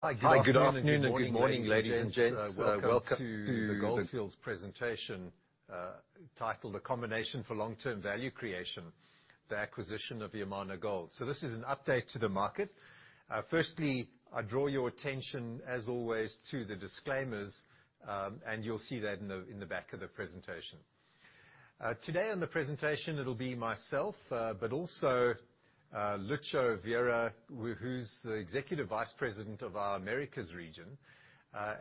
Hi, good afternoon and good morning, ladies and gents. Welcome to the Gold Fields presentation, titled The Combination for Long-Term Value Creation, the Acquisition of Yamana Gold. This is an update to the market. Firstly, I draw your attention as always to the disclaimers, and you'll see that in the back of the presentation. Today on the presentation it'll be myself, but also Lucho Rivera, who's the Executive Vice President of our Americas region,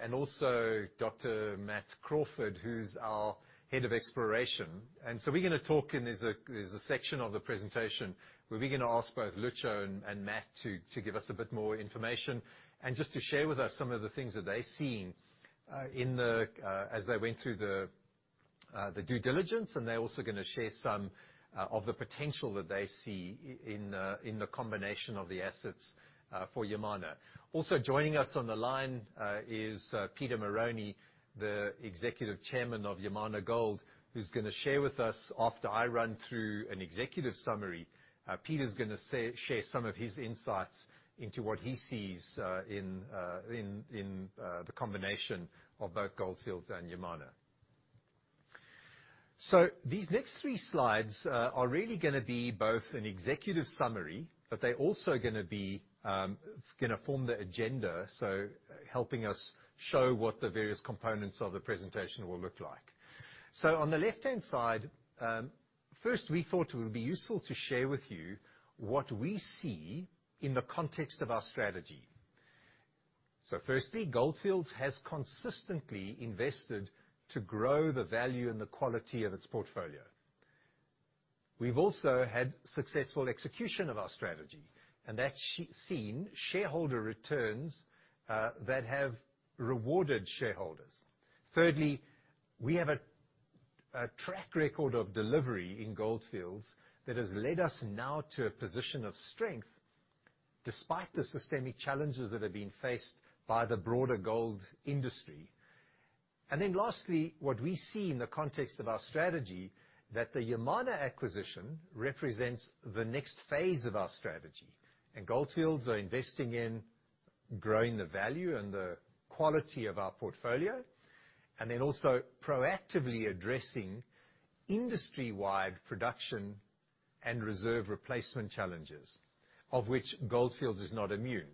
and also Dr. Matt Crawford, who's our Head of Exploration. We're gonna talk, and there's a section of the presentation where we're gonna ask both Lucho and Matt to give us a bit more information, and just to share with us some of the things that they're seeing in, as they went through the due diligence, and they're also gonna share some of the potential that they see in the combination of the assets for Yamana. Also joining us on the line is Peter Marrone, the Executive Chairman of Yamana Gold, who's gonna share with us after I run through an executive summary. Peter's gonna share some of his insights into what he sees in the combination of both Gold Fields and Yamana. These next three slides are really gonna be both an executive summary, but they're also gonna be gonna form the agenda, so helping us show what the various components of the presentation will look like. On the left-hand side, first we thought it would be useful to share with you what we see in the context of our strategy. Firstly, Gold Fields has consistently invested to grow the value and the quality of its portfolio. We've also had successful execution of our strategy, and that's seen shareholder returns that have rewarded shareholders. Thirdly, we have a track record of delivery in Gold Fields that has led us now to a position of strength, despite the systemic challenges that have been faced by the broader gold industry. Lastly, what we see in the context of our strategy, that the Yamana acquisition represents the next phase of our strategy, and Gold Fields are investing in growing the value and the quality of our portfolio, and then also proactively addressing industry-wide production and reserve replacement challenges, of which Gold Fields is not immune.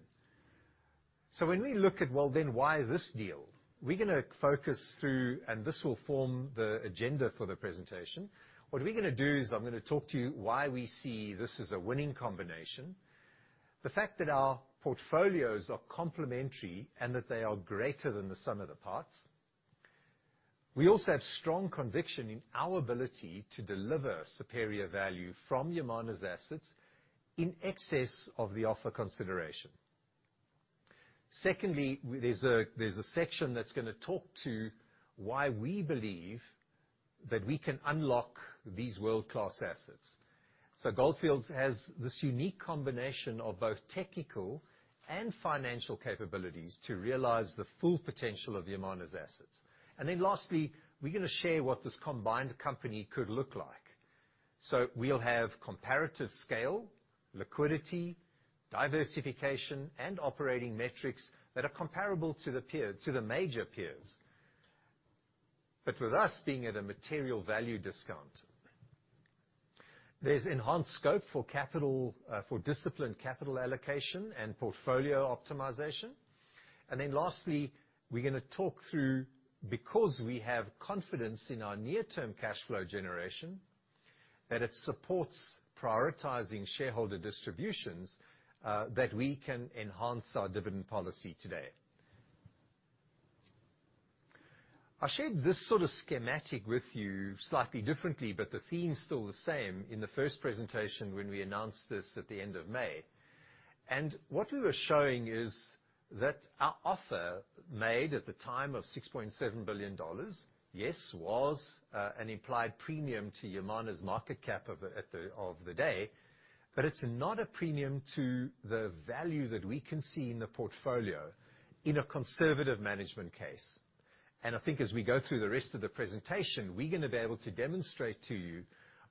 When we look at, well, then, why this deal, we're gonna focus through, and this will form the agenda for the presentation. What we're gonna do is I'm gonna talk to you why we see this as a winning combination. The fact that our portfolios are complementary and that they are greater than the sum of the parts. We also have strong conviction in our ability to deliver superior value from Yamana's assets in excess of the offer consideration. Secondly, there's a section that's gonna talk to why we believe that we can unlock these world-class assets. Gold Fields has this unique combination of both technical and financial capabilities to realize the full potential of Yamana's assets. Lastly, we're gonna share what this combined company could look like. We'll have comparative scale, liquidity, diversification, and operating metrics that are comparable to the peer, to the major peers. With us being at a material value discount, there's enhanced scope for capital, for disciplined capital allocation and portfolio optimization. Lastly, we're gonna talk through, because we have confidence in our near-term cash flow generation, that it supports prioritizing shareholder distributions, that we can enhance our dividend policy today. I shared this sort of schematic with you slightly differently, but the theme's still the same in the first presentation when we announced this at the end of May. What we were showing is that our offer made at the time of $6.7 billion, yes, was an implied premium to Yamana's market cap of the day, but it's not a premium to the value that we can see in the portfolio in a conservative management case. I think as we go through the rest of the presentation, we're gonna be able to demonstrate to you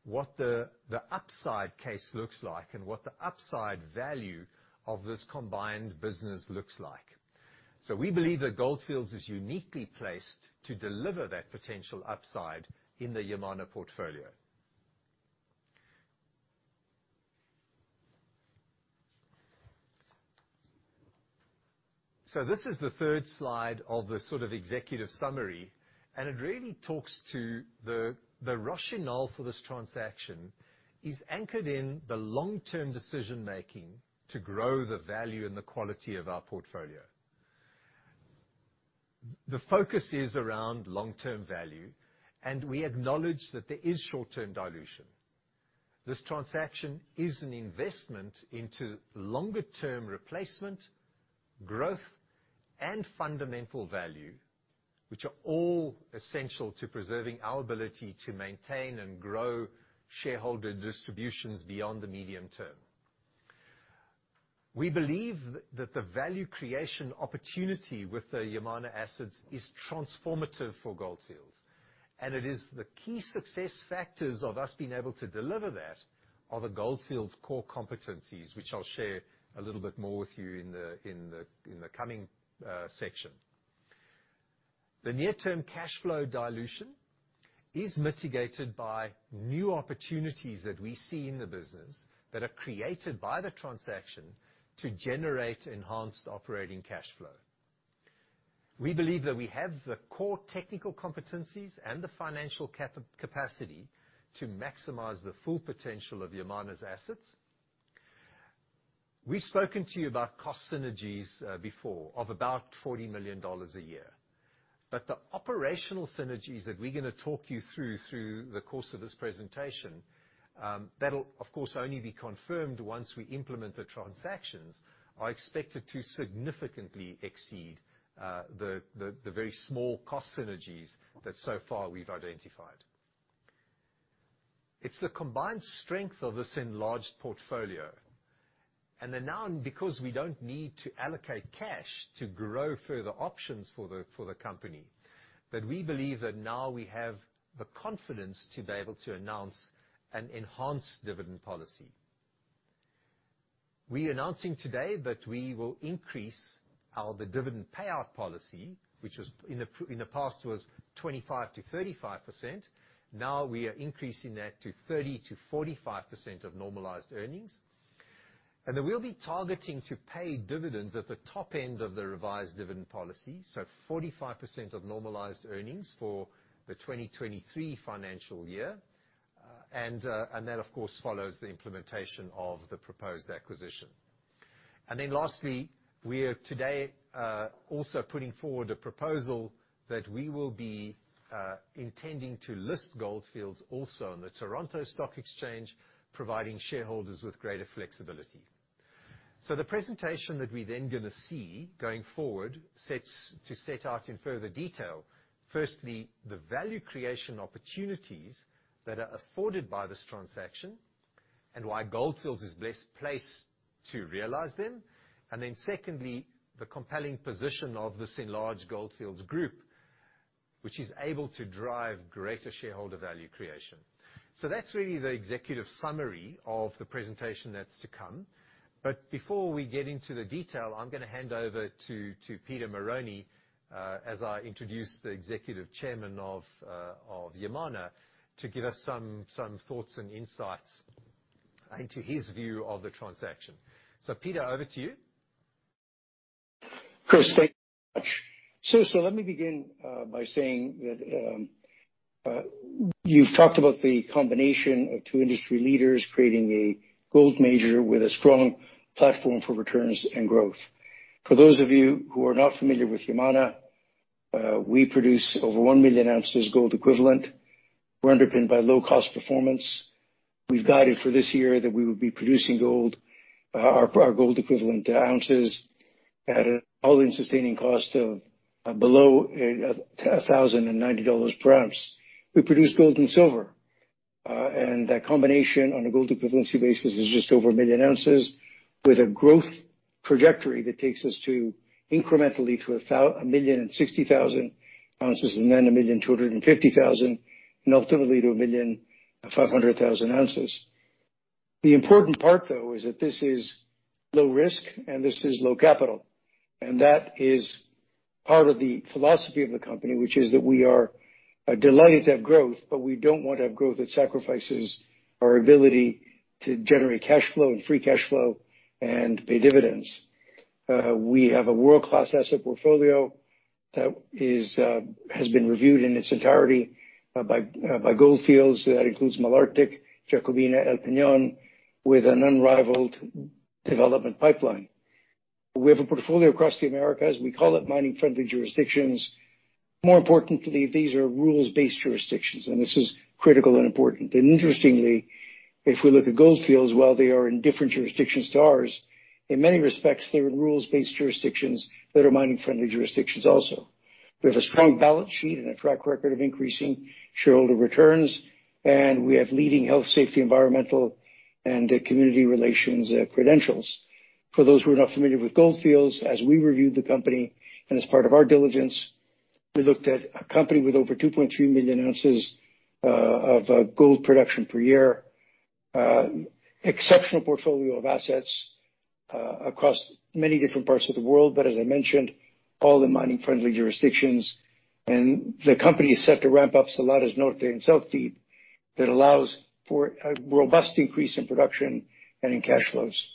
what the upside case looks like and what the upside value of this combined business looks like. We believe that Gold Fields is uniquely placed to deliver that potential upside in the Yamana portfolio. This is the third slide of the sort of executive summary, and it really talks to the rationale for this transaction is anchored in the long-term decision-making to grow the value and the quality of our portfolio. The focus is around long-term value, and we acknowledge that there is short-term dilution. This transaction is an investment into longer-term replacement, growth, and fundamental value, which are all essential to preserving our ability to maintain and grow shareholder distributions beyond the medium term. We believe that the value creation opportunity with the Yamana assets is transformative for Gold Fields. It is the key success factors of us being able to deliver that are the Gold Fields core competencies, which I'll share a little bit more with you in the coming section. The near-term cash flow dilution is mitigated by new opportunities that we see in the business that are created by the transaction to generate enhanced operating cash flow. We believe that we have the core technical competencies and the financial capacity to maximize the full potential of Yamana's assets. We've spoken to you about cost synergies before, of about $40 million a year. The operational synergies that we're gonna talk you through the course of this presentation, that'll of course only be confirmed once we implement the transactions, are expected to significantly exceed the very small cost synergies that so far we've identified. It's the combined strength of this enlarged portfolio, and then now because we don't need to allocate cash to grow further options for the, for the company, that we believe that now we have the confidence to be able to announce an enhanced dividend policy. We are announcing today that we will increase our, the dividend payout policy, which was in the past was 25%-35%. Now we are increasing that to 30%-45% of normalized earnings. We'll be targeting to pay dividends at the top-end of the revised dividend policy, so 45% of normalized earnings for the 2023 financial year. That of course follows the implementation of the proposed acquisition. Then lastly, we are today also putting forward a proposal that we will be intending to list Gold Fields also on the Toronto Stock Exchange, providing shareholders with greater flexibility. The presentation that we're then gonna see going forward sets to set out in further detail, firstly, the value creation opportunities that are afforded by this transaction and why Gold Fields is best placed to realize them. Then secondly, the compelling position of this enlarged Gold Fields group, which is able to drive greater shareholder value creation. That's really the executive summary of the presentation that's to come. Before we get into the detail, I'm gonna hand over to Peter Marrone as I introduce the Executive Chairman of Yamana to give us some thoughts and insights into his view of the transaction. Peter, over to you. Chris, thank you so much. Let me begin by saying that you've talked about the combination of two industry leaders creating a gold major with a strong platform for returns and growth. For those of you who are not familiar with Yamana, we produce over 1 million oz gold equivalent. We're underpinned by low cost performance. We've guided for this year that we will be producing our gold equivalent oz at an all-in sustaining cost of below $1,090 per ounce. We produce gold and silver, and that combination on a gold equivalency basis is just over 1 million oz with a growth trajectory that takes us to incrementally to 1.06 million oz, and then 1.25 million oz, and ultimately to 1.5 million oz. The important part though is that this is low-risk and this is low-capital. That is part of the philosophy of the company, which is that we are delighted to have growth, but we don't want to have growth that sacrifices our ability to generate cash flow and free cash flow and pay dividends. We have a world-class asset portfolio that is has been reviewed in its entirety by Gold Fields. That includes Malartic, Jacobina, El Peñón, with an unrivaled development pipeline. We have a portfolio across the Americas, we call it mining-friendly jurisdictions. More importantly, these are rules-based jurisdictions, and this is critical and important. Interestingly, if we look at Gold Fields, while they are in different jurisdictions to ours, in many respects, they're in rules-based jurisdictions that are mining-friendly jurisdictions also. We have a strong balance sheet and a track record of increasing shareholder returns, and we have leading health, safety, environmental and community relations credentials. For those who are not familiar with Gold Fields, as we reviewed the company and as part of our diligence, we looked at a company with over 2.3 million oz of gold production per year. Exceptional portfolio of assets across many different parts of the world. As I mentioned, all the mining-friendly jurisdictions. The company is set to ramp up Salares Norte and South Deep that allows for a robust increase in production and in cash flows.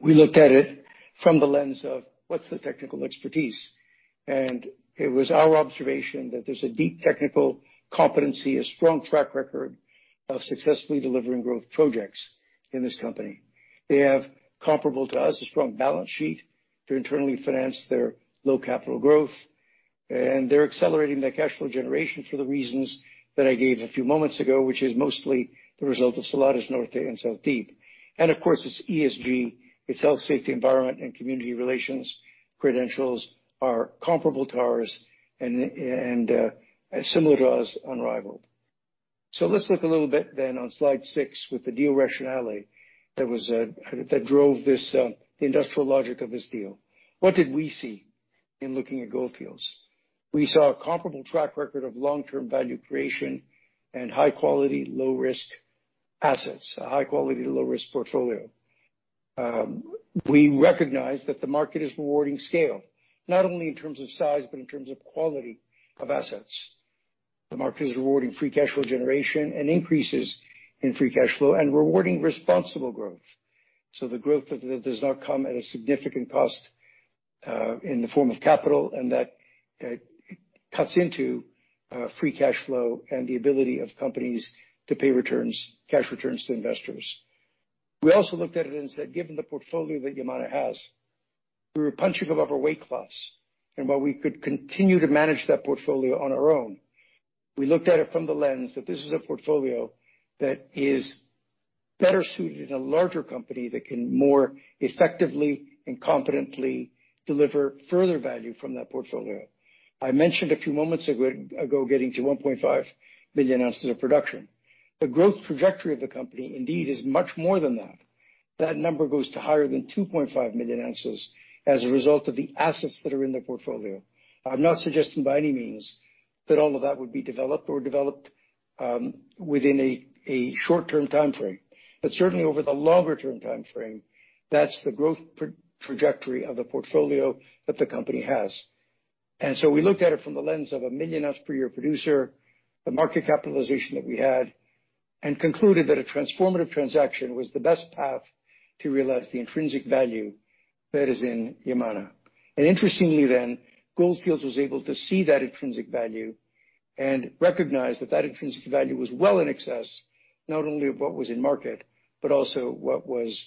We looked at it from the lens of what's the technical expertise? It was our observation that there's a deep technical competency, a strong track record of successfully delivering growth projects in this company. They have comparable to us, a strong balance sheet to internally finance their low capital growth. They're accelerating their cash flow generation for the reasons that I gave a few moments ago, which is mostly the result of Salares Norte and South Deep. Of course, its ESG, its health, safety, environment, and community relations credentials are comparable to ours and as similar to us, unrivaled. Let's look a little bit then on slide six with the deal rationale that was that drove this the industrial logic of this deal. What did we see in looking at Gold Fields? We saw a comparable track record of long-term value creation and high quality, low-risk assets, a high quality, low-risk portfolio. We recognize that the market is rewarding scale, not only in terms of size, but in terms of quality of assets. The market is rewarding free cash flow generation and increases in free cash flow and rewarding responsible growth. The growth that does not come at a significant cost in the form of capital, and that cuts into free cash flow and the ability of companies to pay returns, cash returns to investors. We also looked at it and said, given the portfolio that Yamana has, we were punching above our weight class. While we could continue to manage that portfolio on our own, we looked at it from the lens that this is a portfolio that is better suited in a larger company that can more effectively and competently deliver further value from that portfolio. I mentioned a few moments ago getting to 1.5 million oz of production. The growth trajectory of the company indeed is much more than that. That number goes higher than 2.5 million oz as a result of the assets that are in their portfolio. I'm not suggesting by any means that all of that would be developed within a short-term time frame, but certainly over the longer term time frame, that's the growth trajectory of the portfolio that the company has. We looked at it from the lens of a 1 million oz per year producer, the market capitalization that we had, and concluded that a transformative transaction was the best path to realize the intrinsic value that is in Yamana. Interestingly, Gold Fields was able to see that intrinsic value and recognize that that intrinsic value was well in excess, not only of what was in the market, but also what was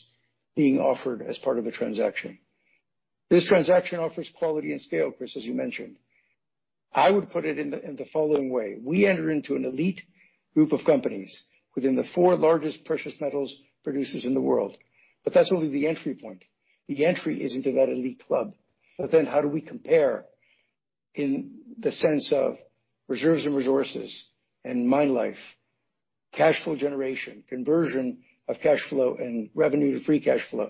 being offered as part of a transaction. This transaction offers quality and scale, Chris, as you mentioned. I would put it in the following way. We enter into an elite group of companies within the four largest precious metals producers in the world, but that's only the entry point. The entry is into that elite club. But then how do we compare in the sense of reserves and resources and mine life, cash flow generation, conversion of cash flow and revenue to free cash flow,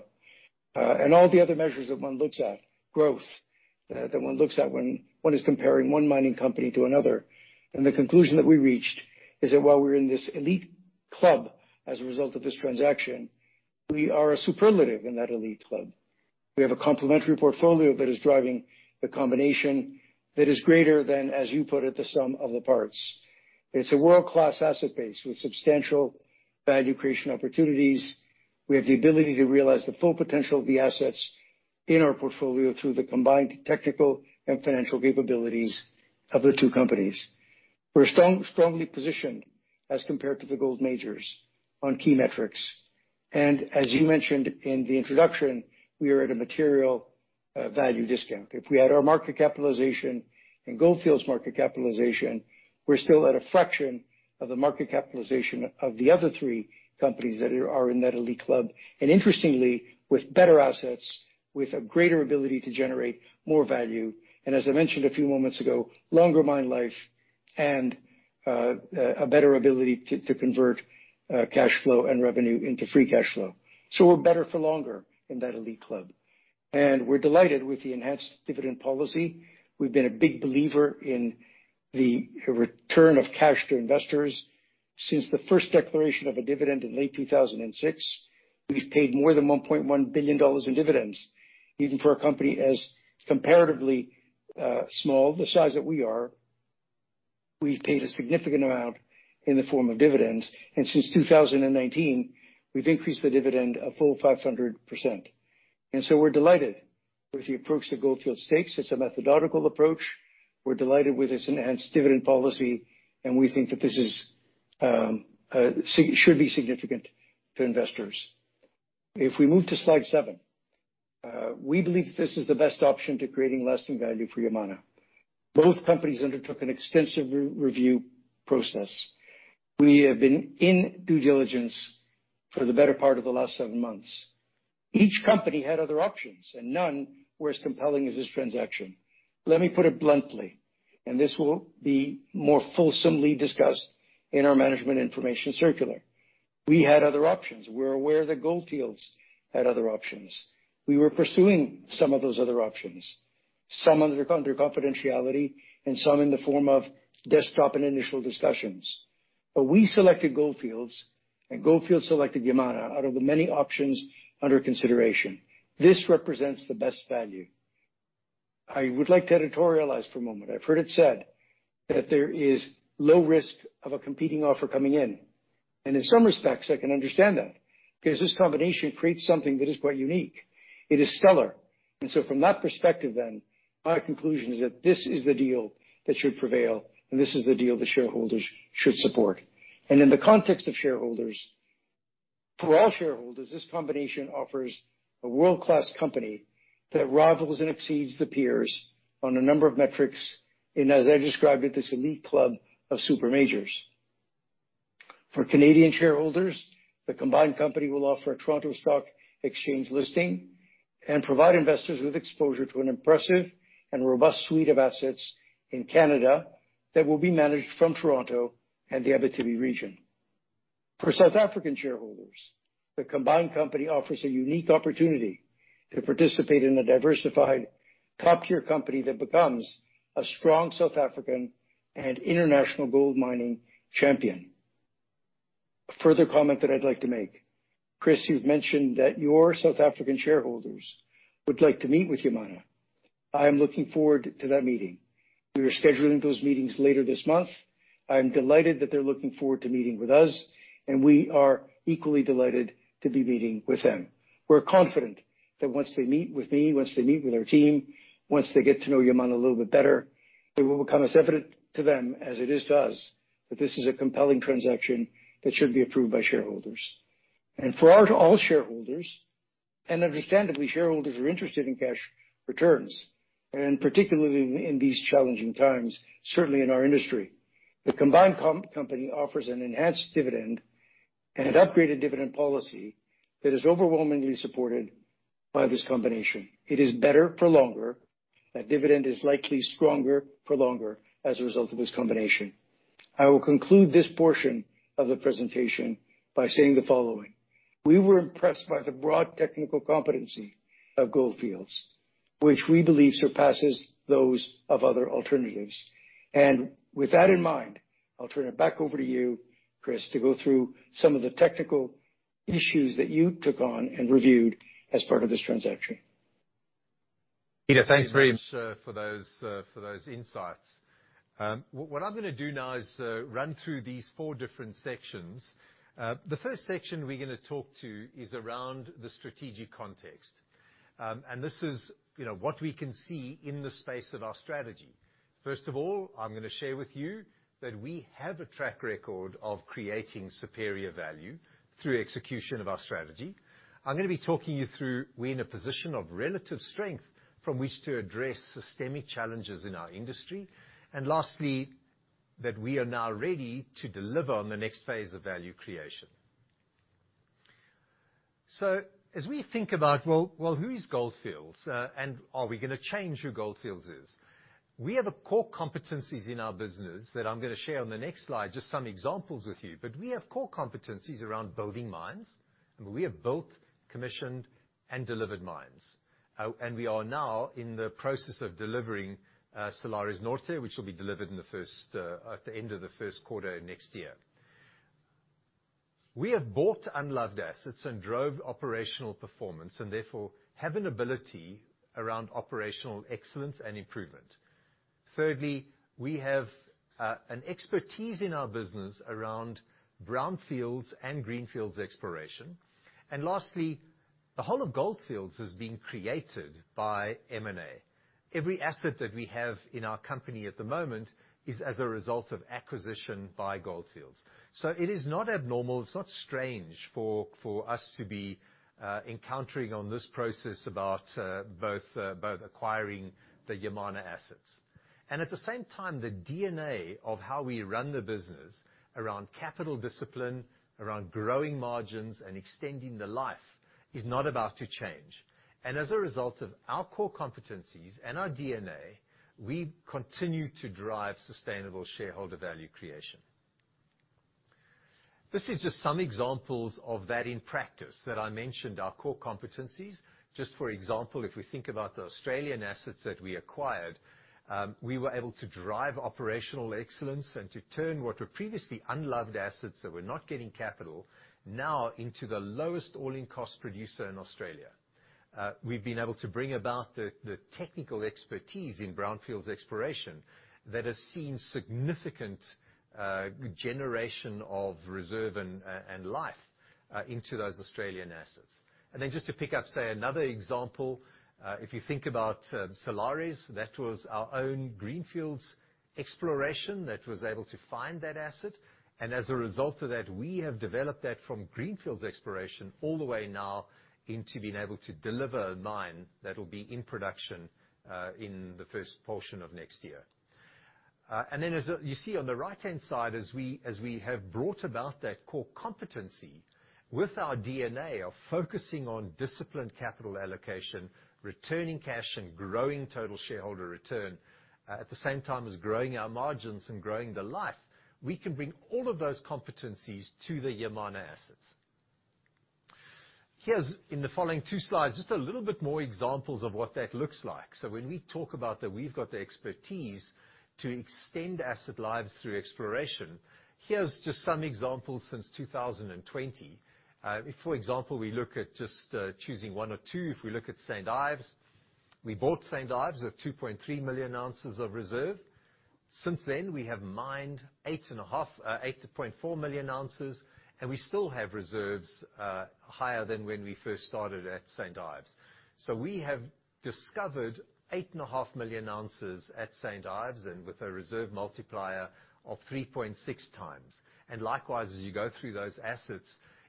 and all the other measures that one looks at, growth, that one looks at when one is comparing one mining company to another. The conclusion that we reached is that while we're in this elite club as a result of this transaction, we are a superlative in that elite club. We have a complementary portfolio that is driving the combination that is greater than, as you put it, the sum of the parts. It's a world-class asset base with substantial value creation opportunities. We have the ability to realize the full potential of the assets in our portfolio through the combined technical and financial capabilities of the two companies. We're strong, strongly positioned as compared to the gold majors on key metrics. As you mentioned in the introduction, we are at a material value discount. If we add our market capitalization and Gold Fields market capitalization, we're still at a fraction of the market capitalization of the other three companies that are in that elite club. Interestingly, with better assets, with a greater ability to generate more value, and as I mentioned a few moments ago, longer mine life and a better ability to convert cash flow and revenue into free cash flow. We're better for longer in that elite club. We're delighted with the enhanced dividend policy. We've been a big believer in the return of cash to investors. Since the first declaration of a dividend in late 2006, we've paid more than $1.1 billion in dividends. Even for a company as comparatively small, the size that we are, we've paid a significant amount in the form of dividends. Since 2019, we've increased the dividend a full 500%. We're delighted with the approach that Gold Fields takes. It's a methodical approach. We're delighted with its enhanced dividend policy, and we think that this should be significant to investors. If we move to slide seven, we believe this is the best option to creating lasting value for Yamana. Both companies undertook an extensive re-review process. We have been in due diligence for the better part of the last seven months. Each company had other options, and none were as compelling as this transaction. Let me put it bluntly, and this will be more fulsomely discussed in our management information circular. We had other options. We're aware that Gold Fields had other options. We were pursuing some of those other options, some under confidentiality and some in the form of desktop and initial discussions. We selected Gold Fields, and Gold Fields selected Yamana out of the many options under consideration. This represents the best value. I would like to editorialize for a moment. I've heard it said that there is low risk of a competing offer coming in, and in some respects, I can understand that because this combination creates something that is quite unique. It is stellar. From that perspective, my conclusion is that this is the deal that should prevail, and this is the deal the shareholders should support. In the context of shareholders, for all shareholders, this combination offers a world-class company that rivals and exceeds the peers on a number of metrics, and as I described it, this elite club of super majors. For Canadian shareholders, the combined company will offer a Toronto Stock Exchange listing. Provide investors with exposure to an impressive and robust suite of assets in Canada that will be managed from Toronto and the Abitibi region. For South African shareholders, the combined company offers a unique opportunity to participate in a diversified top-tier company that becomes a strong South African and international gold mining champion. A further comment that I'd like to make, Chris, you've mentioned that your South African shareholders would like to meet with Yamana. I am looking forward to that meeting. We are scheduling those meetings later this month. I'm delighted that they're looking forward to meeting with us, and we are equally delighted to be meeting with them. We're confident that once they meet with me, once they meet with our team, once they get to know Yamana a little bit better, it will become as evident to them as it is to us, that this is a compelling transaction that should be approved by shareholders. For all our shareholders, and understandably, shareholders are interested in cash returns, and particularly in these challenging times, certainly in our industry. The combined company offers an enhanced dividend and an upgraded dividend policy that is overwhelmingly supported by this combination. It is better for longer. That dividend is likely stronger for longer as a result of this combination. I will conclude this portion of the presentation by saying the following. We were impressed by the broad technical competency of Gold Fields, which we believe surpasses those of other alternatives. With that in mind, I'll turn it back over to you, Chris, to go through some of the technical issues that you took on and reviewed as part of this transaction. Peter, thanks very much for those insights. What I'm gonna do now is run through these four different sections. The first section we're gonna talk to is around the strategic context. This is, you know, what we can see in the space of our strategy. First of all, I'm gonna share with you that we have a track record of creating superior value through execution of our strategy. I'm gonna be talking you through we're in a position of relative strength from which to address systemic challenges in our industry. Lastly, that we are now ready to deliver on the next phase of value creation. As we think about, well, who is Gold Fields? Are we gonna change who Gold Fields is? We have a core competencies in our business that I'm gonna share on the next slide, just some examples with you. We have core competencies around building mines, and we have built, commissioned, and delivered mines. We are now in the process of delivering Salares Norte, which will be delivered at the end of the first quarter of next year. We have bought unloved assets and drove operational performance, and therefore have an ability around operational excellence and improvement. Thirdly, we have an expertise in our business around brownfields and greenfields exploration. Lastly, the whole of Gold Fields has been created by M&A. Every asset that we have in our company at the moment is as a result of acquisition by Gold Fields. It is not abnormal, it's not strange for us to be embarking on this process of both acquiring the Yamana assets. At the same time, the DNA of how we run the business around capital discipline, around growing margins and extending the life is not about to change. As a result of our core competencies and our DNA, we continue to drive sustainable shareholder value creation. This is just some examples of that in practice that I mentioned, our core competencies. Just for example, if we think about the Australian assets that we acquired, we were able to drive operational excellence and to turn what were previously unloved assets that were not getting capital now into the lowest all-in cost producer in Australia. We've been able to bring about the technical expertise in brownfields exploration that has seen significant generation of reserves and life into those Australian assets. Then just to pick up, say another example, if you think about Salares Norte, that was our own greenfields exploration that was able to find that asset. As a result of that, we have developed that from greenfields exploration all the way now into being able to deliver a mine that will be in production in the first portion of next year. As you see on the right-hand side, as we have brought about that core competency with our DNA of focusing on disciplined capital allocation, returning cash, and growing total shareholder return, at the same time as growing our margins and growing the life, we can bring all of those competencies to the Yamana assets. Here's, in the following two slides, just a little bit more examples of what that looks like. When we talk about that we've got the expertise to extend asset lives through exploration. Here's just some examples since 2020. For example, we look at just choosing one or two. If we look at St Ives, we bought St Ives at 2.3 million oz of reserve. Since then, we have mined 8.4 million oz, and we still have reserves higher than when we first started at St Ives. We have discovered 8.5 million oz at St Ives and with a reserve multiplier of 3.6x. Likewise, as you go through those assets,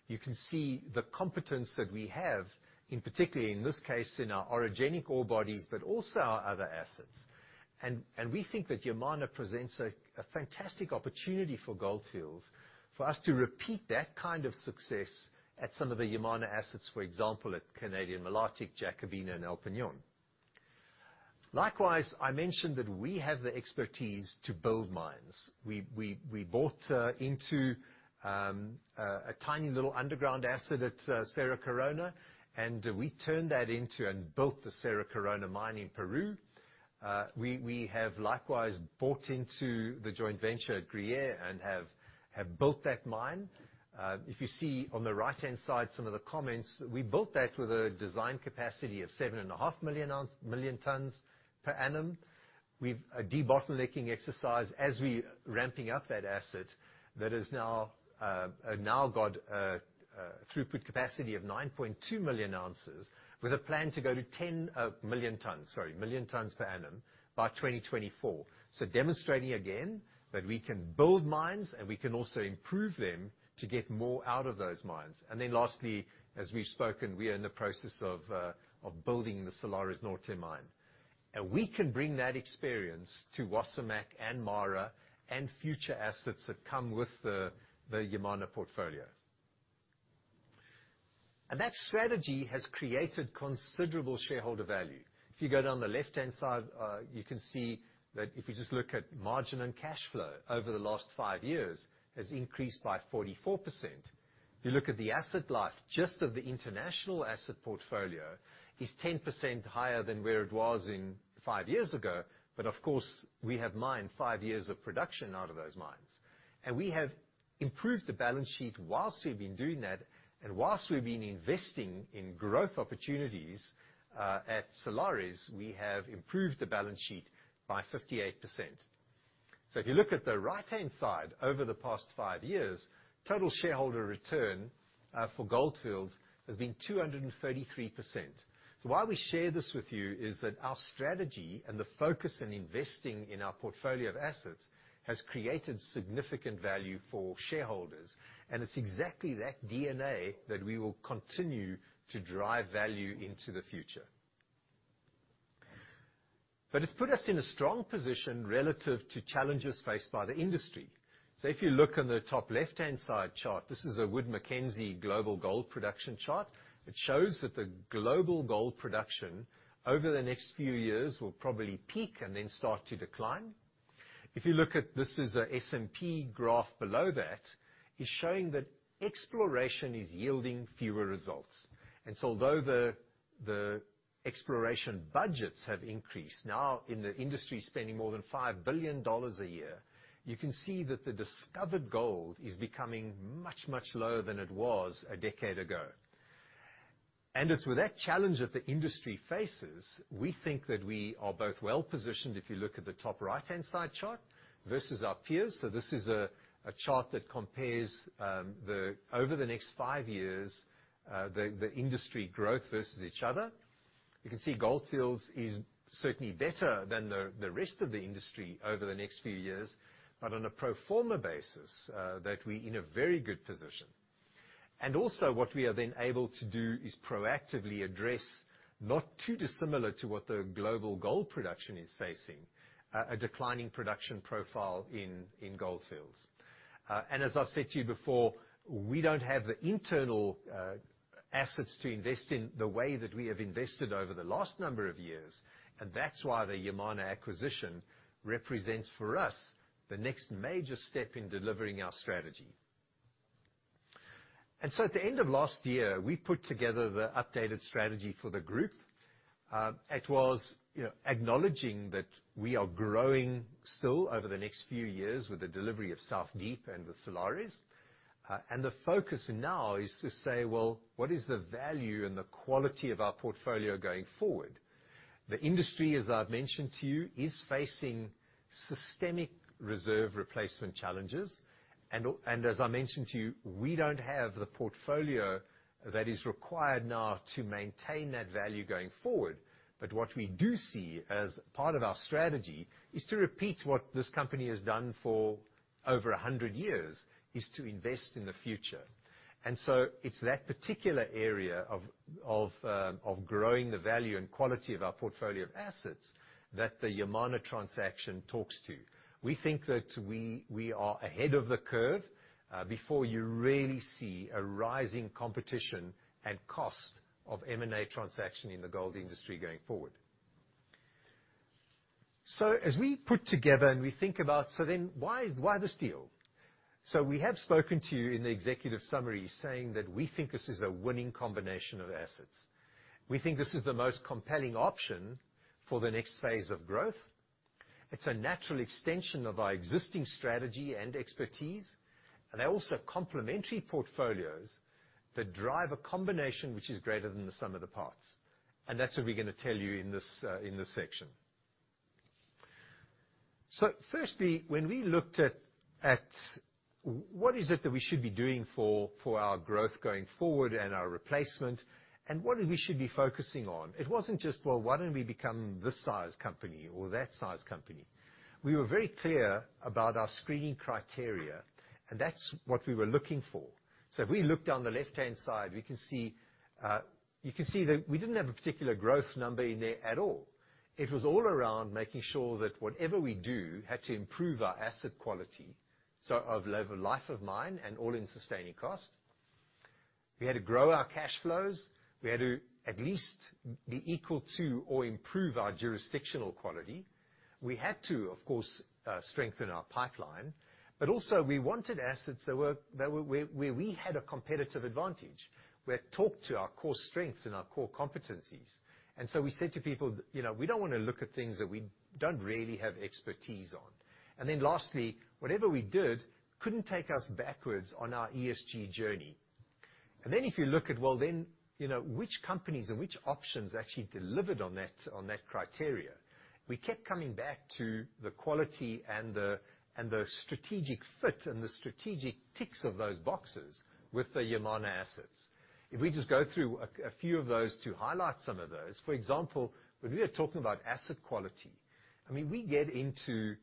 you can see the competence that we have in, particularly in this case, in our orogenic ore bodies, but also our other assets. We think that Yamana presents a fantastic opportunity for Gold Fields for us to repeat that kind of success at some of the Yamana assets, for example, at Canadian Malartic, Jacobina, and El Peñón. Likewise, I mentioned that we have the expertise to build mines. We bought into a tiny little underground asset at Cerro Corona, and we turned that into and built the Cerro Corona mine in Peru. We have likewise bought into the joint venture at Gruyere and have built that mine. If you see on the right-hand side some of the comments, we built that with a design capacity of 7.5 million tons per annum. We have a debottlenecking exercise as we're ramping up that asset that now has a throughput capacity of 9.2 million tons with a plan to go to 10 million tons per annum by 2024. Demonstrating again that we can build mines and we can also improve them to get more out of those mines. Lastly, as we've spoken, we are in the process of building the Salares Norte mine. We can bring that experience to Wasamac and MARA and future assets that come with the Yamana portfolio. That strategy has created considerable shareholder value. If you go down the left-hand side, you can see that if you just look at margin and cash flow over the last five years has increased by 44%. If you look at the asset life just of the international asset portfolio is 10% higher than where it was in five years ago. Of course, we have mined five years of production out of those mines. We have improved the balance sheet whilst we've been doing that, and whilst we've been investing in growth opportunities at Salares Norte, we have improved the balance sheet by 58%. If you look at the right-hand side over the past five years, total shareholder return for Gold Fields has been 233%. Why we share this with you is that our strategy and the focus in investing in our portfolio of assets has created significant value for shareholders, and it's exactly that DNA that we will continue to drive value into the future. It's put us in a strong position relative to challenges faced by the industry. If you look on the top left-hand side chart, this is a Wood Mackenzie global gold production chart. It shows that the global gold production over the next few years will probably peak and then start to decline. If you look, this is a S&P graph below that, it's showing that exploration is yielding fewer results. Although the exploration budgets have increased, now the industry spending more than $5 billion a year, you can see that the discovered gold is becoming much lower than it was a decade ago. It's with that challenge that the industry faces, we think that we are both well-positioned, if you look at the top right-hand side chart versus our peers. This is a chart that compares the over the next five years the industry growth versus each other. You can see Gold Fields is certainly better than the rest of the industry over the next few years, but on a pro forma basis, that we're in a very good position. Also what we are then able to do is proactively address, not too dissimilar to what the global gold production is facing, a declining production profile in Gold Fields. As I've said to you before, we don't have the internal assets to invest in the way that we have invested over the last number of years, and that's why the Yamana acquisition represents for us the next major step in delivering our strategy. At the end of last year, we put together the updated strategy for the group. It was, you know, acknowledging that we are growing still over the next few years with the delivery of South Deep and with Salares. The focus now is to say, well, what is the value and the quality of our portfolio going forward? The industry, as I've mentioned to you, is facing systemic reserve replacement challenges. As I mentioned to you, we don't have the portfolio that is required now to maintain that value going forward. What we do see as part of our strategy is to repeat what this company has done for over a hundred years, is to invest in the future. It's that particular area of growing the value and quality of our portfolio of assets that the Yamana transaction talks to. We think that we are ahead of the curve before you really see a rise in competition and cost of M&A transaction in the gold industry going forward. As we put together and we think about, so then why this deal? We have spoken to you in the executive summary saying that we think this is a winning combination of assets. We think this is the most compelling option for the next phase of growth. It's a natural extension of our existing strategy and expertise. They're also complementary portfolios that drive a combination which is greater than the sum of the parts. That's what we're gonna tell you in this, in this section. First, when we looked at what is it that we should be doing for our growth going forward and our replacement, and what we should be focusing on, it wasn't just, well, why don't we become this size company or that size company? We were very clear about our screening criteria, and that's what we were looking for. If we look down the left-hand side, we can see you can see that we didn't have a particular growth number in there at all. It was all around making sure that whatever we do had to improve our asset quality, so of life of mine and all-in sustaining cost. We had to grow our cash flows. We had to at least be equal to or improve our jurisdictional quality. We had to, of course, strengthen our pipeline. Also we wanted assets that were where we had a competitive advantage, where it talked to our core strengths and our core competencies. We said to people, you know, "We don't wanna look at things that we don't really have expertise on." Lastly, whatever we did couldn't take us backwards on our ESG journey. Then if you look at, well, then, you know, which companies and which options actually delivered on that criteria, we kept coming back to the quality and the strategic fit and the strategic ticks of those boxes with the Yamana assets. If we just go through a few of those to highlight some of those. For example, when we are talking about asset quality, I mean, we get into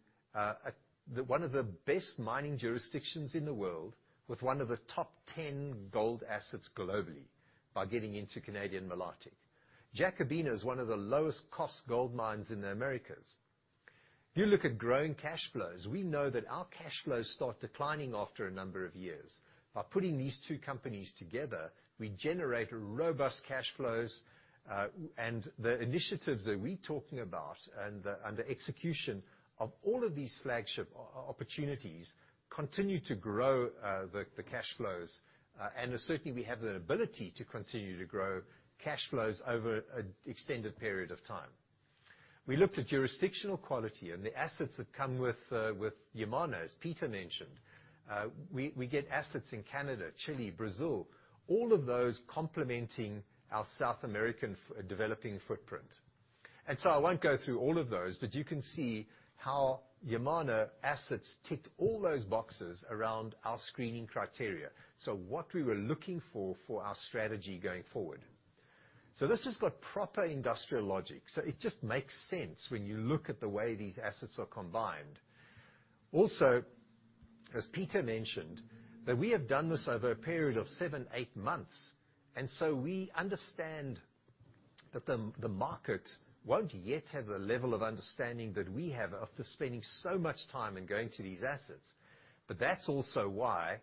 one of the best mining jurisdictions in the world with one of the top 10 gold assets globally by getting into Canadian Malartic. Jacobina is one of the lowest cost gold mines in the Americas. If you look at growing cash flows, we know that our cash flows start declining after a number of years. By putting these two companies together, we generate robust cash flows. The initiatives that we talking about and the execution of all of these flagship opportunities continue to grow the cash flows. Certainly we have the ability to continue to grow cash flows over an extended period of time. We looked at jurisdictional quality and the assets that come with Yamana, as Peter mentioned. We get assets in Canada, Chile, Brazil, all of those complementing our South American developing footprint. I won't go through all of those, but you can see how Yamana assets ticked all those boxes around our screening criteria. What we were looking for for our strategy going forward. This has got proper industrial logic. It just makes sense when you look at the way these assets are combined. Also, as Peter mentioned, that we have done this over a period of seven, eight months, and so we understand that the market won't yet have the level of understanding that we have after spending so much time in going to these assets. That's also why,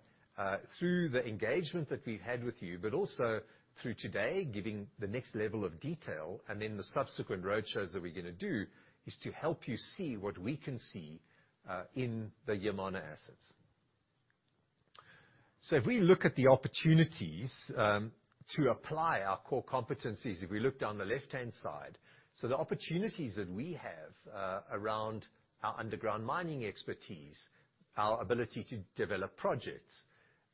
through the engagement that we've had with you, but also through today, giving the next level of detail, and then the subsequent road shows that we're gonna do, is to help you see what we can see, in the Yamana assets. If we look at the opportunities to apply our core competencies, if we look down the left-hand side, the opportunities that we have around our underground mining expertise, our ability to develop projects,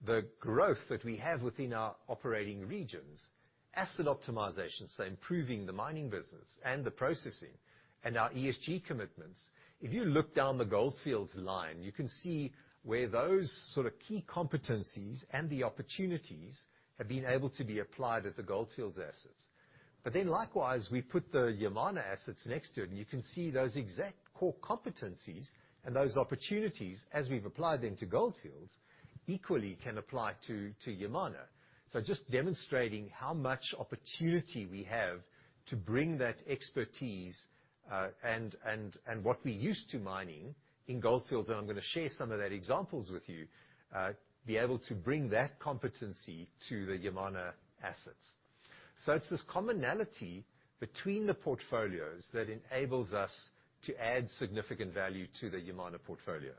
the growth that we have within our operating regions, asset optimization, so improving the mining business and the processing, and our ESG commitments. If you look down the Gold Fields line, you can see where those sort of key competencies and the opportunities have been able to be applied at the Gold Fields assets. Then likewise, we put the Yamana assets next to it, and you can see those exact core competencies and those opportunities as we've applied them to Gold Fields equally can apply to Yamana. Just demonstrating how much opportunity we have to bring that expertise, and what we're used to mining in Gold Fields, and I'm gonna share some of that examples with you, be able to bring that competency to the Yamana assets. It's this commonality between the portfolios that enables us to add significant value to the Yamana portfolio.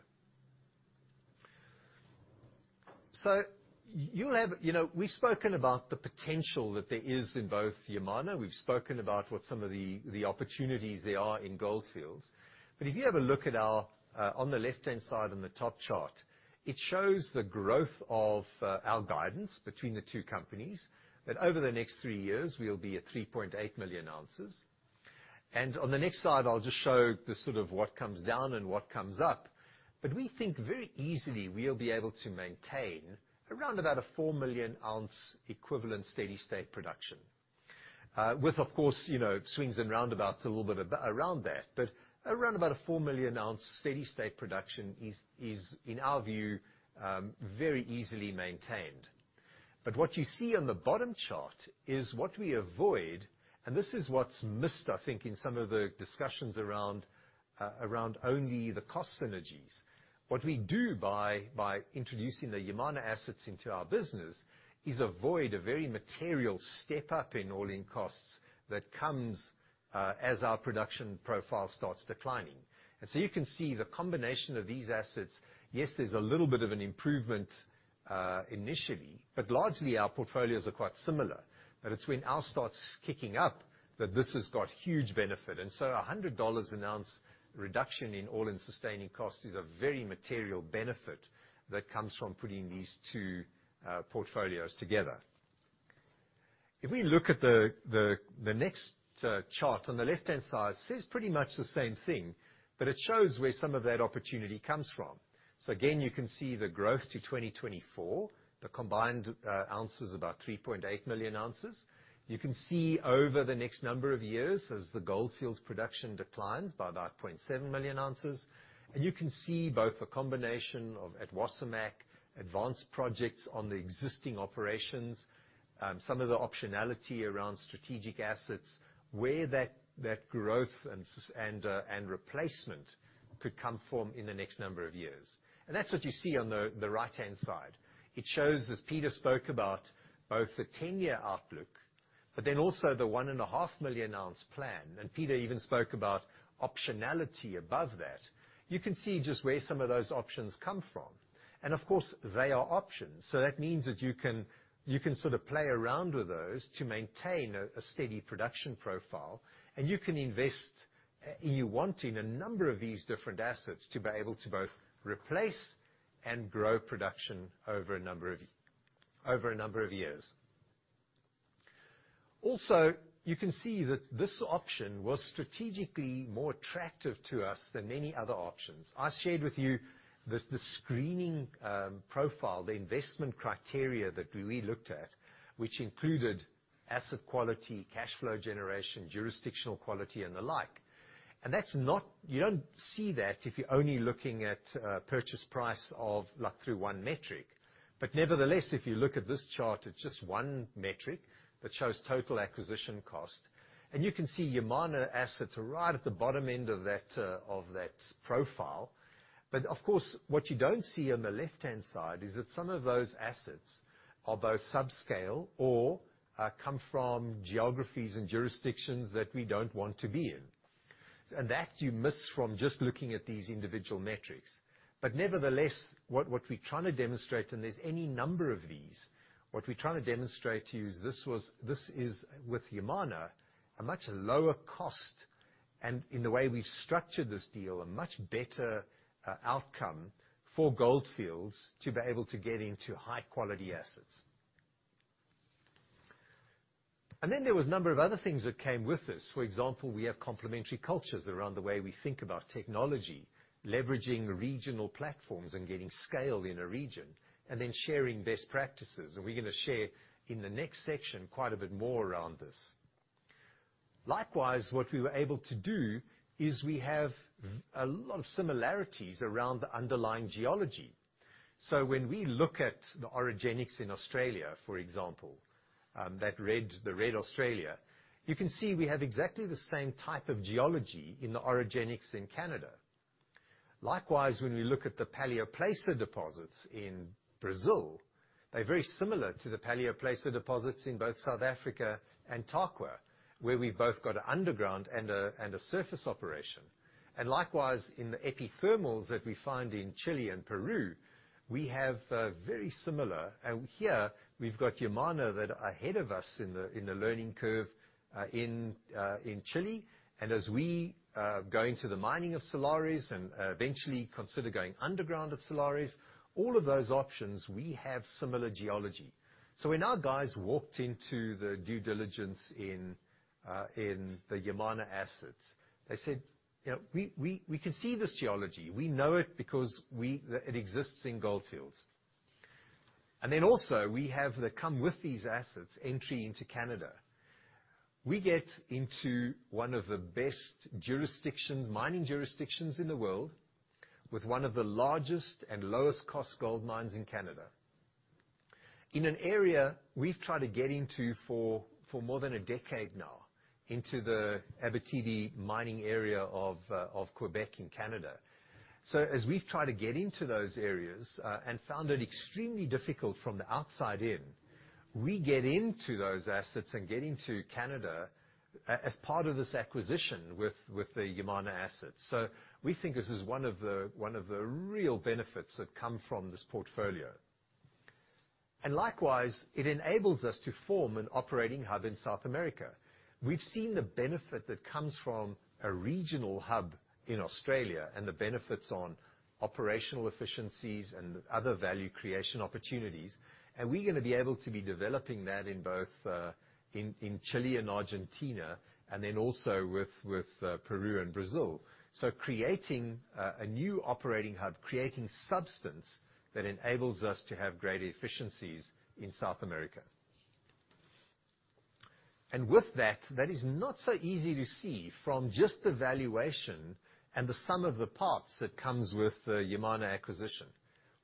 You'll have. We've spoken about the potential that there is in both Yamana. We've spoken about what some of the opportunities there are in Gold Fields. If you have a look at our, on the left-hand side on the top chart, it shows the growth of, our guidance between the two companies. That over the next three years, we'll be at 3.8 million oz. On the next slide, I'll just show the sort of what comes down and what comes up. We think very easily we'll be able to maintain around about a 4 million ounce equivalent steady state production. With, of course, you know, swings and roundabouts a little bit around that, but around about a 4 million ounce steady state production is in our view very easily maintained. What you see on the bottom chart is what we avoid, and this is what's missed, I think, in some of the discussions around around only the cost synergies. What we do by introducing the Yamana assets into our business is avoid a very material step up in all-in costs that comes as our production profile starts declining. You can see the combination of these assets, yes, there's a little bit of an improvement initially, but largely our portfolios are quite similar. It's when ours starts kicking up that this has got huge benefit. A $100 an ounce reduction in all-in sustaining cost is a very material benefit that comes from putting these two portfolios together. If we look at the next chart on the left-hand side, says pretty much the same thing, but it shows where some of that opportunity comes from. Again, you can see the growth to 2024, the combined oz about 3.8 million oz. You can see over the next number of years, as the Gold Fields production declines by about 0.7 million oz. You can see both a combination of, at Wasamac, advanced projects on the existing operations, some of the optionality around strategic assets, where that growth and replacement could come from in the next number of years. That's what you see on the right-hand side. It shows, as Peter spoke about, both the 10-year outlook, but then also the 1.5 million ounce plan. Peter even spoke about optionality above that. You can see just where some of those options come from. Of course, they are options, so that means that you can sort of play around with those to maintain a steady production profile. You can invest, you want in a number of these different assets to be able to both replace and grow production over a number of years. Also, you can see that this option was strategically more attractive to us than many other options. I shared with you the screening profile, the investment criteria that we looked at, which included asset quality, cash flow generation, jurisdictional quality, and the like. That's not. You don't see that if you're only looking at purchase price, like, through one metric. Nevertheless, if you look at this chart, it's just one metric that shows total acquisition cost. You can see Yamana assets are right at the bottom end of that profile. Of course, what you don't see on the left-hand side is that some of those assets are both subscale or come from geographies and jurisdictions that we don't want to be in. That you miss from just looking at these individual metrics. Nevertheless, what we're trying to demonstrate, and there's any number of these, what we're trying to demonstrate to you is this is, with Yamana, a much lower cost, and in the way we've structured this deal, a much better outcome for Gold Fields to be able to get into high-quality assets. Then there was a number of other things that came with this. For example, we have complementary cultures around the way we think about technology, leveraging regional platforms and getting scale in a region, and then sharing best practices. We're gonna share in the next section quite a bit more around this. Likewise, what we were able to do is we have a lot of similarities around the underlying geology. When we look at the orogenic in Australia, for example, the red Australia, you can see we have exactly the same type of geology in the orogenic in Canada. Likewise, when we look at the paleoplacer deposits in Brazil, they're very similar to the paleoplacer deposits in both South Africa and Tarkwa, where we've both got underground and a surface operation. Likewise, in the epithermal that we find in Chile and Peru, we have very similar. Here we've got Yamana that are ahead of us in the learning curve in Chile. As we go into the mining of Salares Norte and eventually consider going underground at Salares Norte, all of those options, we have similar geology. When our guys walked into the due diligence in the Yamana assets, they said, "You know, we can see this geology. We know it because it exists in Gold Fields." We also have that come with these assets, entry into Canada. We get into one of the best mining jurisdictions in the world with one of the largest and lowest cost gold mines in Canada. In an area we've tried to get into for more than a decade now, into the Abitibi mining area of Quebec in Canada. As we've tried to get into those areas and found it extremely difficult from the outside in, we get into those assets and get into Canada as part of this acquisition with the Yamana assets. We think this is one of the real benefits that come from this portfolio. Likewise, it enables us to form an operating hub in South America. We've seen the benefit that comes from a regional hub in Australia and the benefits on operational efficiencies and other value creation opportunities. We're gonna be able to be developing that in both in Chile and Argentina and then also with Peru and Brazil. Creating a new operating hub, creating substance that enables us to have greater efficiencies in South America. With that is not so easy to see from just the valuation and the sum of the parts that comes with the Yamana acquisition.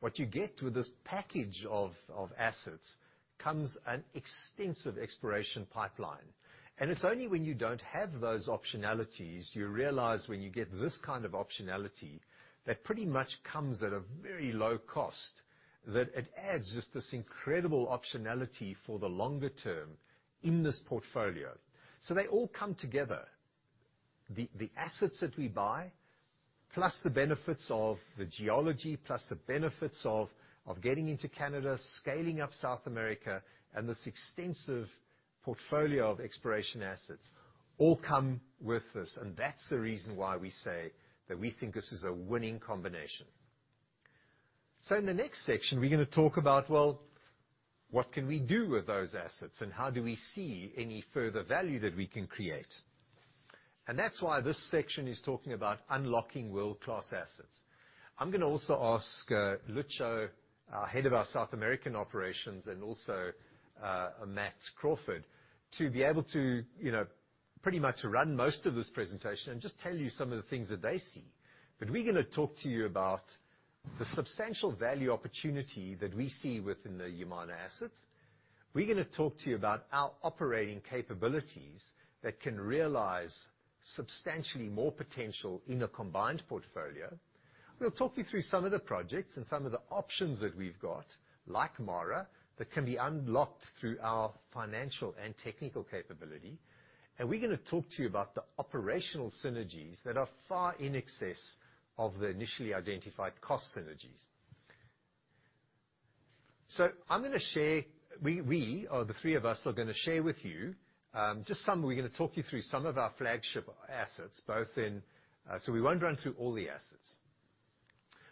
What you get with this package of assets comes an extensive exploration pipeline. It's only when you don't have those optionalities, you realize when you get this kind of optionality, that pretty much comes at a very low cost, that it adds just this incredible optionality for the longer term in this portfolio. They all come together. The assets that we buy, plus the benefits of the geology, plus the benefits of getting into Canada, scaling up South America, and this extensive portfolio of exploration assets all come with this. That's the reason why we say that we think this is a winning combination. In the next section, we're gonna talk about, well, what can we do with those assets, and how do we see any further value that we can create? That's why this section is talking about unlocking world-class assets. I'm gonna also ask, Lucho, our head of our South American operations, and also, Matt Crawford, to be able to, you know, pretty much run most of this presentation and just tell you some of the things that they see. We're gonna talk to you about the substantial value opportunity that we see within the Yamana assets. We're gonna talk to you about our operating capabilities that can realize substantially more potential in a combined portfolio. We'll talk you through some of the projects and some of the options that we've got, like MARA, that can be unlocked through our financial and technical capability, and we're gonna talk to you about the operational synergies that are far in excess of the initially identified cost synergies. Or the three of us are gonna share with you just some. We're gonna talk you through some of our flagship assets, both in. We won't run through all the assets.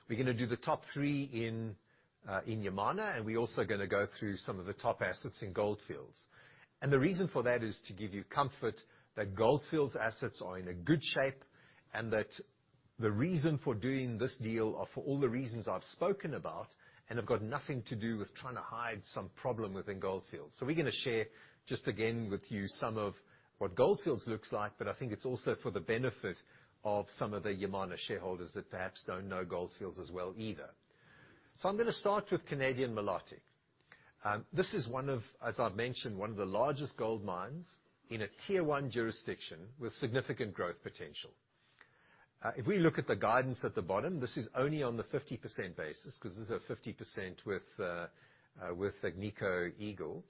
We're gonna do the top three in Yamana, and we're also gonna go through some of the top assets in Gold Fields. The reason for that is to give you comfort that Gold Fields assets are in a good shape and that the reason for doing this deal are for all the reasons I've spoken about, and have got nothing to do with trying to hide some problem within Gold Fields. We're gonna share just again with you some of what Gold Fields looks like, but I think it's also for the benefit of some of the Yamana shareholders that perhaps don't know Gold Fields as well either. I'm gonna start with Canadian Malartic. This is one of, as I've mentioned, one of the largest gold mines in a Tier One jurisdiction with significant growth potential. If we look at the guidance at the bottom, this is only on the 50% basis, 'cause this is a 50% with Agnico Eagle.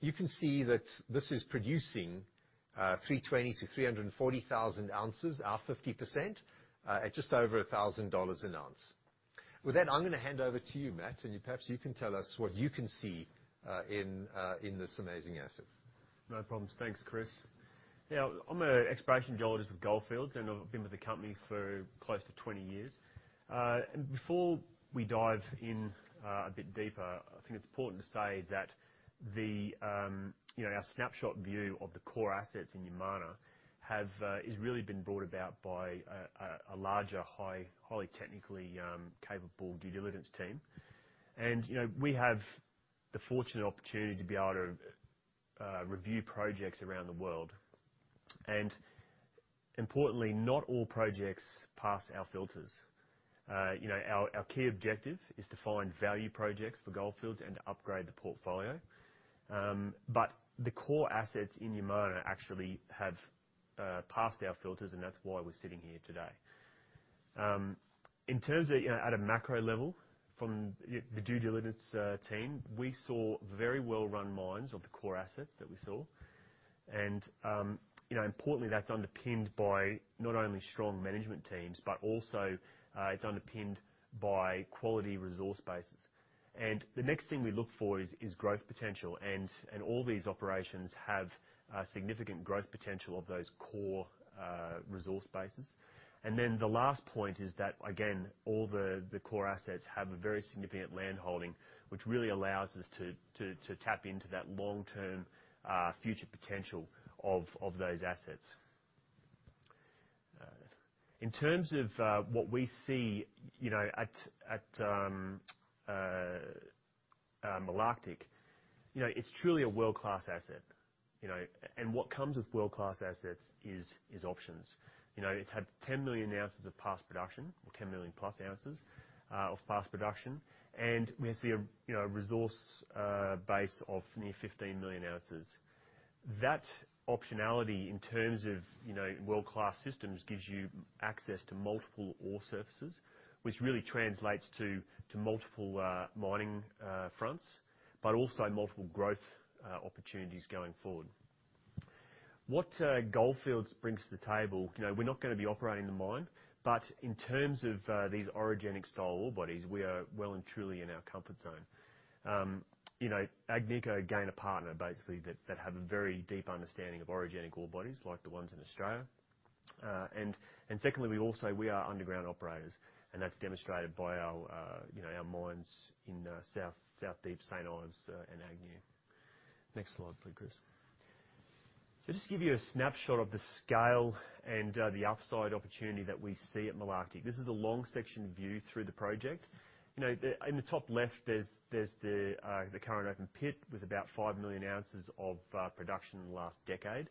You can see that this is producing 320,000 oz-340,000 oz, or 50%, at just over $1,000 an ounce. With that, I'm gonna hand over to you, Matt, and perhaps you can tell us what you can see in this amazing asset. No problems. Thanks, Chris. Now, I'm an exploration geologist with Gold Fields, and I've been with the company for close to 20 years. Before we dive in a bit deeper, I think it's important to say that you know, our snapshot view of the core assets in Yamana is really been brought about by a larger highly technically capable due diligence team. You know, we have the fortunate opportunity to be able to review projects around the world. Importantly, not all projects pass our filters. You know, our key objective is to find value projects for Gold Fields and to upgrade the portfolio. The core assets in Yamana actually have passed our filters, and that's why we're sitting here today. In terms of, you know, at a macro level from the due diligence team, we saw very well-run mines of the core assets that we saw. You know, importantly, that's underpinned by not only strong management teams, but also, it's underpinned by quality resource bases. The next thing we look for is growth potential and all these operations have significant growth potential of those core resource bases. The last point is that, again, all the core assets have a very significant landholding, which really allows us to tap into that long-term future potential of those assets. In terms of what we see, you know, at Malartic, you know, it's truly a world-class asset, you know. What comes with world-class assets is options. You know, it had 10 million oz of past production, or 10 million+ oz of past production. We see a you know, resource base of near 15 million oz. That optionality in terms of you know, world-class systems gives you access to multiple ore surfaces, which really translates to multiple mining fronts, but also multiple growth opportunities going forward. What Gold Fields brings to the table, you know, we're not gonna be operating the mine, but in terms of these orogenic style ore bodies, we are well and truly in our comfort zone. You know, Agnico gains a partner basically that have a very deep understanding of orogenic ore bodies like the ones in Australia. Secondly, we are underground operators, and that's demonstrated by our, you know, our mines in South Deep, St. Ives, and Agnew. Next slide, please, Chris. Just to give you a snapshot of the scale and the upside opportunity that we see at Malartic. This is a long section view through the project. You know, in the top-left, there's the current open pit with about 5 million oz of production in the last decade.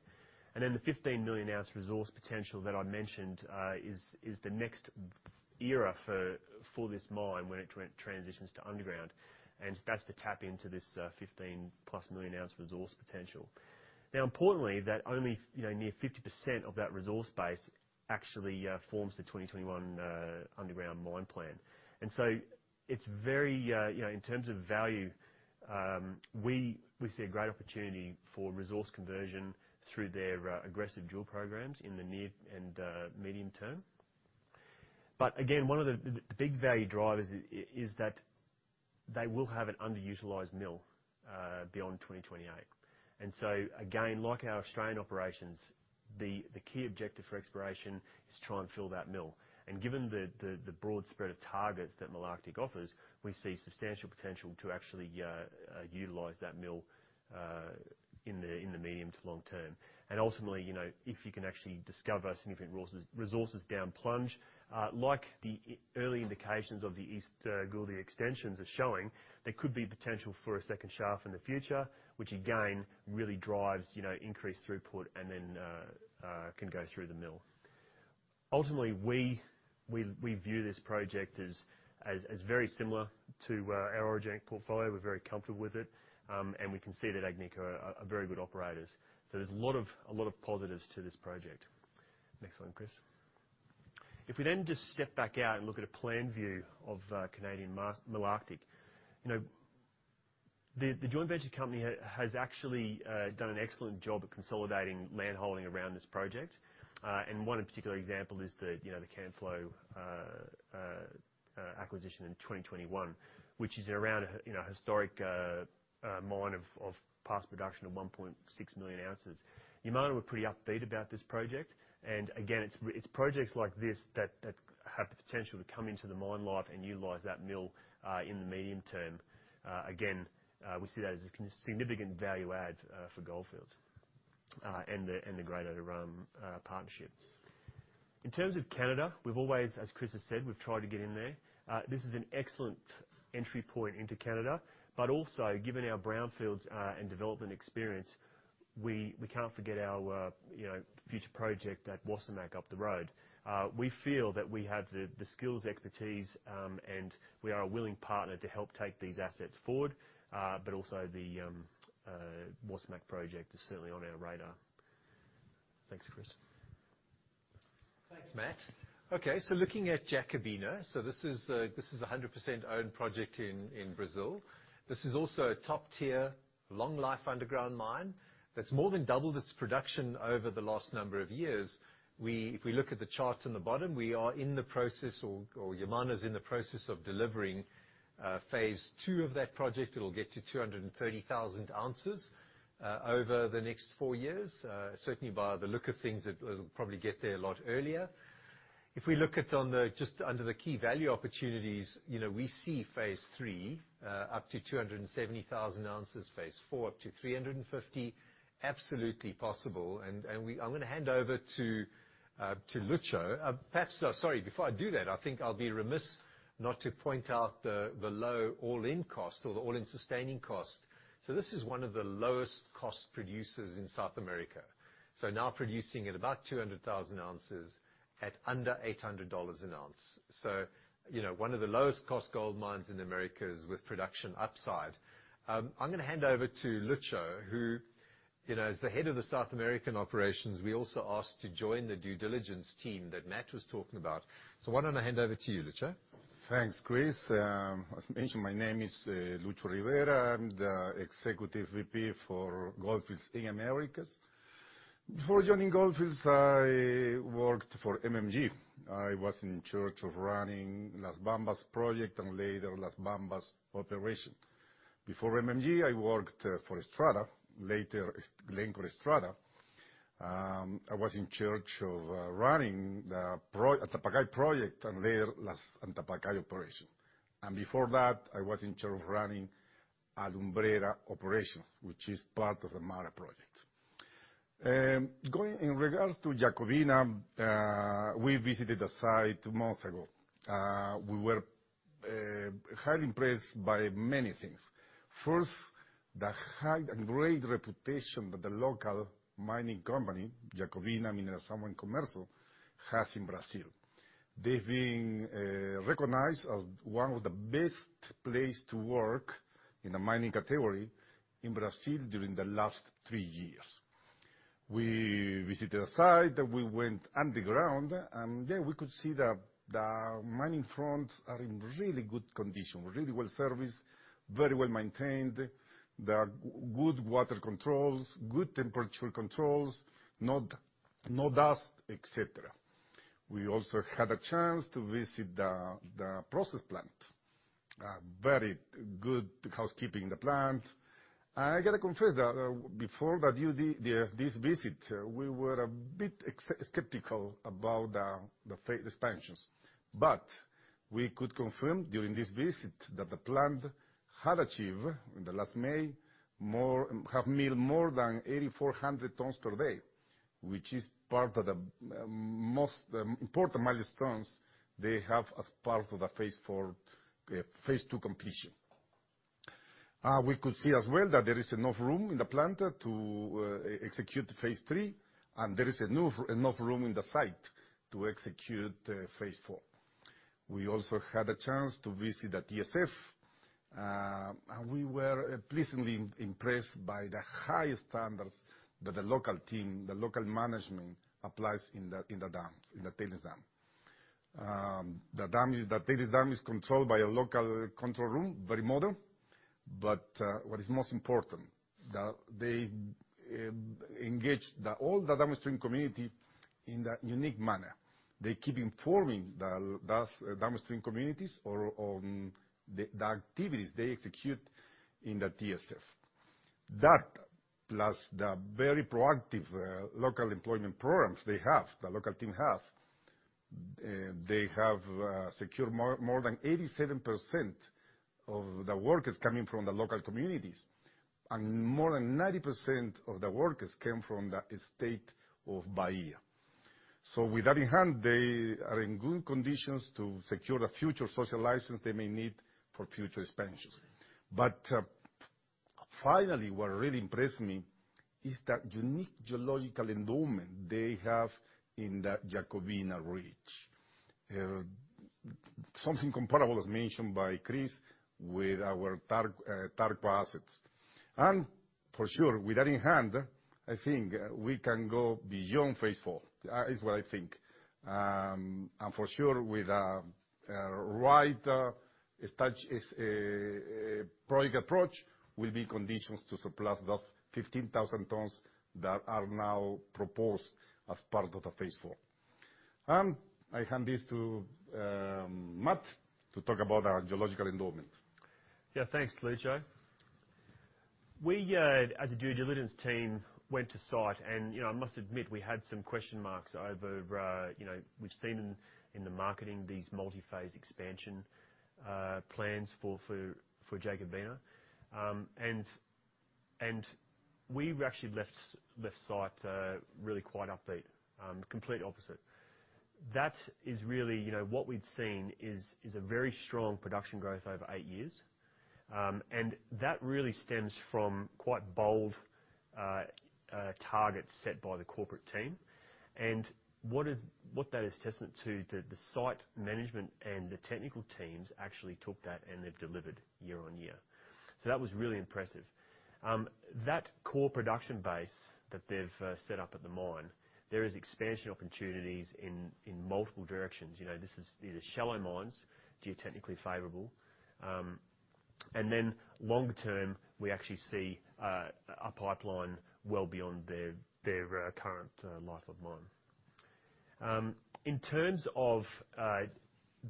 The 15 million oz resource potential that I mentioned is the next era for this mine when it transitions to underground, and that's to tap into this 15 million+ oz resource potential. Now importantly, that only, you know, near 50% of that resource base actually forms the 2021 underground mine plan. It's very, you know, in terms of value, we see a great opportunity for resource conversion through their aggressive drill programs in the near and medium term. One of the big value drivers is that they will have an underutilized mill beyond 2028. Again, like our Australian operations, the key objective for exploration is try and fill that mill. Given the broad spread of targets that Malartic offers, we see substantial potential to actually utilize that mill in the medium to long-term. Ultimately, you know, if you can actually discover significant resources down plunge, like the early indications of the East Gouldie extensions are showing, there could be potential for a second shaft in the future, which again, really drives, you know, increased throughput and then can go through the mill. Ultimately, we view this project as very similar to our orogenic portfolio. We're very comfortable with it, and we can see that Agnico are very good operators. So there's a lot of positives to this project. Next one, Chris. If we then just step back out and look at a plan view of Canadian Malartic, you know, the joint venture company has actually done an excellent job at consolidating land holding around this project. One particular example is the, you know, the Camflo acquisition in 2021, which is around a historic mine of past production of 1.6 million oz. Yamana were pretty upbeat about this project. Again, it's projects like this that have the potential to come into the mine life and utilize that mill in the medium term. Again, we see that as a significant value add for Gold Fields and the Greater Malartic partnership. In terms of Canada, we've always, as Chris has said, we've tried to get in there. This is an excellent entry point into Canada, but also, given our brownfields and development experience, we can't forget our, you know, future project at Wasamac up the road. We feel that we have the skills, expertise, and we are a willing partner to help take these assets forward, but also the Wasamac project is certainly on our radar. Thanks, Chris. Thanks, Matt. Okay, looking at Jacobina. This is a 100% owned project in Brazil. This is also a top-tier, long life underground mine that's more than doubled its production over the last number of years. If we look at the chart on the bottom, we are in the process or Yamana is in the process of delivering phase two of that project. It'll get to 230,000 oz over the next four years. Certainly by the look of things, it'll probably get there a lot earlier. If we look just under the key value opportunities, you know, we see phase three up to 270,000 oz, phase four up to 350,000 oz. Absolutely possible. I'm gonna hand over to Lucho. Before I do that, I think I'll be remiss not to point out the low all-in cost or the all-in sustaining cost. This is one of the lowest cost producers in South America. Now producing at about 200,000 oz at under $800 an ounce. You know, one of the lowest cost gold mines in America is with production upside. I'm gonna hand over to Lucho, who, you know, as the head of the South American operations, we also asked to join the due diligence team that Matt was talking about. Why don't I hand over to you, Lucho? Thanks, Chris. As mentioned, my name is Luis Rivera. I'm the Executive VP for Gold Fields in Americas. Before joining Gold Fields, I worked for MMG. I was in charge of running Las Bambas project and later Las Bambas operation. Before MMG, I worked for Xstrata, later Glencore Xstrata. I was in charge of running the Antapaccay project and later the Antapaccay operation. Before that, I was in charge of running Alumbrera operation, which is part of the Minera project. In regards to Jacobina, we visited the site two months ago. We were highly impressed by many things. First, the high and great reputation that the local mining company, Jacobina Mineração e Comércio, has in Brazil. They've been recognized as one of the best places to work in the mining category in Brazil during the last three years. We visited the site, we went underground, and yeah, we could see the mining fronts are in really good condition, really well serviced, very well maintained. There are good water controls, good temperature controls, no dust, et cetera. We also had a chance to visit the process plant. Very good housekeeping the plant. I gotta confess that before this visit, we were a bit skeptical about the expansions. We could confirm during this visit that the plant had achieved, in the last May, have milled more than 8,400 tons per day, which is part of the most important milestones they have as part of the phase two completion. We could see as well that there is enough room in the plant to execute phase three, and there is enough room in the site to execute phase four. We also had a chance to visit the TSF, and we were pleasantly impressed by the high standards that the local team, the local management applies in the dams, in the tailings dam. The tailings dam is controlled by a local control room, very modern. What is most important, that they engage all the downstream community in a unique manner. They keep informing the downstream communities about the activities they execute in the TSF. That, plus the very proactive local employment programs the local team has secured more than 87% of the workers coming from the local communities. More than 90% of the workers came from the state of Bahia. With that in hand, they are in good conditions to secure the future social license they may need for future expansions. Finally, what really impressed me is that unique geological endowment they have in the Jacobina ridge. Something comparable, as mentioned by Chris, with our Tarkwa assets. For sure, with that in hand, I think we can go beyond phase four, is what I think. For sure, with the right project approach, will be conditions to surplus those 15,000 tons that are now proposed as part of the phase four. I hand this to Matt to talk about our geological endowment. Yeah, thanks, Lucio. We, as a due diligence team, went to site. You know, I must admit, we had some question marks over, you know, we've seen in the marketing these multi-phase expansion plans for Jacobina. We actually left site really quite upbeat. Complete opposite. That is really, you know, what we'd seen is a very strong production growth over eight years. That really stems from quite bold targets set by the corporate team. What that is testament to, the site management and the technical teams actually took that and they've delivered year on year. So that was really impressive. That core production base that they've set up at the mine, there is expansion opportunities in multiple directions. You know, this is, these are shallow mines, geotechnically favorable. Longer term, we actually see a pipeline well beyond their current life of mine. In terms of,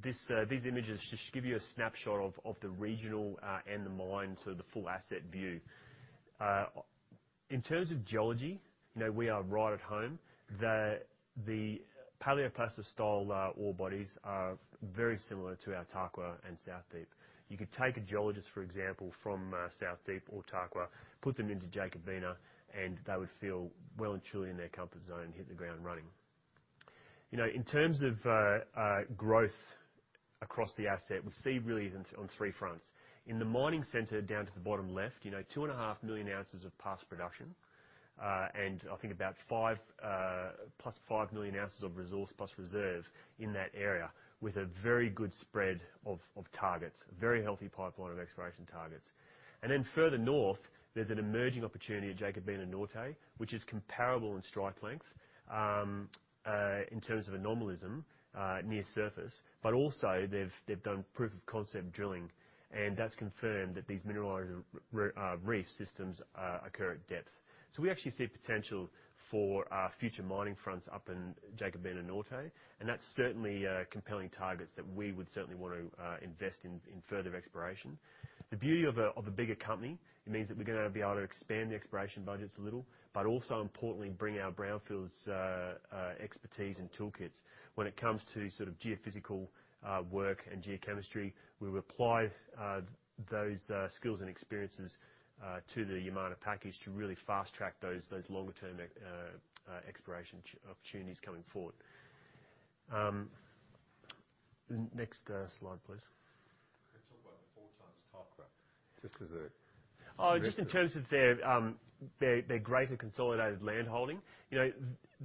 this, these images just give you a snapshot of the regional and the mine, so the full asset view. In terms of geology, you know, we are right at home. The paleoplacer style ore bodies are very similar to our Tarkwa and South Deep. You could take a geologist, for example, from South Deep or Tarkwa, put them into Jacobina, and they would feel well and truly in their comfort zone, hit the ground running. You know, in terms of growth across the asset, we see really on three fronts. In the mining center down to the bottom left, you know, 2.5 million oz of past production. I think about five, +5 million oz of resource plus reserve in that area with a very good spread of targets. Very healthy pipeline of exploration targets. Further north, there's an emerging opportunity at Jacobina Norte, which is comparable in strike length in terms of anomalism near surface. They've done proof of concept drilling, and that's confirmed that these mineralized reef systems occur at depth. We actually see potential for future mining fronts up in Jacobina Norte, and that's certainly compelling targets that we would certainly want to invest in further exploration. The beauty of a bigger company, it means that we're gonna be able to expand the exploration budgets a little, but also importantly, bring our brownfields expertise and toolkits. When it comes to sort of geophysical work and geochemistry, we will apply those skills and experiences to the Yamana package to really fast-track those longer term exploration opportunities coming forward. Next slide, please. Talk about the four times Tarkwa just as a reference. Oh, just in terms of their greater consolidated landholding. You know,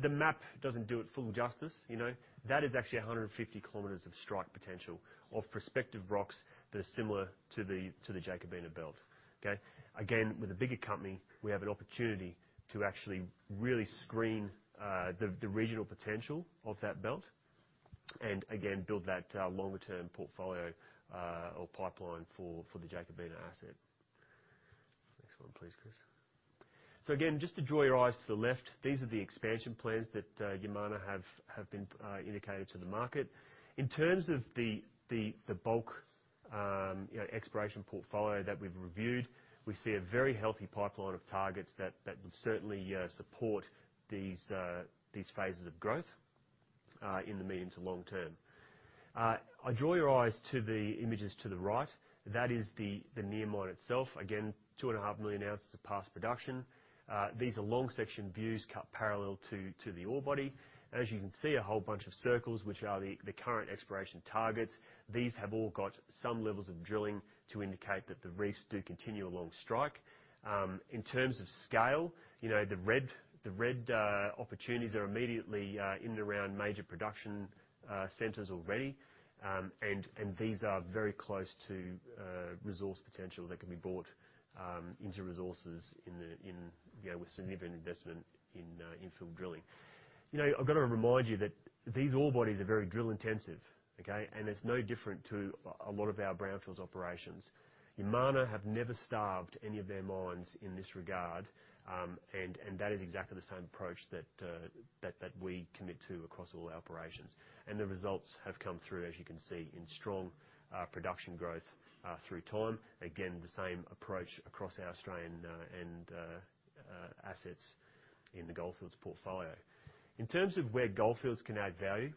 the map doesn't do it full justice. You know, that is actually 150 km of strike potential of prospective rocks that are similar to the Jacobina belt. Okay. Again, with a bigger company, we have an opportunity to actually really screen the regional potential of that belt. Again, build that longer-term portfolio or pipeline for the Jacobina asset. Next one, please, Chris. Again, just to draw your eyes to the left, these are the expansion plans that Yamana have been indicated to the market. In terms of the bulk, you know, exploration portfolio that we've reviewed, we see a very healthy pipeline of targets that would certainly support these phases of growth in the medium to long term. I draw your eyes to the images to the right. That is the near mine itself. Again, 2.5 million oz of past production. These are long section views cut parallel to the ore body. As you can see, a whole bunch of circles, which are the current exploration targets. These have all got some levels of drilling to indicate that the reefs do continue along strike. In terms of scale, you know, the red opportunities are immediately in and around major production centers already. These are very close to resource potential that can be brought into resources in, you know, with significant investment in field drilling. You know, I've got to remind you that these ore bodies are very drill intensive, okay. It's no different to a lot of our brownfields operations. Yamana have never starved any of their mines in this regard, and that is exactly the same approach that we commit to across all our operations. The results have come through, as you can see, in strong production growth through time. Again, the same approach across our Australian and assets in the Gold Fields portfolio. In terms of where Gold Fields can add value,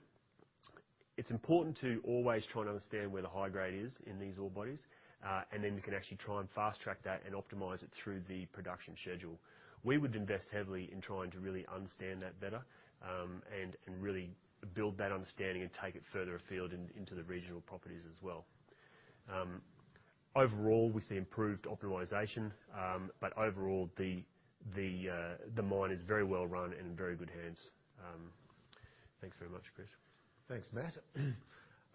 it's important to always try and understand where the high grade is in these ore bodies. We can actually try and fast-track that and optimize it through the production schedule. We would invest heavily in trying to really understand that better, and really build that understanding and take it further afield into the regional properties as well. Overall, we see improved optimization, but overall the mine is very well run and in very good hands. Thanks very much, Chris. Thanks, Matt.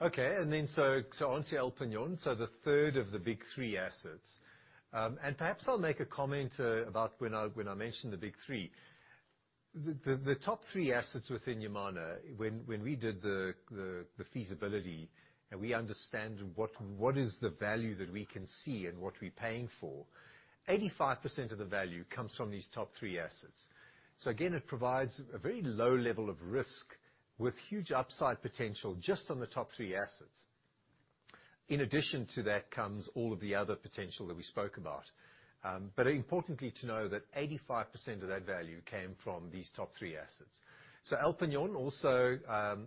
Okay. Onto El Peñón, the third of the big three assets. Perhaps I'll make a comment about when I mention the big three. The top three assets within Yamana, when we did the feasibility and we understand what is the value that we can see and what we're paying for, 85% of the value comes from these top three assets. It provides a very low level of risk with huge upside potential just on the top three assets. In addition to that comes all of the other potential that we spoke about. Importantly to know that 85% of that value came from these top three assets. El Peñón also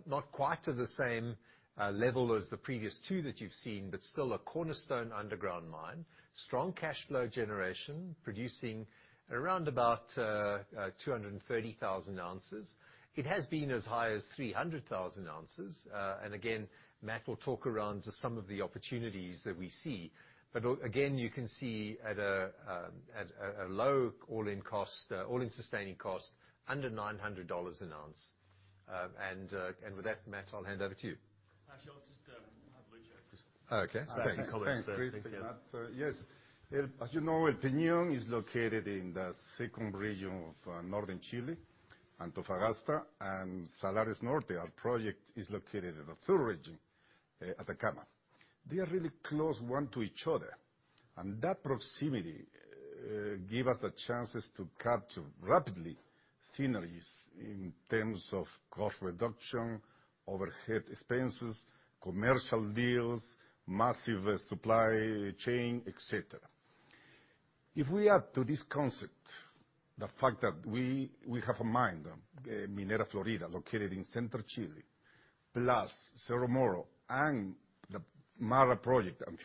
not quite to the same level as the previous two that you've seen, but still a cornerstone underground mine. Strong cash flow generation, producing around about 230,000 oz. It has been as high as 300,000 oz. And again, Matt will talk around just some of the opportunities that we see. Again, you can see at a low all-in cost, all-in sustaining cost under $900 an ounce. With that, Matt, I'll hand over to you. Actually, I'll just have Lucio. Oh, okay. So that he comments first. Thanks. Yeah. Thanks, Chris. Thanks, Matt. Well, as you know, El Peñón is located in the second region of northern Chile, Antofagasta. Salares Norte, our project is located in the third region, Atacama. They are really close one to each other, and that proximity give us the chances to capture rapidly synergies in terms of cost reduction, overhead expenses, commercial deals, massive supply chain, et cetera. If we add to this concept the fact that we have a mine, Minera Florida, located in central Chile, plus Cerro Moro and the MARA project and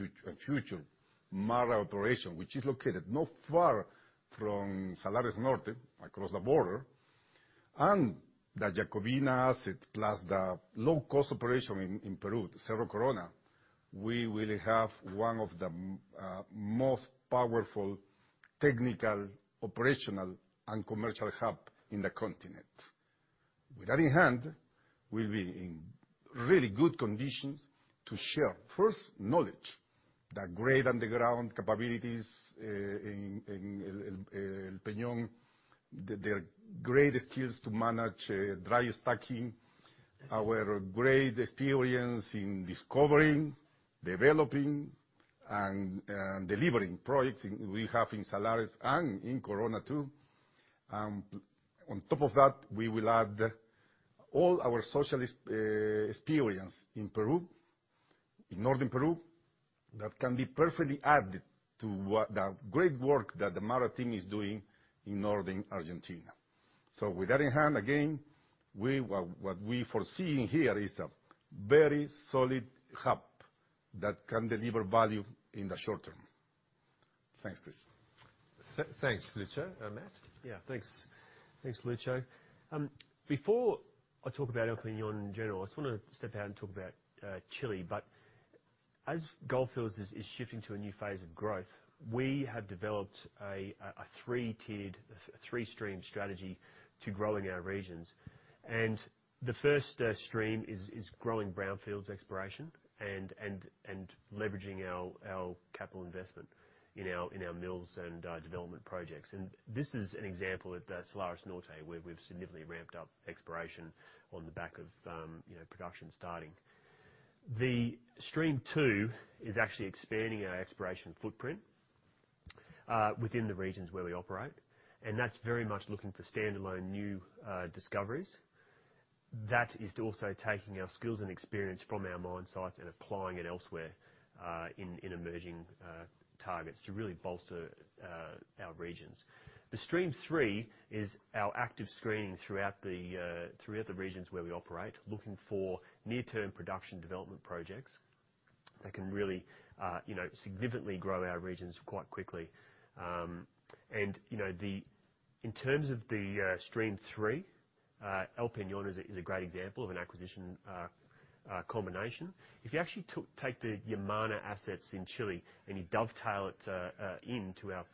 future MARA operation, which is located not far from Salares Norte across the border, and the Jacobina asset, plus the low-cost operation in Peru, Cerro Corona. We will have one of the most powerful technical, operational, and commercial hub in the continent. With that in hand, we'll be in really good conditions to share, first, knowledge, the great underground capabilities in El Peñón. The great skills to manage dry stacking. Our great experience in discovering, developing, and delivering products we have in Solaris and in Corona too. On top of that, we will add all our social experience in Peru, in northern Peru, that can be perfectly added to what the great work that the MARA team is doing in northern Argentina. With that in hand, again, what we foresee here is a very solid hub that can deliver value in the short term. Thanks, Chris. Thanks, Lucio. Matt? Yeah. Thanks. Thanks, Lucio. Before I talk about El Peñon in general, I just wanna step out and talk about Chile. As Gold Fields is shifting to a new phase of growth, we have developed a three-tiered, three-stream strategy to growing our regions. The first stream is growing brownfields exploration and leveraging our capital investment in our mills and development projects. This is an example at the Salares Norte, where we've significantly ramped up exploration on the back of you know, production starting. The stream two is actually expanding our exploration footprint within the regions where we operate. That's very much looking for standalone new discoveries. That is also taking our skills and experience from our mine sites and applying it elsewhere in emerging targets to really bolster our regions. The stream three is our active screening throughout the regions where we operate, looking for near-term production development projects that can really you know significantly grow our regions quite quickly. You know, in terms of the stream three, El Peñón is a great example of an acquisition combination. If you actually take the Yamana assets in Chile, and you dovetail it into our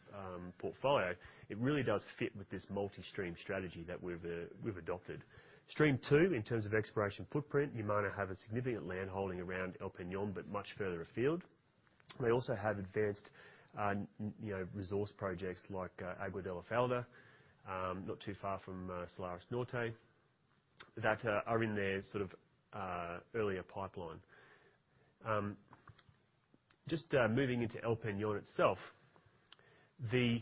portfolio, it really does fit with this multi-stream strategy that we've adopted. Stream two, in terms of exploration footprint, Yamana have a significant land holding around El Peñón, but much further afield. They also have advanced, you know, resource projects like Agua de la Falda, not too far from Salares Norte that are in their sort of earlier pipeline. Just moving into El Peñón itself, the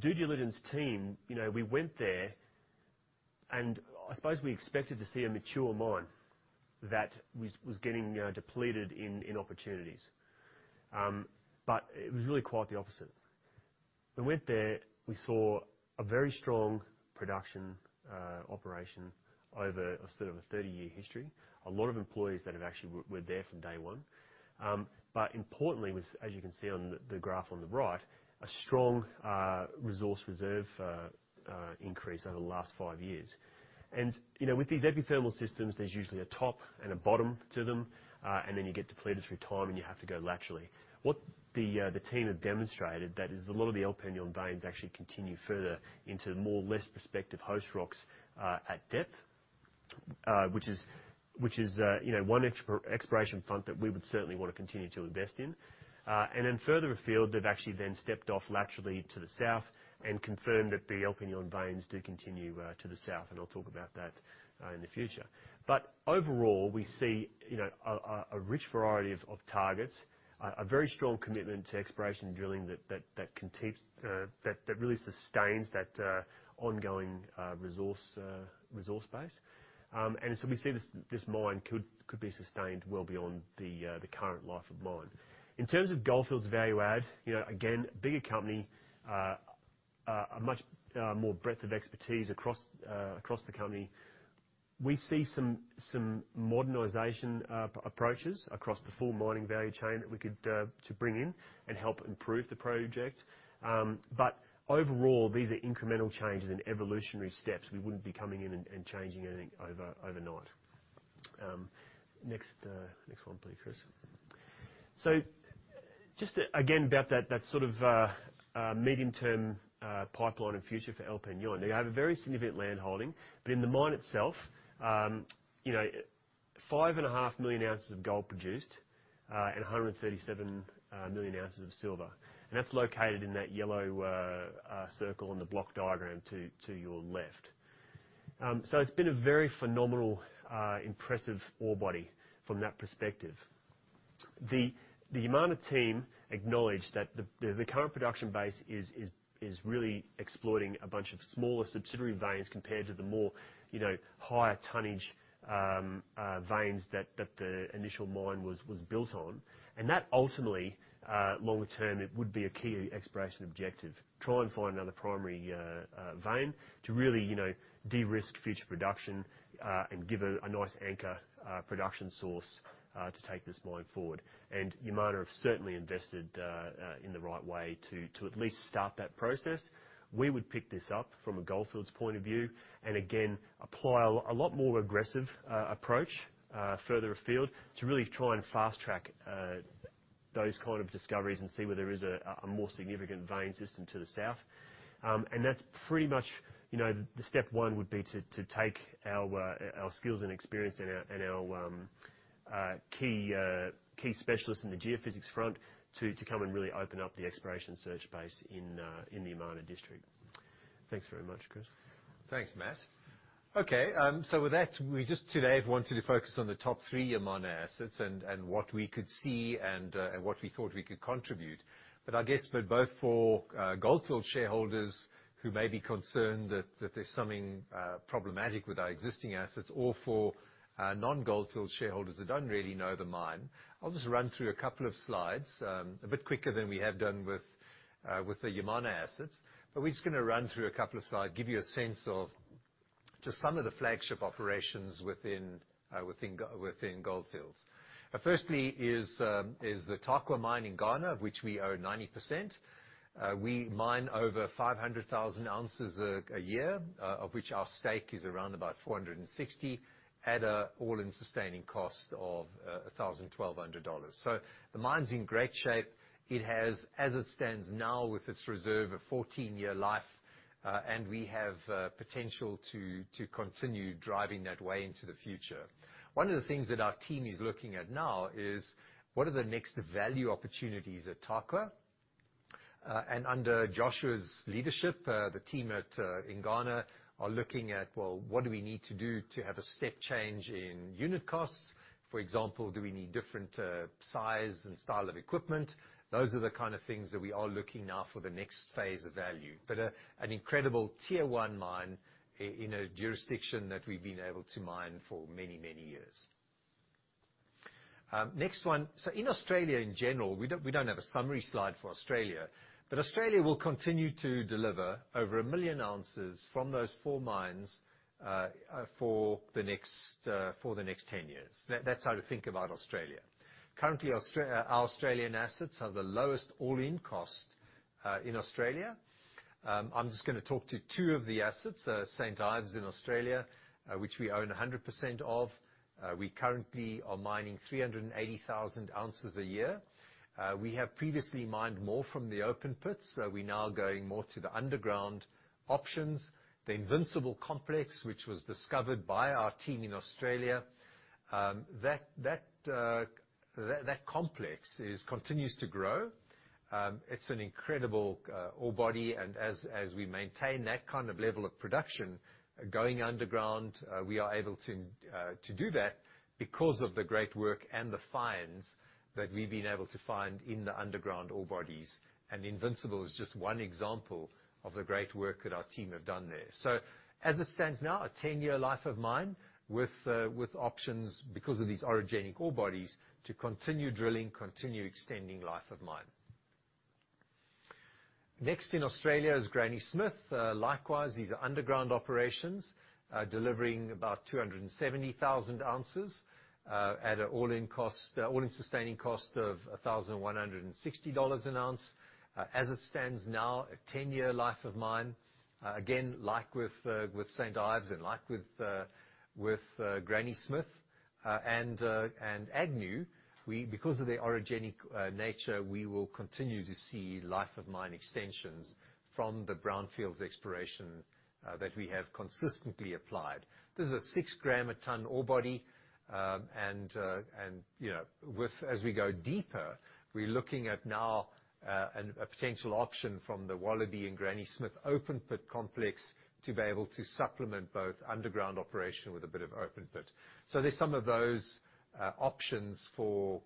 due diligence team, you know, we went there, and I suppose we expected to see a mature mine that was getting you know depleted in opportunities. It was really quite the opposite. We went there, we saw a very strong production operation over a sort of a 30-year history, a lot of employees that have actually were there from day one. Importantly was, as you can see on the graph on the right, a strong resource reserve increase over the last five years. You know, with these epithermal systems, there's usually a top and a bottom to them, and then you get depleted through time, and you have to go laterally. What the team have demonstrated that is a lot of the El Peñón veins actually continue further into more or less prospective host rocks, at depth, which is, you know, one exploration front that we would certainly wanna continue to invest in. Further afield, they've actually then stepped off laterally to the south and confirmed that the El Peñón veins do continue to the south, and I'll talk about that in the future. Overall, we see, you know, a rich variety of targets, a very strong commitment to exploration drilling that can keep that really sustains that ongoing resource base. We see this mine could be sustained well beyond the current life of mine. In terms of Gold Fields value add, you know, again, bigger company, a much more breadth of expertise across the company. We see some modernization approaches across the full mining value chain that we could to bring in and help improve the project. Overall, these are incremental changes and evolutionary steps. We wouldn't be coming in and changing anything overnight. Next one please, Chris. Just to again about that sort of medium-term pipeline and future for El Peñón. They have a very significant land holding, but in the mine itself, you know, 5.5 million oz of gold produced and 137 million oz of silver. That's located in that yellow circle on the block diagram to your left. It's been a very phenomenal impressive ore body from that perspective. The Yamana team acknowledged that the current production base is really exploiting a bunch of smaller subsidiary veins compared to the more, you know, higher tonnage veins that the initial mine was built on. That ultimately, longer term, it would be a key exploration objective, try and find another primary vein to really, you know, de-risk future production, and give a nice anchor production source to take this mine forward. Yamana have certainly invested in the right way to at least start that process. We would pick this up from a Gold Fields point of view and again apply a lot more aggressive approach further afield to really try and fast-track those kind of discoveries and see where there is a more significant vein system to the south. That's pretty much, you know, the step one would be to take our skills and experience and our key specialists in the geophysics front to come and really open up the exploration search base in the Yamana district. Thanks very much, Chris. Thanks, Matt. Okay, so with that, we just today wanted to focus on the top three Yamana assets and what we could see and what we thought we could contribute. I guess for both Gold Fields shareholders who may be concerned that there's something problematic with our existing assets or for non-Gold Fields shareholders that don't really know the mine, I'll just run through a couple of slides a bit quicker than we have done with the Yamana assets. We're just gonna run through a couple of slides, give you a sense of just some of the flagship operations within Gold Fields. Firstly is the Tarkwa mine in Ghana, of which we own 90%. We mine over 500,000 oz a year, of which our stake is around about 460,000 oz at an all-in sustaining cost of $1,000-$1,200. The mine's in great shape. It has, as it stands now with its reserve, a 14-year life, and we have potential to continue driving that way into the future. One of the things that our team is looking at now is what are the next value opportunities at Tarkwa? Under Joshua's leadership, the team in Ghana are looking at, well, what do we need to do to have a step change in unit costs? For example, do we need different size and style of equipment? Those are the kind of things that we are looking now for the next phase of value. An incredible tier one mine in a jurisdiction that we've been able to mine for many, many years. Next one. In Australia in general, we don't have a summary slide for Australia, but Australia will continue to deliver over 1 million oz from those four mines for the next 10 years. That's how to think about Australia. Currently, our Australian assets have the lowest all-in cost in Australia. I'm just gonna talk to two of the assets. St Ives in Australia, which we own 100% of. We currently are mining 380,000 oz a year. We have previously mined more from the open pits. We're now going more to the underground options. The Invincible Complex, which was discovered by our team in Australia, that complex continues to grow. It's an incredible ore body. We maintain that kind of level of production going underground, we are able to do that because of the great work and the finds that we've been able to find in the underground ore bodies. Invincible is just one example of the great work that our team have done there. As it stands now, a 10-year life of mine with options because of these orogenic ore bodies to continue drilling, continue extending life of mine. Next in Australia is Granny Smith. Likewise, these are underground operations, delivering about 270,000 oz, at an all-in cost, all-in sustaining cost of $1,160 an ounce. As it stands now, a 10-year life of mine. Again, like with St Ives and like with Granny Smith and Agnew, because of the orogenic nature, we will continue to see life of mine extensions from the brownfields exploration that we have consistently applied. This is a six gram a ton ore body. You know, with, as we go deeper, we're looking at now, a potential option from the Wallaby and Granny Smith open pit complex to be able to supplement both underground operation with a bit of open pit. There's some of those options for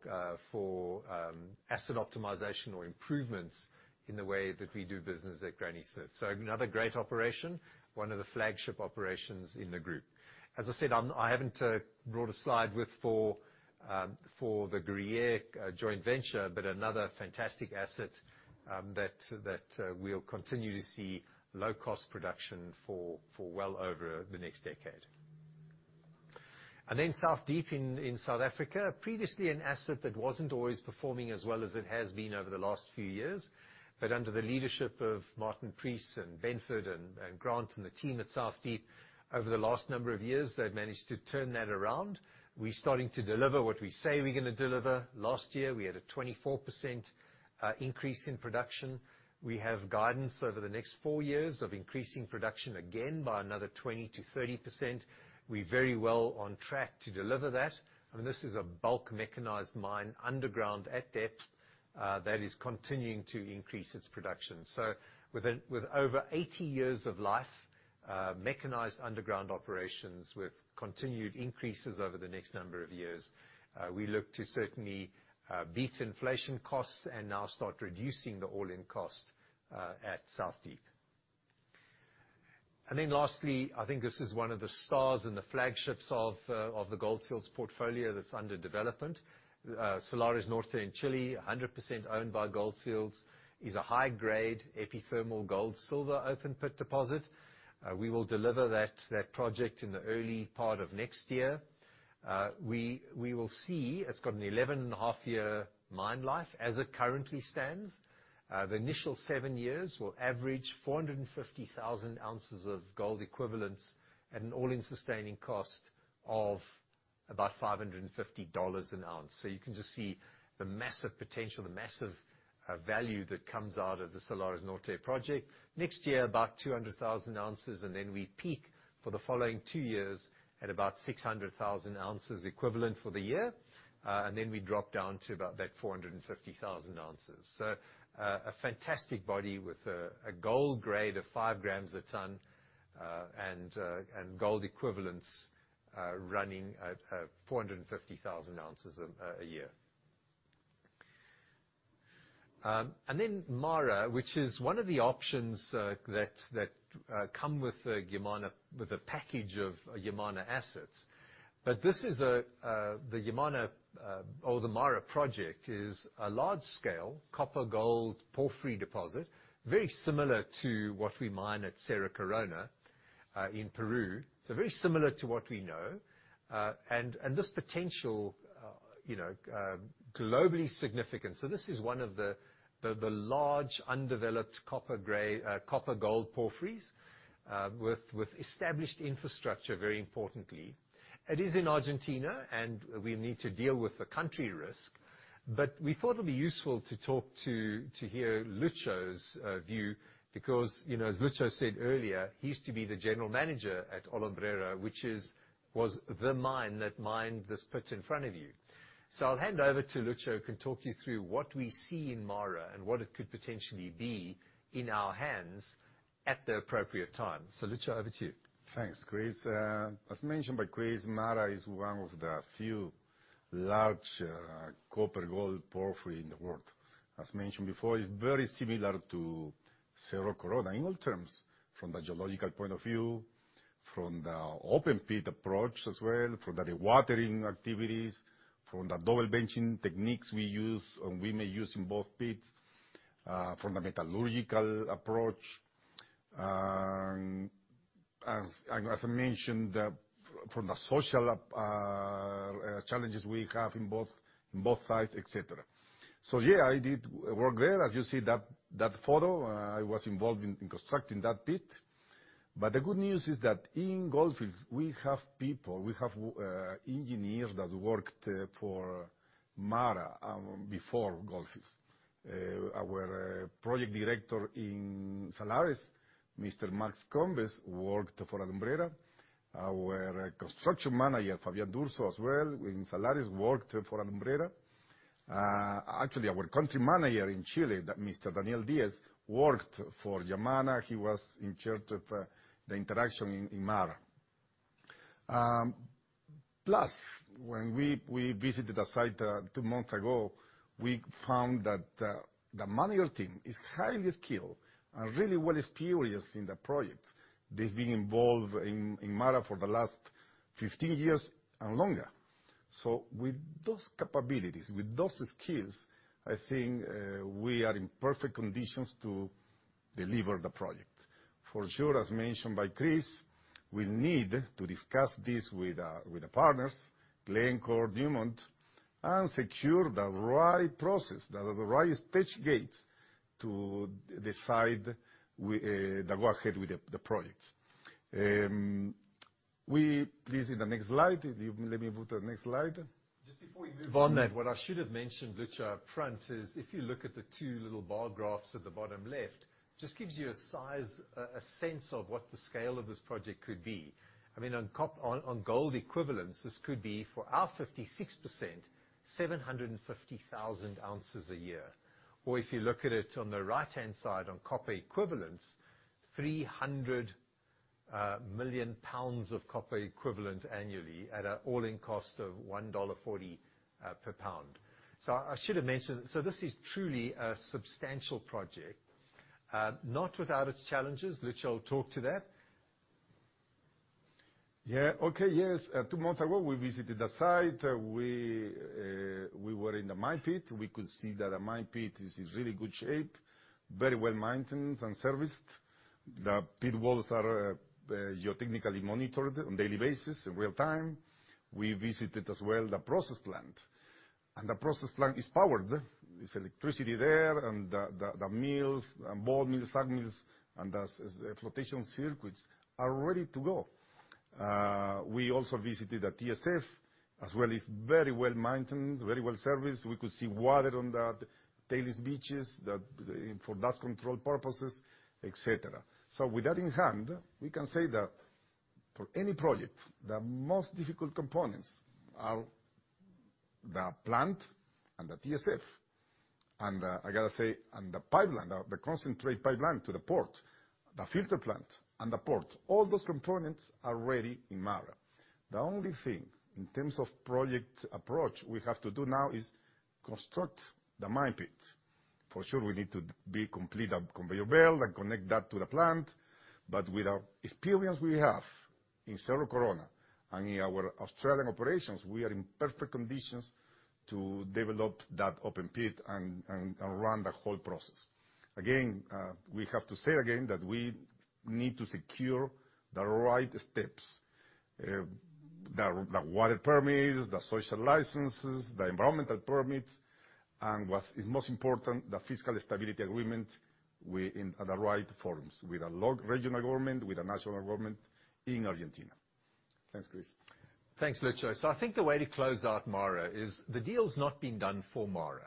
asset optimization or improvements in the way that we do business at Granny Smith. Another great operation, one of the flagship operations in the group. As I said, I haven't brought a slide for the Gruyere joint venture, but another fantastic asset that we'll continue to see low-cost production for well over the next decade. Then South Deep in South Africa, previously an asset that wasn't always performing as well as it has been over the last few years. Under the leadership of Martin Preece and Benford and Grant and the team at South Deep, over the last number of years, they've managed to turn that around. We're starting to deliver what we say we're gonna deliver. Last year, we had a 24% increase in production. We have guidance over the next four years of increasing production again by another 20%-30%. We're very well on track to deliver that. I mean, this is a bulk mechanized mine underground at depth that is continuing to increase its production. With over 80 years of life, mechanized underground operations with continued increases over the next number of years, we look to certainly beat inflation costs and now start reducing the all-in cost at South Deep. Lastly, I think this is one of the stars and the flagships of the Gold Fields portfolio that's under development. Salares Norte in Chile, 100% owned by Gold Fields, is a high-grade epithermal gold-silver open pit deposit. We will deliver that project in the early part of next year. We will see it's got a 11.5-year mine life as it currently stands. The initial seven years will average 450,000 oz of gold equivalents at an all-in sustaining cost of about $550 an ounce. You can just see the massive potential, the massive value that comes out of the Salares Norte project. Next year, about 200,000 oz, and then we peak for the following two years at about 600,000 oz equivalent for the year. We drop down to about that 450,000 oz. A fantastic body with a gold grade of 5 grams a ton, and gold equivalents running at 450,000 oz a year. MARA, which is one of the options that come with the Yamana with the package of Yamana assets. This is the Yamana or the MARA project is a large-scale copper-gold porphyry deposit, very similar to what we mine at Cerro Corona in Peru. Very similar to what we know. This potential you know globally significant. This is one of the large undeveloped copper-gold porphyries with established infrastructure, very importantly. It is in Argentina, and we need to deal with the country risk. We thought it'd be useful to talk to hear Lucho's view because, you know, as Lucho said earlier, he used to be the general manager at Alumbrera, which was the mine that mined this pit in front of you. I'll hand over to Lucho, who can talk you through what we see in MARA and what it could potentially be in our hands at the appropriate time. Lucho, over to you. Thanks, Chris. As mentioned by Chris, MARA is one of the few large copper gold porphyry in the world. As mentioned before, it's very similar to Cerro Corona in all terms, from the geological point of view, from the open pit approach as well, from the dewatering activities, from the double benching techniques we use and we may use in both pits, from the metallurgical approach, and as I mentioned, from the social challenges we have in both sides, et cetera. Yeah, I did work there. As you see that photo, I was involved in constructing that pit. But the good news is that in Gold Fields, we have people, engineers that worked for MARA before Gold Fields. Our project director in Salares, Mr. Max Combes, worked for Alumbrera. Our construction manager, Fabián D'Urso, as well, in Salares, worked for Alumbrera. Actually, our country manager in Chile, that's Mr. Manuel Díaz, worked for Yamana. He was in charge of the interaction in the area. Plus when we visited the site two months ago, we found that the management team is highly skilled and really well experienced in the project. They have been involved in the area for the last 15 years and longer. With those capabilities, with those skills, I think we are in perfect conditions to deliver the project. For sure, as mentioned by Chris, we need to discuss this with the partners, Glencore, Newmont, and secure the right process, the right stage gates to decide the go ahead with the project. Please, in the next slide. If you let me move to the next slide. Just before you move. On that- What I should have mentioned, Lucho, up front is if you look at the two little bar graphs at the bottom left, just gives you a size, a sense of what the scale of this project could be. I mean, on gold equivalents, this could be, for our 56%, 750,000 oz a year. Or if you look at it on the right-hand side on copper equivalents, 300 million lbs of copper equivalent annually at an all-in cost of $1.40 per pound. I should have mentioned, so this is truly a substantial project. Not without its challenges. Lucho will talk to that. Yeah. Okay. Yes. Two months ago, we visited the site. We were in the mine pit. We could see that the mine pit is in really good shape, very well maintained and serviced. The pit walls are geotechnically monitored on daily basis in real time. We visited as well the process plant, and the process plant is powered. There's electricity there, and the mills and ball mills, sag mills, and the flotation circuits are ready to go. We also visited the TSF, as well as very well-maintained, very well-serviced. We could see water on the tailings beaches for dust control purposes, et cetera. With that in hand, we can say that for any project, the most difficult components are the plant and the TSF. I gotta say, the concentrate pipeline to the port, the filter plant and the port, all those components are ready in MARA. The only thing, in terms of project approach, we have to do now is construct the mine pit. For sure, we need to complete a conveyor belt and connect that to the plant. With our experience we have in Cerro Corona and in our Australian operations, we are in perfect conditions to develop that open pit and run the whole process. Again, we have to say again that we need to secure the right steps, the water permits, the social licenses, the environmental permits, and what is most important, the fiscal stability agreement with, in the right forums, with the regional government, with the national government in Argentina. Thanks, Chris. Thanks, Lucho. I think the way to close out MARA is the deal's not been done for MARA.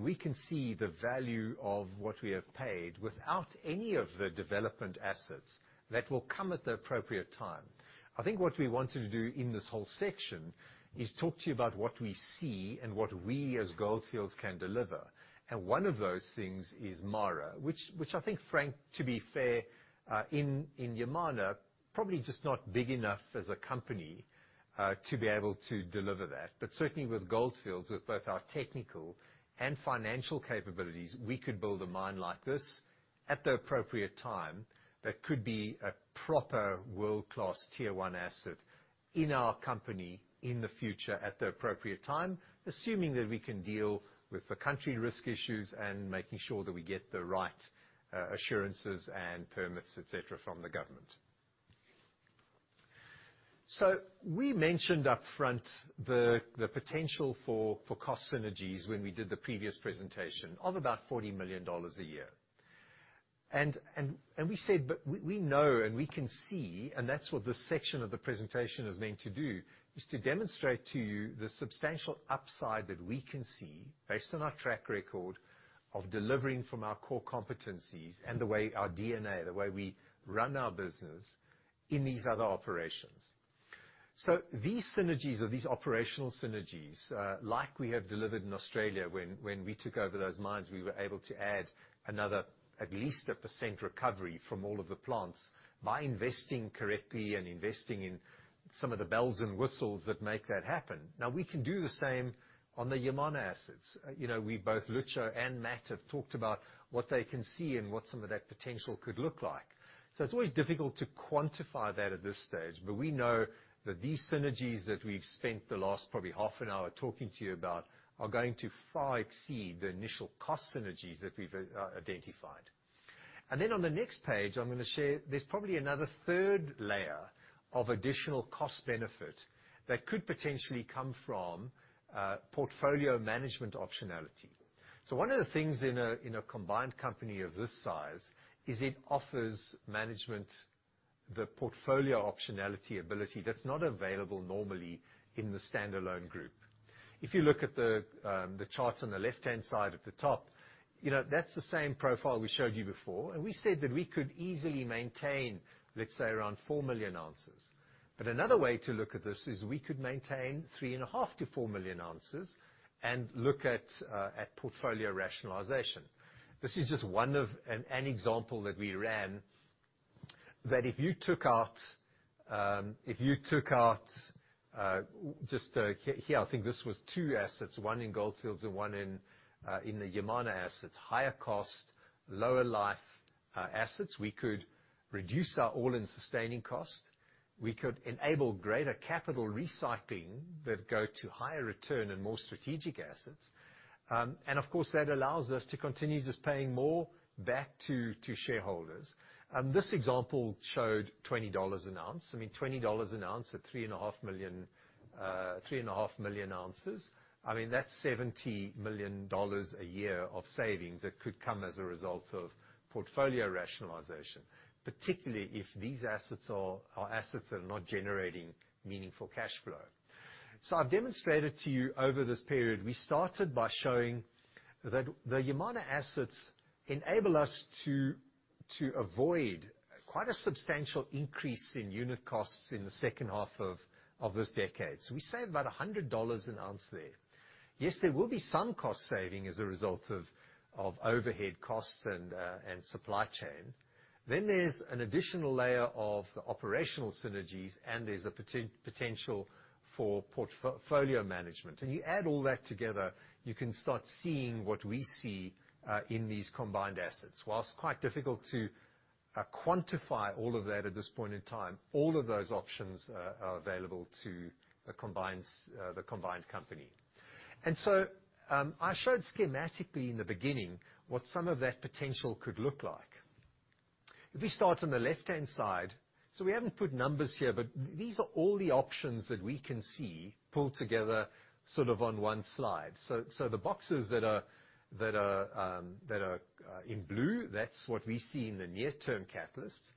We can see the value of what we have paid without any of the development assets that will come at the appropriate time. I think what we wanted to do in this whole section is talk to you about what we see and what we as Gold Fields can deliver. One of those things is MARA, which I think, Frank, to be fair, in Yamana, probably just not big enough as a company to be able to deliver that. Certainly with Gold Fields, with both our technical and financial capabilities, we could build a mine like this at the appropriate time that could be a proper world-class tier one asset in our company in the future at the appropriate time, assuming that we can deal with the country risk issues and making sure that we get the right assurances and permits, et cetera, from the government. We mentioned upfront the potential for cost synergies when we did the previous presentation of about $40 million a year. We know and we can see, and that's what this section of the presentation is meant to do, is to demonstrate to you the substantial upside that we can see based on our track record of delivering from our core competencies and the way our DNA, the way we run our business in these other operations. These synergies or these operational synergies, like we have delivered in Australia when we took over those mines, we were able to add another at least a percent recovery from all of the plants by investing correctly and investing in some of the bells and whistles that make that happen. Now, we can do the same on the Yamana assets. You know, we both, Lucho and Matt have talked about what they can see and what some of that potential could look like. It's always difficult to quantify that at this stage, but we know that these synergies that we've spent the last probably half an hour talking to you about are going to far exceed the initial cost synergies that we've identified. Then on the next page, I'm gonna share there's probably another third layer of additional cost benefit that could potentially come from portfolio management optionality. One of the things in a combined company of this size is it offers management, the portfolio optionality ability that's not available normally in the standalone group. If you look at the charts on the left-hand side at the top, you know, that's the same profile we showed you before. We said that we could easily maintain, let's say, around 4 million oz. Another way to look at this is we could maintain 3.5 million oz-4 million oz and look at portfolio rationalization. This is just one example that we ran, that if you took out just here I think this was two assets, one in Gold Fields and one in the Yamana assets, higher cost, lower life assets. We could reduce our all-in sustaining cost. We could enable greater capital recycling that go to higher return and more strategic assets. Of course, that allows us to continue just paying more back to shareholders. This example showed $20 an ounce. I mean, $20 an ounce at 3.5 million oz. I mean, that's $70 million a year of savings that could come as a result of portfolio rationalization, particularly if these assets are assets that are not generating meaningful cash flow. I've demonstrated to you over this period, we started by showing that the Yamana assets enable us to avoid quite a substantial increase in unit costs in the second half of this decade. We save about $100 an ounce there. Yes, there will be some cost saving as a result of overhead costs and supply chain. There's an additional layer of operational synergies, and there's a potential for portfolio management. When you add all that together, you can start seeing what we see in these combined assets. While quite difficult to quantify all of that at this point in time, all of those options are available to the combined company. I showed schematically in the beginning what some of that potential could look like. If we start on the left-hand side, so we haven't put numbers here, but these are all the options that we can see pulled together sort of on one slide. The boxes that are in blue, that's what we see in the near-term catalysts.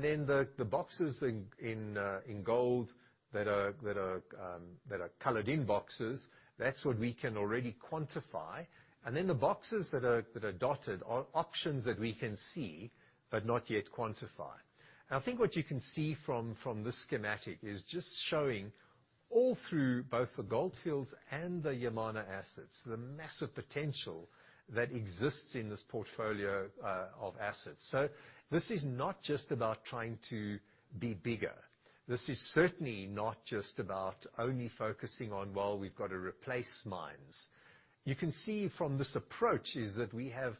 Then the boxes in gold that are colored in boxes, that's what we can already quantify. Then the boxes that are dotted are options that we can see but not yet quantify. I think what you can see from this schematic is just showing all through both the Gold Fields and the Yamana assets, the massive potential that exists in this portfolio of assets. This is not just about trying to be bigger. This is certainly not just about only focusing on, well, we've got to replace mines. You can see from this approach is that we have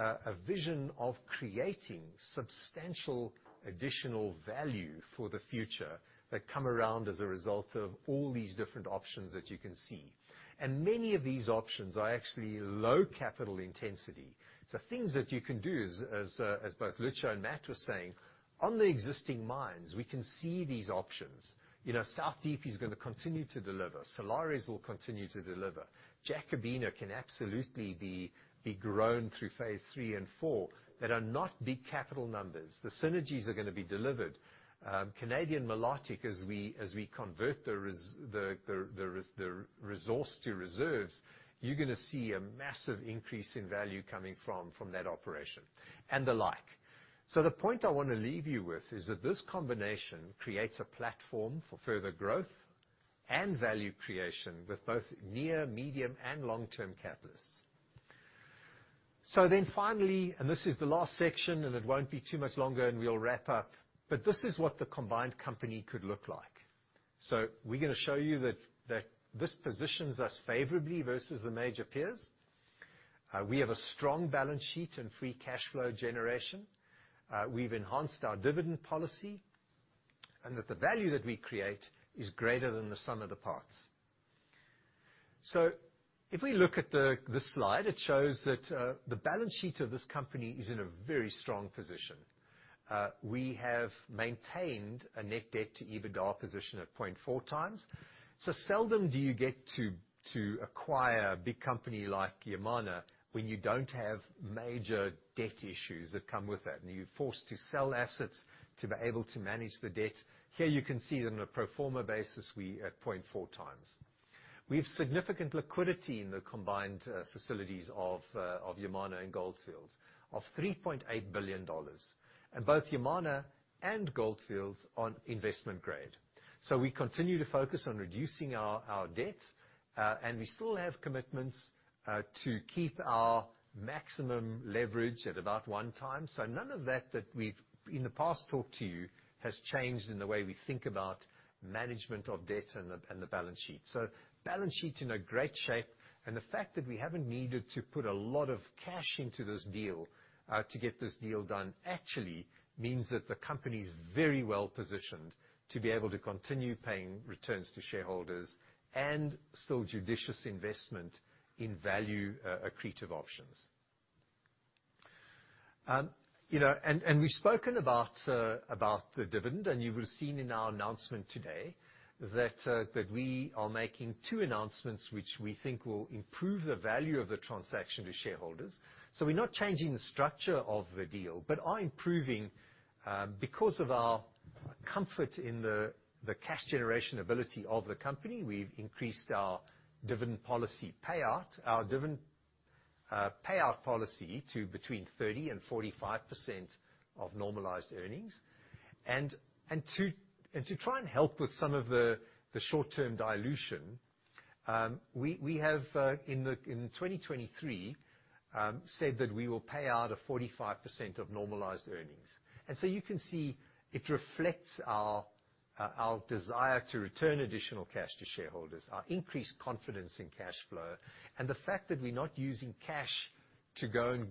a vision of creating substantial additional value for the future that come around as a result of all these different options that you can see. Many of these options are actually low capital intensity. Things that you can do, as both Lucho and Matt were saying, on the existing mines, we can see these options. You know, South Deep is gonna continue to deliver. Solaris will continue to deliver. Jacobina can absolutely be grown through phase three and four. They are not big capital numbers. The synergies are gonna be delivered. Canadian Malartic, as we convert the resource to reserves, you're gonna see a massive increase in value coming from that operation and the like. The point I wanna leave you with is that this combination creates a platform for further growth and value creation with both near, medium, and long-term catalysts. Finally, and this is the last section, and it won't be too much longer, and we'll wrap up, but this is what the combined company could look like. We're gonna show you that this positions us favorably versus the major peers. We have a strong balance sheet and free cash flow generation. We've enhanced our dividend policy, and that the value that we create is greater than the sum of the parts. If we look at the slide, it shows that the balance sheet of this company is in a very strong position. We have maintained a net debt to EBITDA position at 0.4x. Seldom do you get to acquire a big company like Yamana when you don't have major debt issues that come with that, and you're forced to sell assets to be able to manage the debt. Here you can see that on a pro forma basis, we at 0.4x. We have significant liquidity in the combined facilities of Yamana and Gold Fields of $3.8 billion. Both Yamana and Gold Fields are investment grade. We continue to focus on reducing our debt, and we still have commitments to keep our maximum leverage at about one time. None of that we've in the past talked to you has changed in the way we think about management of debt and the balance sheet. Balance sheet's in a great shape, and the fact that we haven't needed to put a lot of cash into this deal to get this deal done actually means that the company is very well positioned to be able to continue paying returns to shareholders and still judicious investment in value accretive options. You know, we've spoken about the dividend, and you will have seen in our announcement today that we are making two announcements which we think will improve the value of the transaction to shareholders. We're not changing the structure of the deal, but are improving because of our comfort in the cash generation ability of the company. We've increased our dividend payout policy to between 30% and 45% of normalized earnings. To try and help with some of the short-term dilution, we have in 2023 said that we will pay out 45% of normalized earnings. You can see it reflects our desire to return additional cash to shareholders, our increased confidence in cash flow. The fact that we're not using cash to go and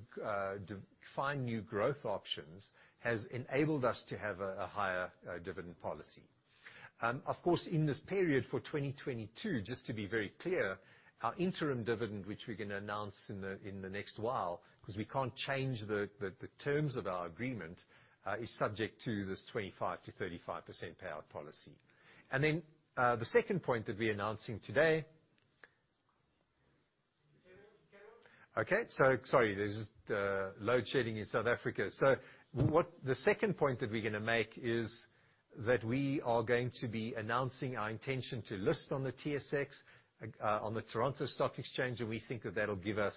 to find new growth options has enabled us to have a higher dividend policy. Of course, in this period for 2022, just to be very clear, our interim dividend, which we're gonna announce in the next while, 'cause we can't change the terms of our agreement, is subject to this 25%-35% payout policy. Then, the second point that we're announcing today... Okay. Sorry, there's just load shedding in South Africa. The second point that we're gonna make is that we are going to be announcing our intention to list on the TSX, on the Toronto Stock Exchange. We think that that'll give us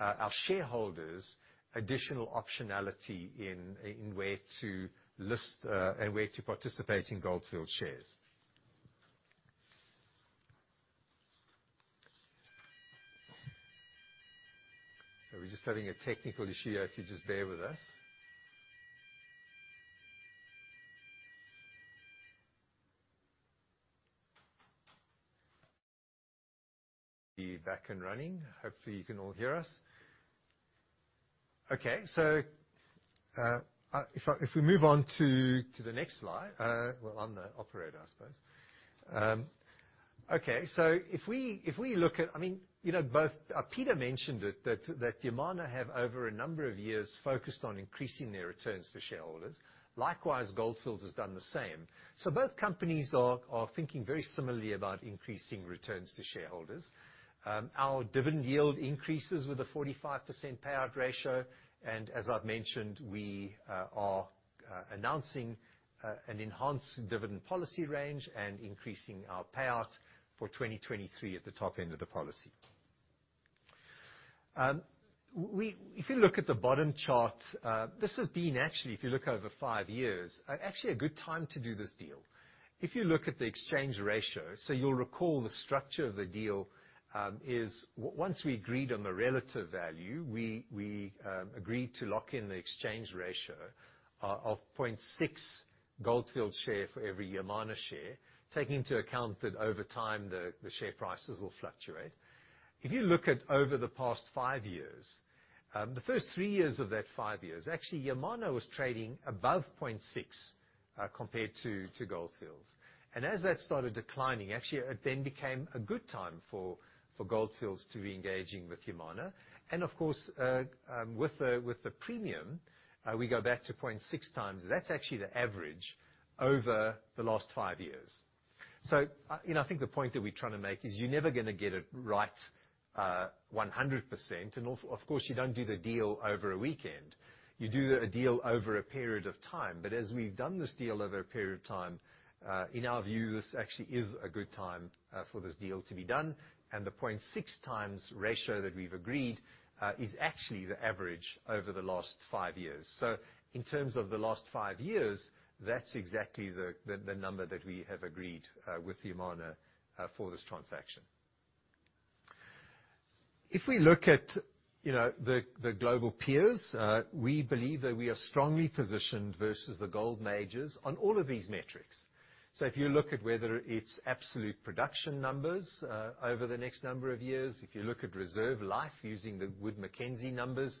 our shareholders additional optionality in where to list and where to participate in Gold Fields shares. We're just having a technical issue here. If you just bear with us. Be back and running. Hopefully you can all hear us. Okay. If we move on to the next slide. We're on the operator, I suppose. Okay. If we look at, I mean, you know, both Peter mentioned it, that Yamana have over a number of years focused on increasing their returns to shareholders. Likewise, Gold Fields has done the same. Both companies are thinking very similarly about increasing returns to shareholders. Our dividend yield increases with a 45% payout ratio. As I've mentioned, we are announcing an enhanced dividend policy range and increasing our payout for 2023 at the top end of the policy. If you look at the bottom chart, this has been actually, if you look over five years, actually a good time to do this deal. If you look at the exchange ratio, you'll recall the structure of the deal is once we agreed on the relative value, we agreed to lock in the exchange ratio of 0.6x Gold Fields share for every Yamana share, taking into account that over time the share prices will fluctuate. If you look at over the past five years, the first three years of that five years, actually Yamana was trading above 0.6x, compared to Gold Fields. As that started declining, actually it then became a good time for Gold Fields to be engaging with Yamana. Of course, with the premium, we go back to 0.6x. That's actually the average over the last five years. You know, I think the point that we're trying to make is you're never gonna get it right 100%. Of course, you don't do the deal over a weekend. You do a deal over a period of time. As we've done this deal over a period of time, in our view, this actually is a good time for this deal to be done. The 0.6x ratio that we've agreed is actually the average over the last five years. In terms of the last five years, that's exactly the number that we have agreed with Yamana for this transaction. If we look at, you know, the global peers, we believe that we are strongly positioned versus the gold majors on all of these metrics. If you look at whether it's absolute production numbers over the next number of years, if you look at reserve life using the Wood Mackenzie numbers,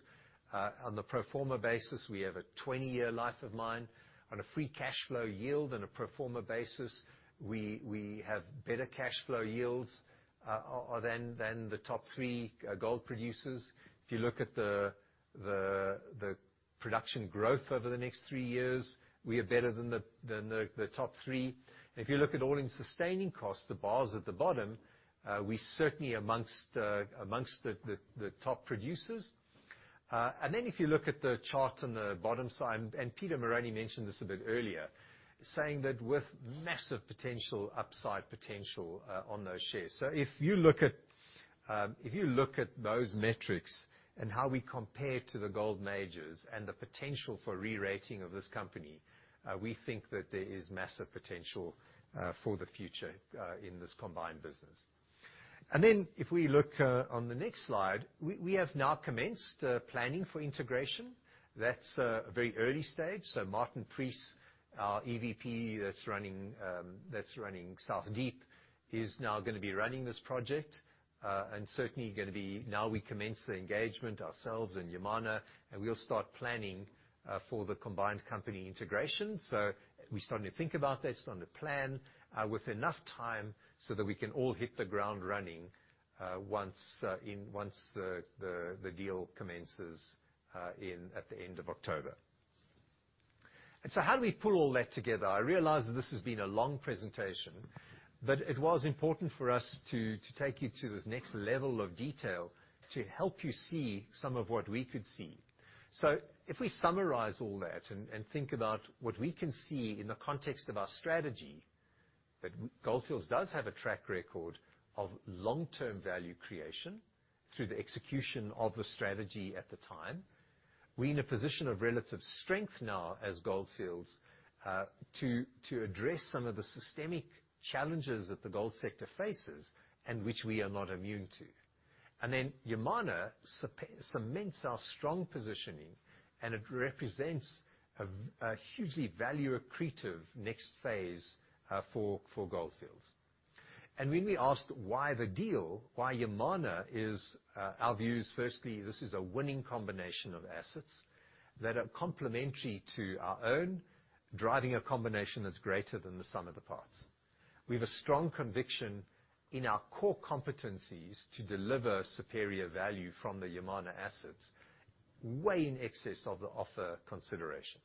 on the pro forma basis, we have a 20-year life of mine. On a free cash flow yield on a pro forma basis, we have better cash flow yields than the top three gold producers. If you look at the production growth over the next three years, we are better than the top three. If you look at all-in sustaining costs, the bars at the bottom, we're certainly amongst the top producers. If you look at the chart on the bottom side, and Peter Marrone mentioned this a bit earlier, saying that with massive potential, upside potential, on those shares. If you look at those metrics and how we compare to the gold majors and the potential for re-rating of this company, we think that there is massive potential for the future in this combined business. If we look on the next slide, we have now commenced the planning for integration. That's a very early stage. Martin Preece, our EVP that's running South Deep, is now gonna be running this project, and certainly gonna be. Now we commence the engagement ourselves and Yamana, and we'll start planning for the combined company integration. We're starting to think about that, starting to plan, with enough time so that we can all hit the ground running, once the deal commences in at the end of October. How do we pull all that together? I realize that this has been a long presentation, but it was important for us to take you to this next level of detail to help you see some of what we could see. If we summarize all that and think about what we can see in the context of our strategy. That Gold Fields does have a track record of long-term value creation through the execution of the strategy at the time. We're in a position of relative strength now as Gold Fields to address some of the systemic challenges that the gold sector faces and which we are not immune to. Then Yamana cements our strong positioning, and it represents a hugely value-accretive next phase for Gold Fields. When we asked why the deal, why Yamana is our views, firstly, this is a winning combination of assets that are complementary to our own, driving a combination that's greater than the sum of the parts. We have a strong conviction in our core competencies to deliver superior value from the Yamana assets way in excess of the offer consideration.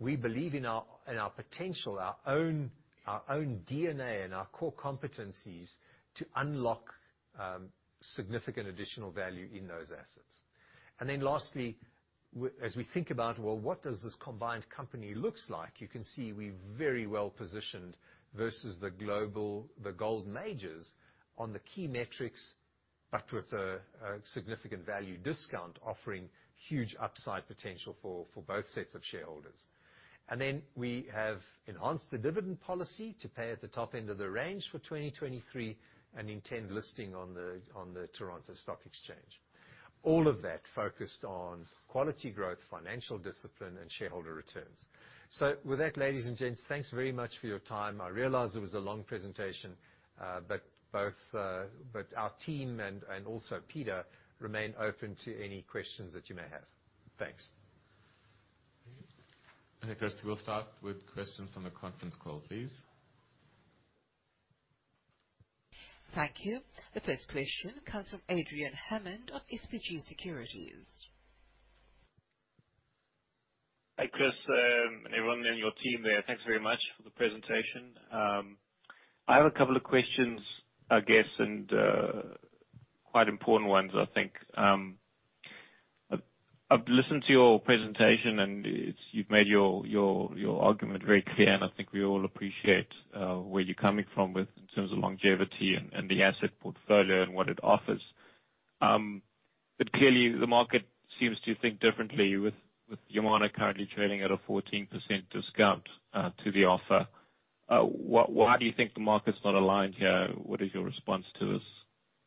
We believe in our potential, our own DNA and our core competencies to unlock significant additional value in those assets. Lastly, as we think about, well, what does this combined company look like, you can see we're very well-positioned versus the global gold majors on the key metrics, but with a significant value discount offering huge upside potential for both sets of shareholders. We have enhanced the dividend policy to pay at the top end of the range for 2023 and intend listing on the Toronto Stock Exchange. All of that focused on quality growth, financial discipline and shareholder returns. With that, ladies and gents, thanks very much for your time. I realize it was a long presentation, but both our team and also Peter remain open to any questions that you may have. Thanks. Okay, Chris, we'll start with questions from the conference call, please. Thank you. The first question comes from Adrian Hammond of SBG Securities. Hi, Chris, and everyone on your team there. Thanks very much for the presentation. I have a couple of questions, I guess, and quite important ones, I think. I've listened to your presentation, and you've made your argument very clear, and I think we all appreciate where you're coming from in terms of longevity and the asset portfolio and what it offers. Clearly the market seems to think differently with Yamana currently trading at a 14% discount to the offer. Why do you think the market's not aligned here? What is your response to this?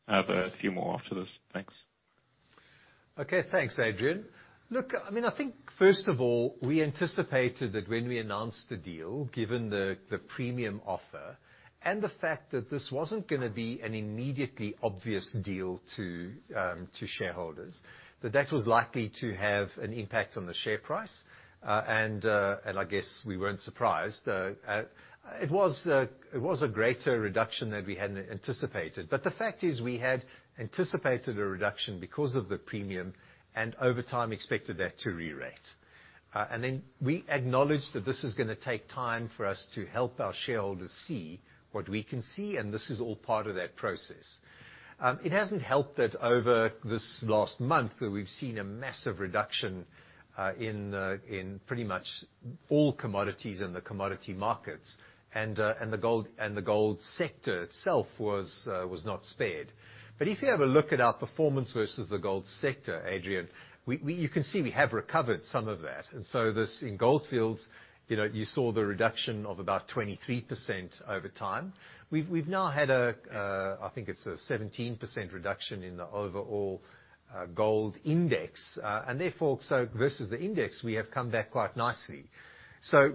I have a few more after this. Thanks. Okay. Thanks, Adrian. Look, I mean, I think first of all, we anticipated that when we announced the deal, given the premium offer and the fact that this wasn't gonna be an immediately obvious deal to shareholders, that was likely to have an impact on the share price. I guess we weren't surprised. Though it was a greater reduction than we had anticipated. The fact is we had anticipated a reduction because of the premium and over time expected that to rerate. We acknowledged that this is gonna take time for us to help our shareholders see what we can see, and this is all part of that process. It hasn't helped that over this last month we've seen a massive reduction in pretty much all commodities in the commodity markets. The gold sector itself was not spared. If you have a look at our performance versus the gold sector, Adrian, you can see we have recovered some of that. This, in Gold Fields, you know, you saw the reduction of about 23% over time. We've now had a, I think it's a 17% reduction in the overall gold index. Therefore, versus the index, we have come back quite nicely.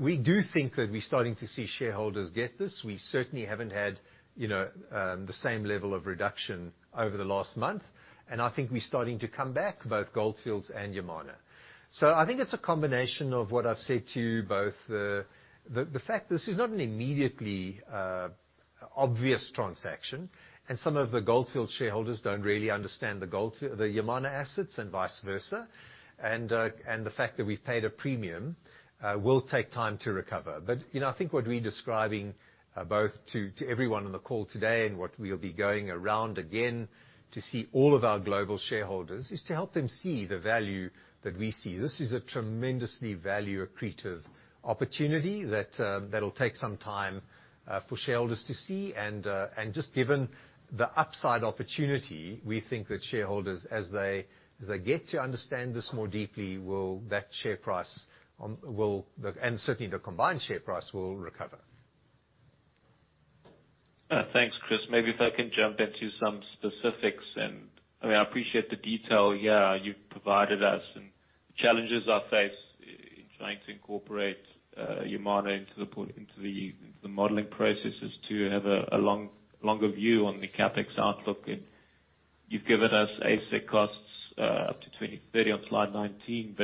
We do think that we're starting to see shareholders get this. We certainly haven't had, you know, the same level of reduction over the last month, and I think we're starting to come back, both Gold Fields and Yamana. I think it's a combination of what I've said to you, both the fact this is not an immediately obvious transaction, and some of the Gold Fields shareholders don't really understand the Gold Fields, the Yamana assets and vice-versa. The fact that we've paid a premium will take time to recover. You know, I think what we're describing, both to everyone on the call today and what we'll be going around again to see all of our global shareholders, is to help them see the value that we see. This is a tremendously value-accretive opportunity that'll take some time for shareholders to see. Just given the upside opportunity, we think that shareholders, as they get to understand this more deeply, and certainly the combined share price will recover. Thanks, Chris. Maybe if I can jump into some specifics. I mean, I appreciate the detail here you've provided us and the challenges faced in trying to incorporate Yamana into the portfolio, into the modeling processes to have a longer view on the CapEx outlook. You've given us AISC costs up to 2030 on slide 19.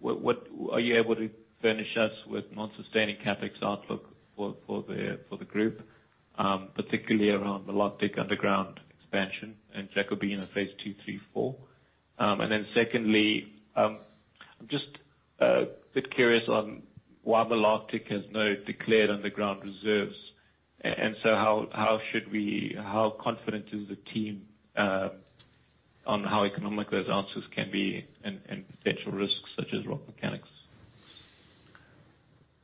What are you able to furnish us with non-sustaining CapEx outlook for the group, particularly around the Malartic underground expansion and Jacobina in the phase 2, 3, 4? Then secondly, I'm just a bit curious on why the Malartic has no declared underground reserves. How should we, how confident is the team on how economic those ounces can be and potential risks such as rock mechanics.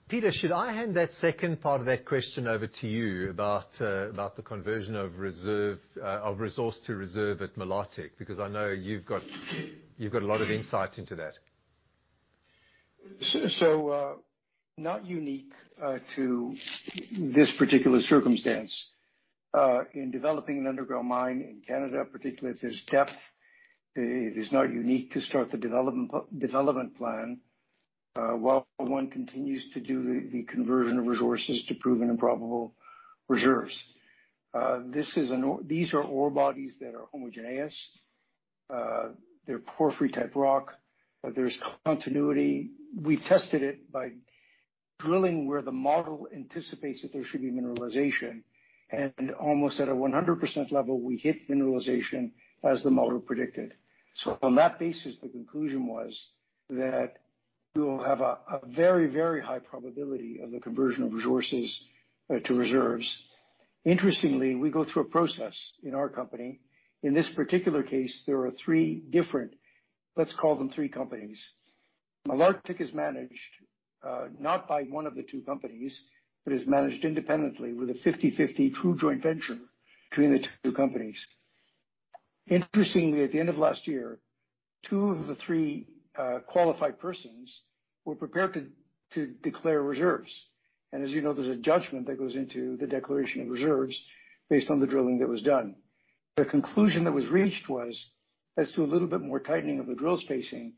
Peter, should I hand that second part of that question over to you about the conversion of resource to reserve at Malartic? Because I know you've got a lot of insight into that. Not unique to this particular circumstance in developing an underground mine in Canada, particularly if there's depth, it is not unique to start the development plan while one continues to do the conversion of resources to proven and probable reserves. These are ore bodies that are homogeneous. They're porphyry-type rock, but there's continuity. We tested it by drilling where the model anticipates that there should be mineralization. Almost at a 100% level, we hit mineralization as the model predicted. On that basis, the conclusion was that you'll have a very, very high probability of the conversion of resources to reserves. Interestingly, we go through a process in our company. In this particular case, there are three different, let's call them three companies. Malartic is managed, not by one of the two companies, but is managed independently with a 50/50 true joint venture between the two companies. Interestingly, at the end of last year, two of the three qualified persons were prepared to declare reserves. As you know, there's a judgment that goes into the declaration of reserves based on the drilling that was done. The conclusion that was reached was, let's do a little bit more tightening of the drill spacing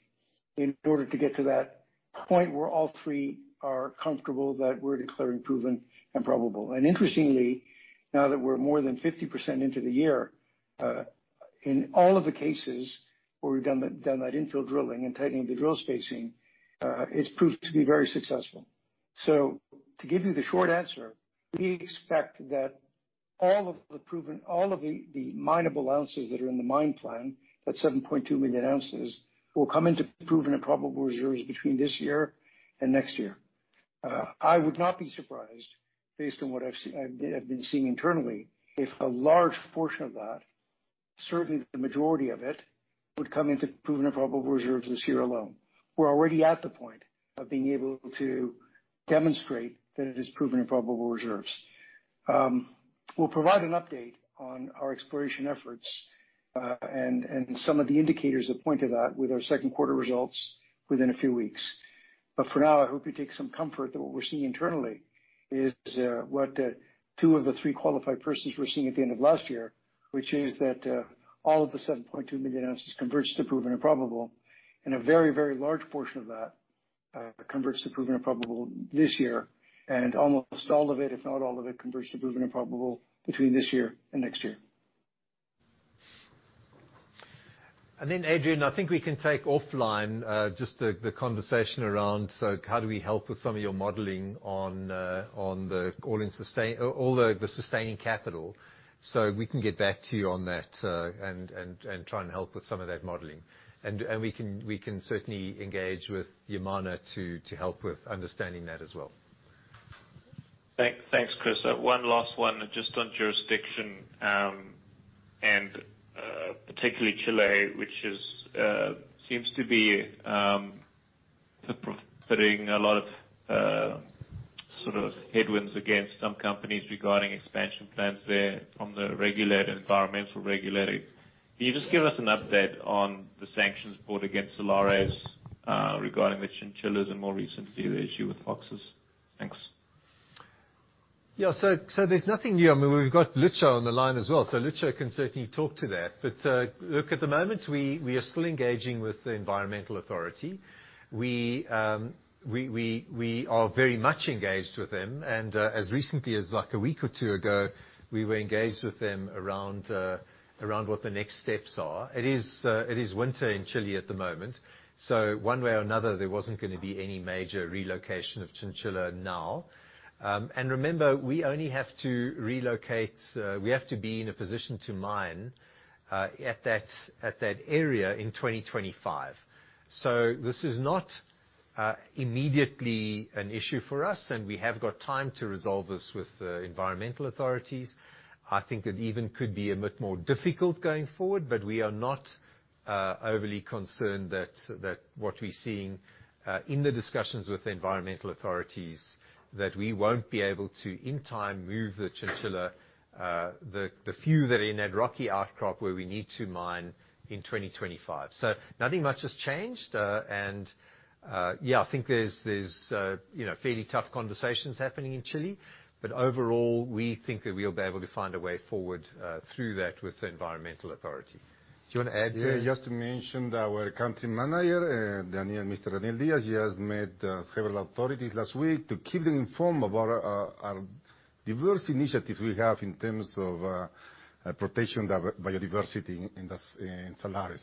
in order to get to that point where all three are comfortable that we're declaring proven and probable. Interestingly, now that we're more than 50% into the year, in all of the cases where we've done that infill drilling and tightening of the drill spacing, it's proved to be very successful. To give you the short answer, we expect that the mineable ounces that are in the mine plan, that 7.2 million oz, will come into proven and probable reserves between this year and next year. I would not be surprised based on what I've been seeing internally, if a large portion of that, certainly the majority of it, would come into proven and probable reserves this year alone. We're already at the point of being able to demonstrate that it is proven and probable reserves. We'll provide an update on our exploration efforts, and some of the indicators that point to that with our second quarter results within a few weeks. For now, I hope you take some comfort that what we're seeing internally is what two of the three qualified persons were seeing at the end of last year, which is that all of the 7.2 million oz converts to proven and probable, and a very, very large portion of that converts to proven and probable this year. Almost all of it, if not all of it, converts to proven and probable between this year and next year. Adrian, I think we can take offline just the conversation around so how do we help with some of your modeling on the all-in sustaining capital, so we can get back to you on that and try and help with some of that modeling. We can certainly engage with Yamana to help with understanding that as well. Thanks, Chris. One last one just on jurisdiction, particularly Chile, which seems to be suffering a lot of sort of headwinds against some companies regarding expansion plans there from the environmental regulator. Can you just give us an update on the sanctions brought against Solaris, regarding the chinchillas and more recently the issue with foxes? Thanks. Yeah. There's nothing new. I mean, we've got Lucho on the line as well, Lucho can certainly talk to that. Look, at the moment, we are still engaging with the environmental authority. We are very much engaged with them. As recently as like a week or two ago, we were engaged with them around what the next steps are. It is winter in Chile at the moment, so one way or another, there wasn't gonna be any major relocation of chinchilla now. Remember, we only have to relocate, we have to be in a position to mine at that area in 2025. This is not immediately an issue for us, and we have got time to resolve this with the environmental authorities. I think it even could be a bit more difficult going forward, but we are not overly concerned that what we're seeing in the discussions with the environmental authorities that we won't be able to in time move the chinchilla the few that are in that rocky outcrop where we need to mine in 2025. Nothing much has changed. Yeah, I think there's you know fairly tough conversations happening in Chile, but overall, we think that we'll be able to find a way forward through that with the environmental authority. Do you wanna add to it? Yeah, just to mention that our country manager, Mr. Manuel Díaz, he has met several authorities last week to keep them informed about our diverse initiatives we have in terms of protection of biodiversity in Salares.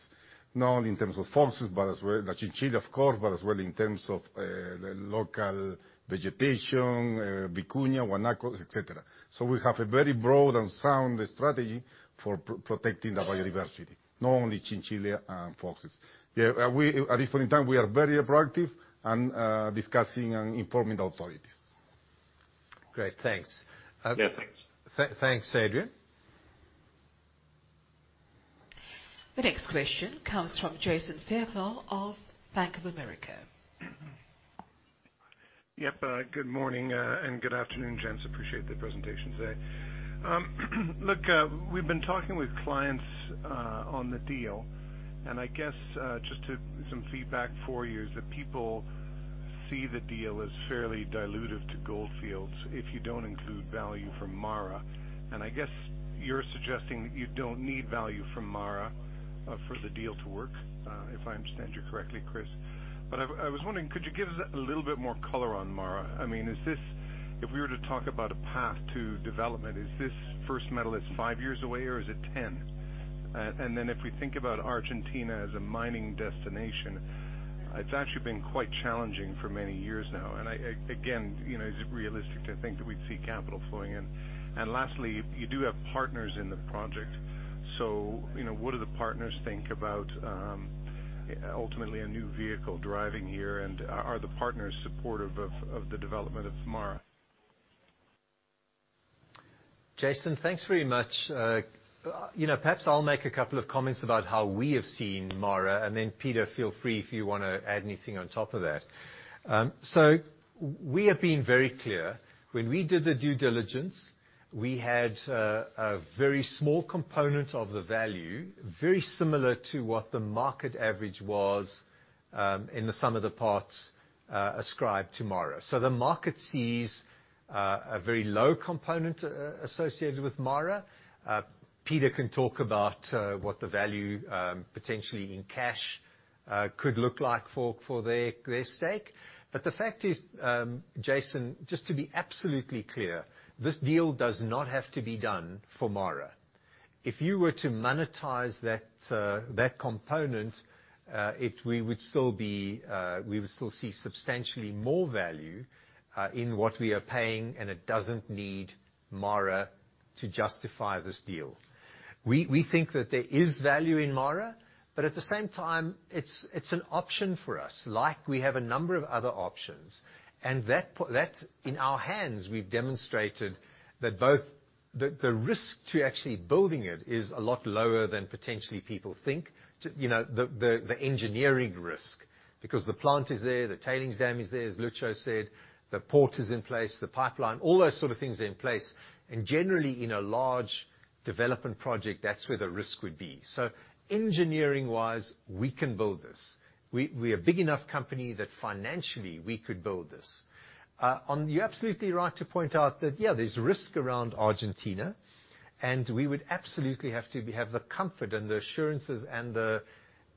Not in terms of foxes, but as well the chinchilla, of course, but as well in terms of the local vegetation, vicuña, guanacos, et cetera. We have a very broad and sound strategy for protecting the biodiversity, not only chinchilla and foxes. Yeah, we at different time, we are very proactive and discussing and informing the authorities. Great. Thanks. Yeah, thanks. Thanks, Adrian. The next question comes from Jason Fairclough of Bank of America. Yep. Good morning and good afternoon, gents. Appreciate the presentation today. Look, we've been talking with clients on the deal, and I guess just some feedback for you is that people see the deal as fairly dilutive to Gold Fields if you don't include value from MARA. I guess you're suggesting that you don't need value from MARA for the deal to work, if I understand you correctly, Chris. I was wondering, could you give us a little bit more color on MARA? I mean, if we were to talk about a path to development, is this first metal that's five years away, or is it 10? Then if we think about Argentina as a mining destination, it's actually been quite challenging for many years now. I again, you know, is it realistic to think that we'd see capital flowing in? Lastly, you do have partners in the project, so, you know, what do the partners think about ultimately a new vehicle driving here, and are the partners supportive of the development of MARA? Jason, thanks very much. You know, perhaps I'll make a couple of comments about how we have seen MARA, and then, Peter, feel free if you wanna add anything on top of that. We have been very clear. When we did the due diligence, we had a very small component of the value, very similar to what the market average was, in the sum of the parts, ascribed to MARA. The market sees a very low component associated with MARA. Peter can talk about what the value potentially in cash could look like for their stake. The fact is, Jason, just to be absolutely clear, this deal does not have to be done for MARA. If you were to monetize that component, we would still see substantially more value, in what we are paying, and it doesn't need Yamana to justify this deal. We think that there is value in Yamana, but at the same time, it's an option for us, like we have a number of other options. That, in our hands, we've demonstrated that the risk to actually building it is a lot lower than potentially people think. You know, the engineering risk, because the plant is there, the tailings dam is there, as Lucho said, the port is in place, the pipeline, all those sort of things are in place. Generally, in a large development project, that's where the risk would be. Engineering-wise, we can build this. We're a big enough company that financially we could build this. You're absolutely right to point out that, yeah, there's risk around Argentina, and we would absolutely have to have the comfort and the assurances and the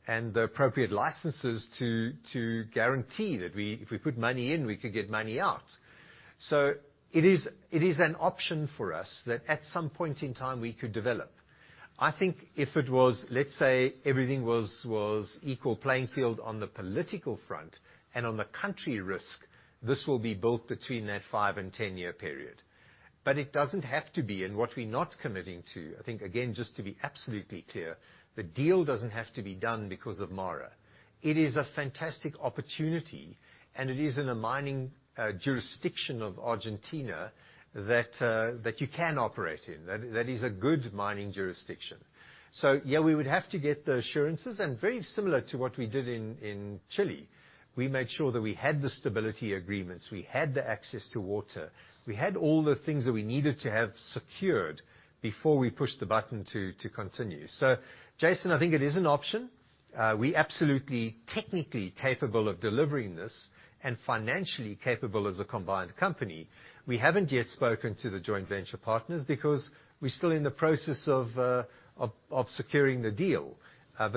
appropriate licenses to guarantee that we, if we put money in, we could get money out. It is an option for us that at some point in time we could develop. I think if it was, let's say, everything was equal playing field on the political front and on the country risk, this will be built between that five and 10-year period. It doesn't have to be, and what we're not committing to, I think, again, just to be absolutely clear, the deal doesn't have to be done because of MARA. It is a fantastic opportunity, and it is in a mining jurisdiction of Argentina that you can operate in. That is a good mining jurisdiction. Yeah, we would have to get the assurances. Very similar to what we did in Chile, we made sure that we had the stability agreements, we had the access to water, we had all the things that we needed to have secured before we pushed the button to continue. Jason, I think it is an option. We're absolutely technically capable of delivering this and financially capable as a combined company. We haven't yet spoken to the joint venture partners because we're still in the process of securing the deal.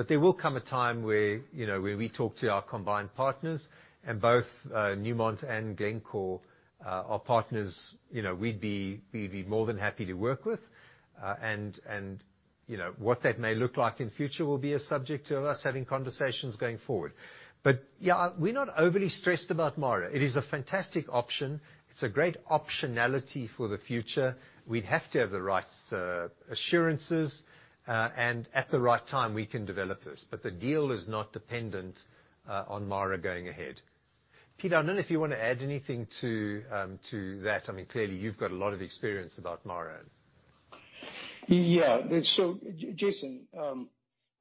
There will come a time where, you know, where we talk to our combined partners and both Newmont and Glencore are partners, you know, we'd be more than happy to work with. You know, what that may look like in future will be a subject of us having conversations going forward. Yeah, we're not overly stressed about MARA. It is a fantastic option. It's a great optionality for the future. We'd have to have the right assurances and at the right time, we can develop this. The deal is not dependent on MARA going ahead. Peter, I don't know if you wanna add anything to that. I mean, clearly you've got a lot of experience about MARA. Jason,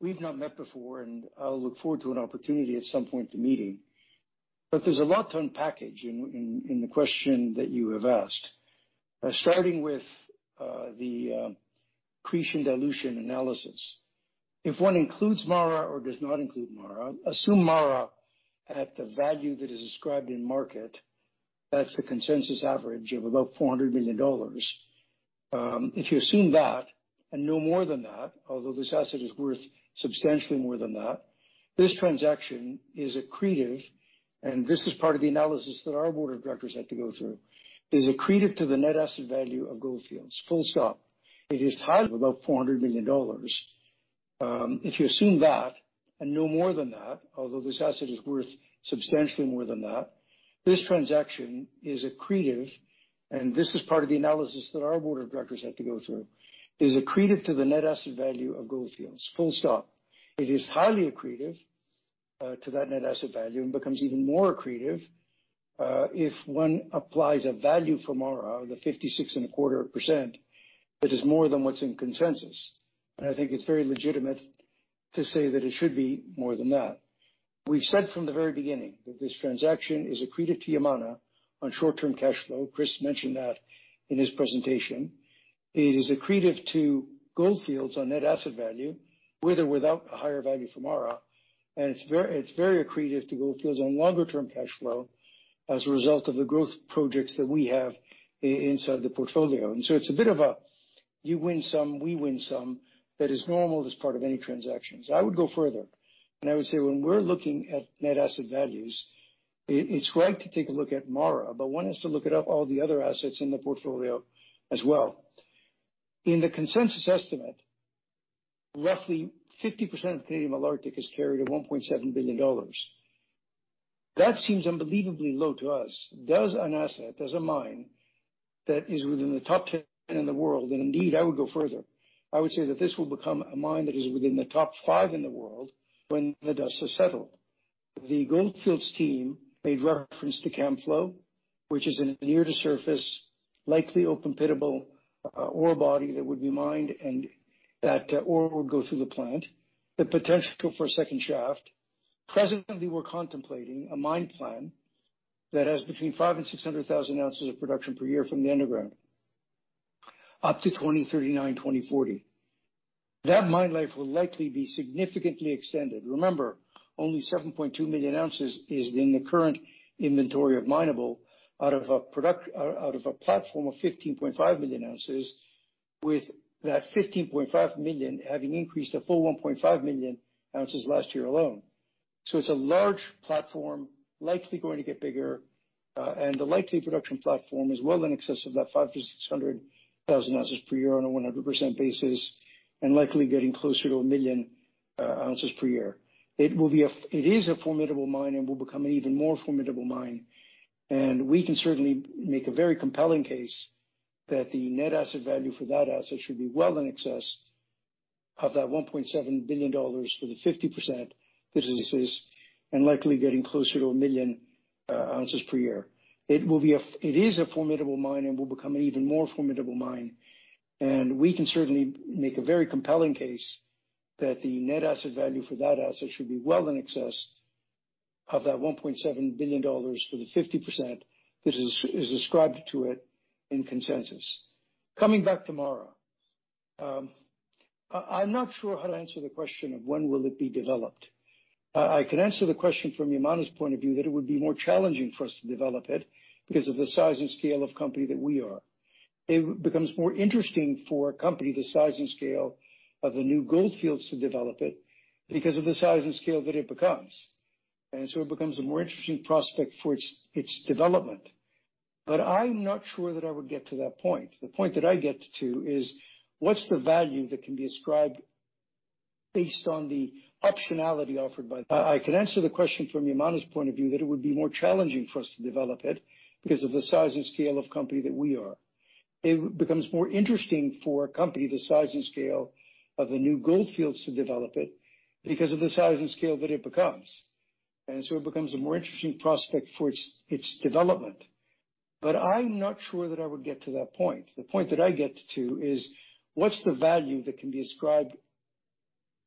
we've not met before, and I'll look forward to an opportunity at some point to meeting. There's a lot to unpack in the question that you have asked. Starting with the accretion dilution analysis. If one includes MARA or does not include MARA, assume MARA at the value that is described in market, that's the consensus average of about $400 million. If you assume that and no more than that, although this asset is worth substantially more than that, this transaction is accretive, and this is part of the analysis that our board of directors had to go through. It is accretive to the net asset value of Gold Fields, full stop. It is highly above $400 million. If you assume that and know more than that, although this asset is worth substantially more than that, this transaction is accretive, and this is part of the analysis that our board of directors had to go through. It is accretive to the net asset value of Gold Fields, full stop. It is highly accretive. To that net asset value and becomes even more accretive, if one applies a value for MARA, the 56.25%, that is more than what's in consensus. I think it's very legitimate to say that it should be more than that. We've said from the very beginning that this transaction is accretive to Yamana on short-term cash flow. Chris mentioned that in his presentation. It is accretive to Gold Fields on net asset value, with or without a higher value for MARA, and it's very accretive to Gold Fields on longer term cash flow as a result of the growth projects that we have inside the portfolio. It's a bit of a you win some, we win some that is normal as part of any transactions. I would go further and I would say when we're looking at net asset values, it's right to take a look at MARA, but one has to look at all the other assets in the portfolio as well. In the consensus estimate, roughly 50% of Canadian Malartic is carried at $1.7 billion. That seems unbelievably low to us. Does a mine that is within the top 10 in the world, and indeed I would go further, I would say that this will become a mine that is within the top 5 in the world when the dust has settled. The Gold Fields team made reference to Camflo, which is a near-surface, likely open-pittable ore body that would be mined and that ore would go through the plant. The potential for a second shaft. Presently, we're contemplating a mine plan that has between 500,000 oz and 600,000 oz of production per year from the underground up to 2039, 2040. That mine life will likely be significantly extended. Remember, only 7.2 million oz is in the current inventory of mineable out of a platform of 15.5 million oz, with that 15.5 million oz having increased a full 1.5 million oz last year alone. It's a large platform, likely going to get bigger, and the likely production platform is well in excess of that 500,000 oz -600,000 oz per year on a 100% basis, and likely getting closer to 1 million oz per year. It is a formidable mine and will become an even more formidable mine, and we can certainly make a very compelling case that the net asset value for that asset should be well in excess of that $1.7 billion for the 50% that is ascribed to it in consensus. Coming back to MARA. I'm not sure how to answer the question of when it will be developed. I can answer the question from Yamana's point of view that it would be more challenging for us to develop it because of the size and scale of company that we are. It becomes more interesting for a company the size and scale of the new Gold Fields to develop it because of the size and scale that it becomes. It becomes a more interesting prospect for its development. I'm not sure that I would get to that point. The point that I get to is what's the value that can be ascribed based on the optionality offered by. It becomes more interesting for a company the size and scale of the new Gold Fields to develop it because of the size and scale that it becomes. It becomes a more interesting prospect for its development. I'm not sure that I would get to that point. The point that I get to is what's the value that can be ascribed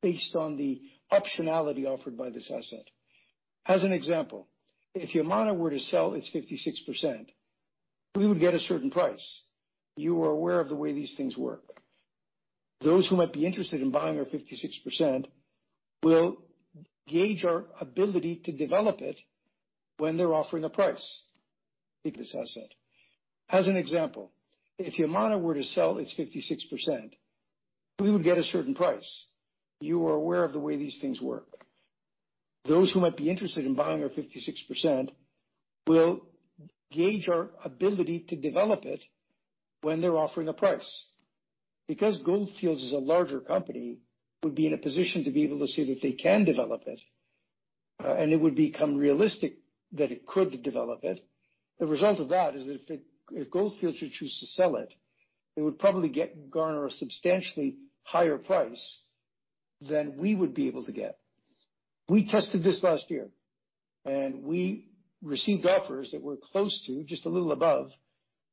based on the optionality offered by this asset? As an example, if Yamana were to sell its 56%, we would get a certain price. You are aware of the way these things work. Those who might be interested in buying our 56% will gauge our ability to develop it when they're offering a price for this asset. As an example, if Yamana were to sell its 56%, we would get a certain price. You are aware of the way these things work. Those who might be interested in buying our 56% will gauge our ability to develop it when they're offering a price. Because Gold Fields is a larger company, would be in a position to be able to say that they can develop it, and it would become realistic that it could develop it. The result of that is that if Gold Fields should choose to sell it would probably garner a substantially higher price than we would be able to get. We tested this last year, and we received offers that were close to, just a little above,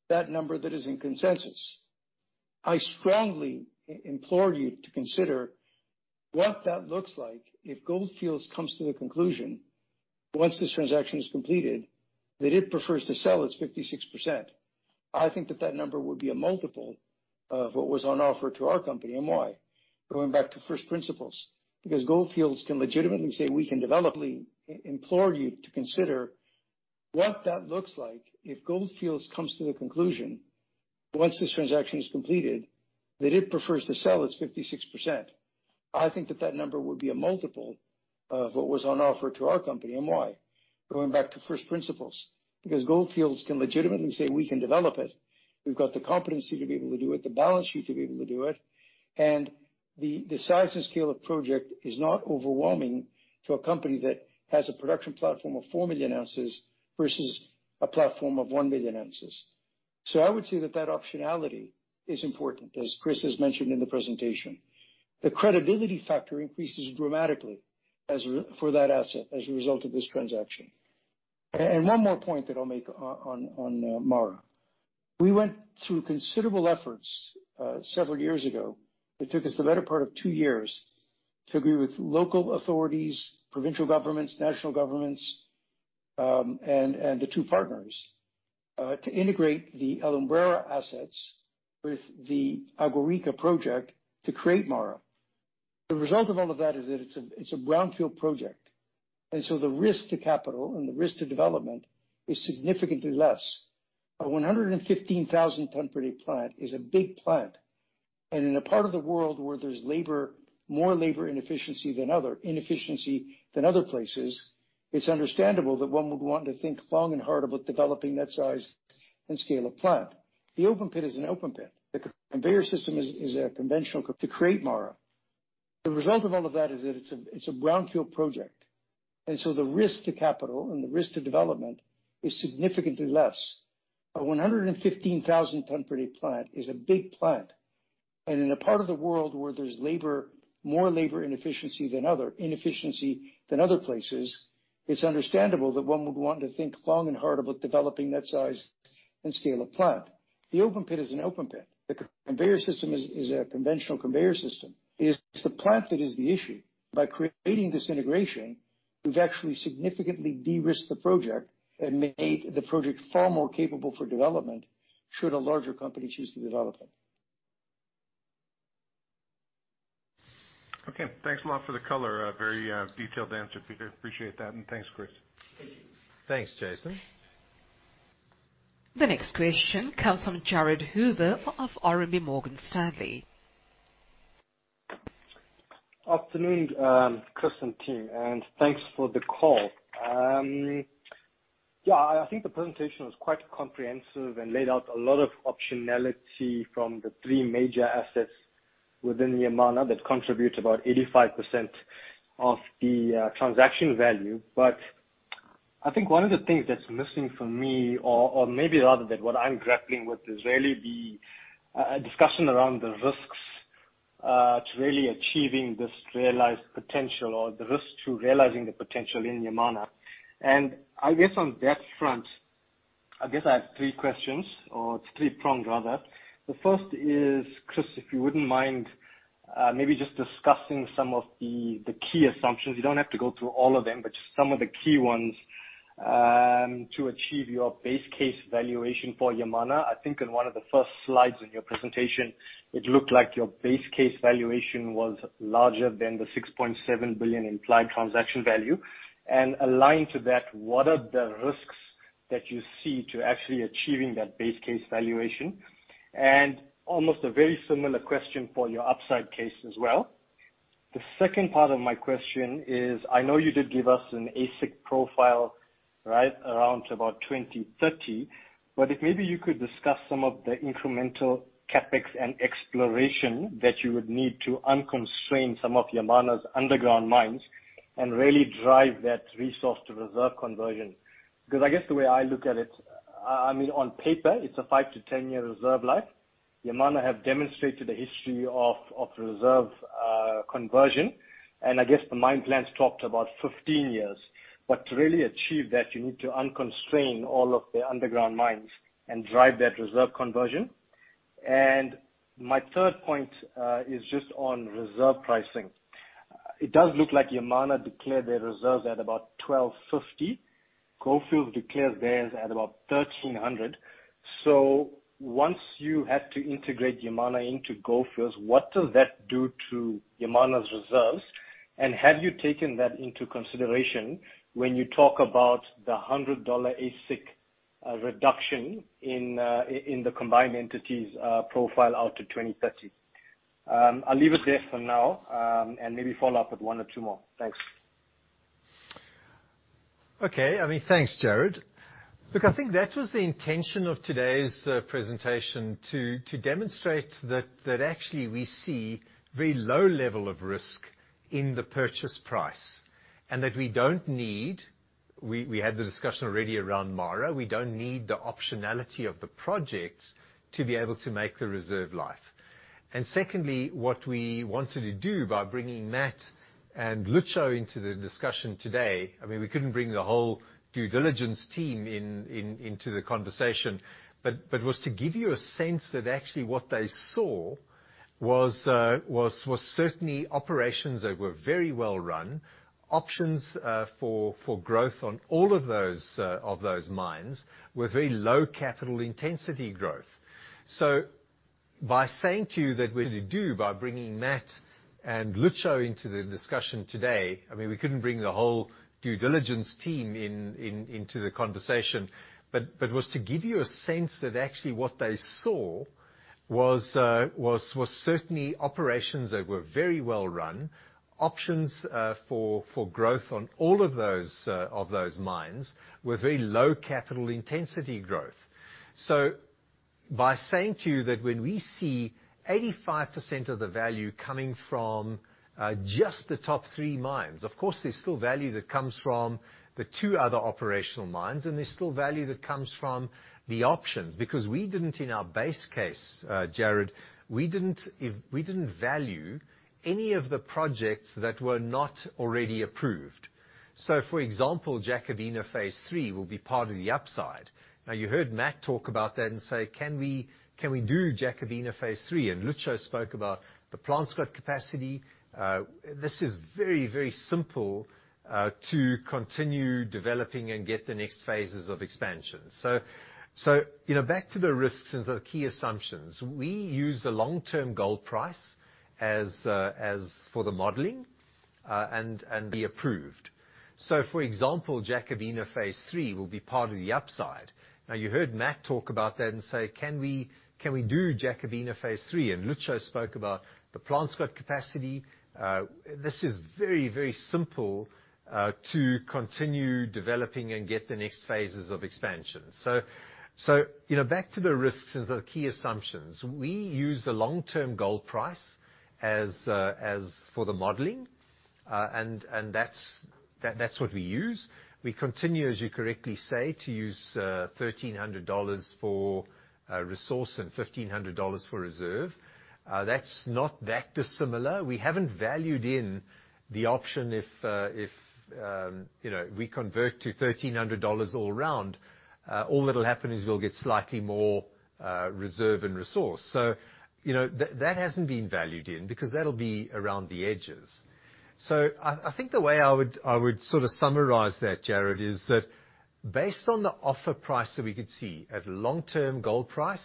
that number that is in consensus. I strongly implore you to consider what that looks like if Gold Fields comes to the conclusion, once this transaction is completed, that it prefers to sell its 56%. I think that number would be a multiple of what was on offer to our company, and why? Going back to first principles, because Gold Fields can legitimately say we can develop it. We implore you to consider what that looks like if Gold Fields comes to the conclusion, once this transaction is completed, that it prefers to sell its 56%. I think that number would be a multiple of what was on offer to our company, and why? Going back to first principles, because Gold Fields can legitimately say we can develop it. We've got the competency to be able to do it, the balance sheet to be able to do it, and the size and scale of project is not overwhelming to a company that has a production platform of 4 million oz versus a platform of 1 million oz. I would say that optionality is important, as Chris has mentioned in the presentation. The credibility factor increases dramatically for that asset as a result of this transaction. One more point that I'll make on MARA. We went through considerable efforts several years ago. It took us the better part of two years to agree with local authorities, provincial governments, national governments, and the two partners to integrate the Alumbrera assets with the Agua Rica project to create MARA. The result of all of that is that it's a brownfield project. The risk to capital and the risk to development is significantly less. A 115,000-ton per day plant is a big plant. In a part of the world where there's more labor inefficiency than other places, it's understandable that one would want to think long and hard about developing that size and scale of plant. The open pit is an open pit. The conveyor system is a conventional overland conveyor. In a part of the world where there's labor, more labor inefficiency than other places, it's understandable that one would want to think long and hard about developing that size and scale of plant. The open pit is an open pit. The conveyor system is a conventional conveyor system. It is the plant that is the issue. By creating this integration, we've actually significantly de-risked the project and made the project far more capable for development should a larger company choose to develop it. Okay. Thanks a lot for the color. A very, detailed answer, Peter. Appreciate that. Thanks, Chris. Thank you. Thanks, Jason. The next question comes from Jared Hoover of RMB Morgan Stanley. Afternoon, Chris and team, and thanks for the call. Yeah, I think the presentation was quite comprehensive and laid out a lot of optionality from the three major assets within Yamana that contribute about 85% of the transaction value. I think one of the things that's missing for me, or maybe rather what I'm grappling with, is really the discussion around the risks to really achieving this realized potential or the risk to realizing the potential in Yamana. I guess on that front, I guess I have three questions, or it's three-pronged, rather. The first is, Chris, if you wouldn't mind, maybe just discussing some of the key assumptions. You don't have to go through all of them, but just some of the key ones, to achieve your base case valuation for Yamana. I think in one of the first slides in your presentation, it looked like your base case valuation was larger than the $6.7 billion implied transaction value. Aligned to that, what are the risks that you see to actually achieving that base case valuation? Almost a very similar question for your upside case as well. The second part of my question is, I know you did give us an AISC profile right around about 2030, but if maybe you could discuss some of the incremental CapEx and exploration that you would need to unconstrain some of Yamana's underground mines and really drive that resource-to-reserve conversion. Because I guess the way I look at it, I mean, on paper, it's a five to 10-year reserve life. Yamana have demonstrated a history of reserve conversion, and I guess the mine plans talked about 15 years. To really achieve that, you need to unconstrain all of the underground mines and drive that reserve conversion. My third point is just on reserve pricing. It does look like Yamana declared their reserves at about $1,250. Gold Fields declared theirs at about $1,300. Once you had to integrate Yamana into Gold Fields, what does that do to Yamana's reserves? Have you taken that into consideration when you talk about the $100 AISC reduction in the combined entity's profile out to 2030? I'll leave it there for now, and maybe follow up with one or two more. Thanks. Okay. I mean, thanks, Jared. Look, I think that was the intention of today's presentation, to demonstrate that actually we see very low level of risk in the purchase price. We had the discussion already around Yamana. We don't need the optionality of the projects to be able to make the reserve life. Secondly, what we wanted to do by bringing Matt and Lucho into the discussion today, I mean, we couldn't bring the whole due diligence team into the conversation, but was to give you a sense that actually what they saw was certainly operations that were very well run. Options for growth on all of those mines with very low capital intensity growth. By bringing Matt and Lucho into the discussion today, I mean, we couldn't bring the whole due diligence team into the conversation, but was to give you a sense that actually what they saw was certainly operations that were very well run. Options for growth on all of those mines with very low capital intensity growth. By saying to you that when we see 85% of the value coming from just the top three mines, of course, there's still value that comes from the two other operational mines, and there's still value that comes from the options, because we didn't in our base case, Jared, we didn't value any of the projects that were not already approved. For example, Jacobina phase three will be part of the upside. Now, you heard Matt talk about that and say, "Can we do Jacobina phase three?" Lucho spoke about the plant's got capacity. This is very, very simple to continue developing and get the next phases of expansion. You know, back to the risks and the key assumptions. We use the long-term gold price as for the modeling and be approved. For example, Jacobina phase three will be part of the upside. Now, you heard Matt talk about that and say, "Can we do Jacobina phase three?" Lucho spoke about the plant's got capacity. This is very, very simple to continue developing and get the next phases of expansion. You know, back to the risks and the key assumptions. We use the long-term gold price as for the modeling, and that's what we use. We continue, as you correctly say, to use $1,300 for resource and $1,500 for reserve. That's not that dissimilar. We haven't valued in the option if you know, we convert to $1,300 all round, all that'll happen is we'll get slightly more reserve and resource. You know, that hasn't been valued in because that'll be around the edges. I think the way I would sort of summarize that, Jared, is that based on the offer price that we could see at long-term gold price,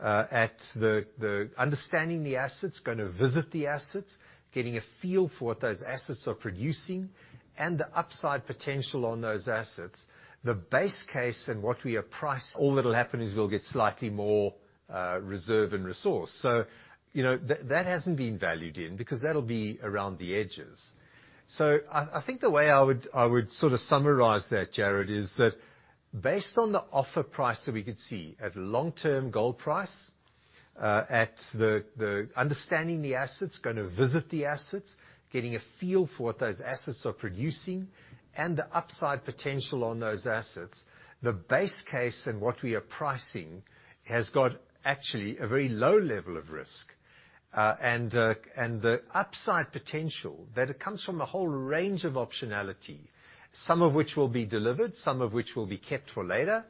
at the understanding the assets, gonna visit the assets, getting a feel for what those assets are producing and the upside potential on those assets. The base case and what we are pricing all that'll happen is we'll get slightly more reserve and resource. You know, that hasn't been valued in because that'll be around the edges. I think the way I would sort of summarize that, Jared, is that based on the offer price that we could see at long-term gold price, at the understanding the assets, gonna visit the assets, getting a feel for what those assets are producing and the upside potential on those assets. The base case and what we are pricing has got actually a very low level of risk. The upside potential that it comes from a whole range of optionality, some of which will be delivered, some of which will be kept for later,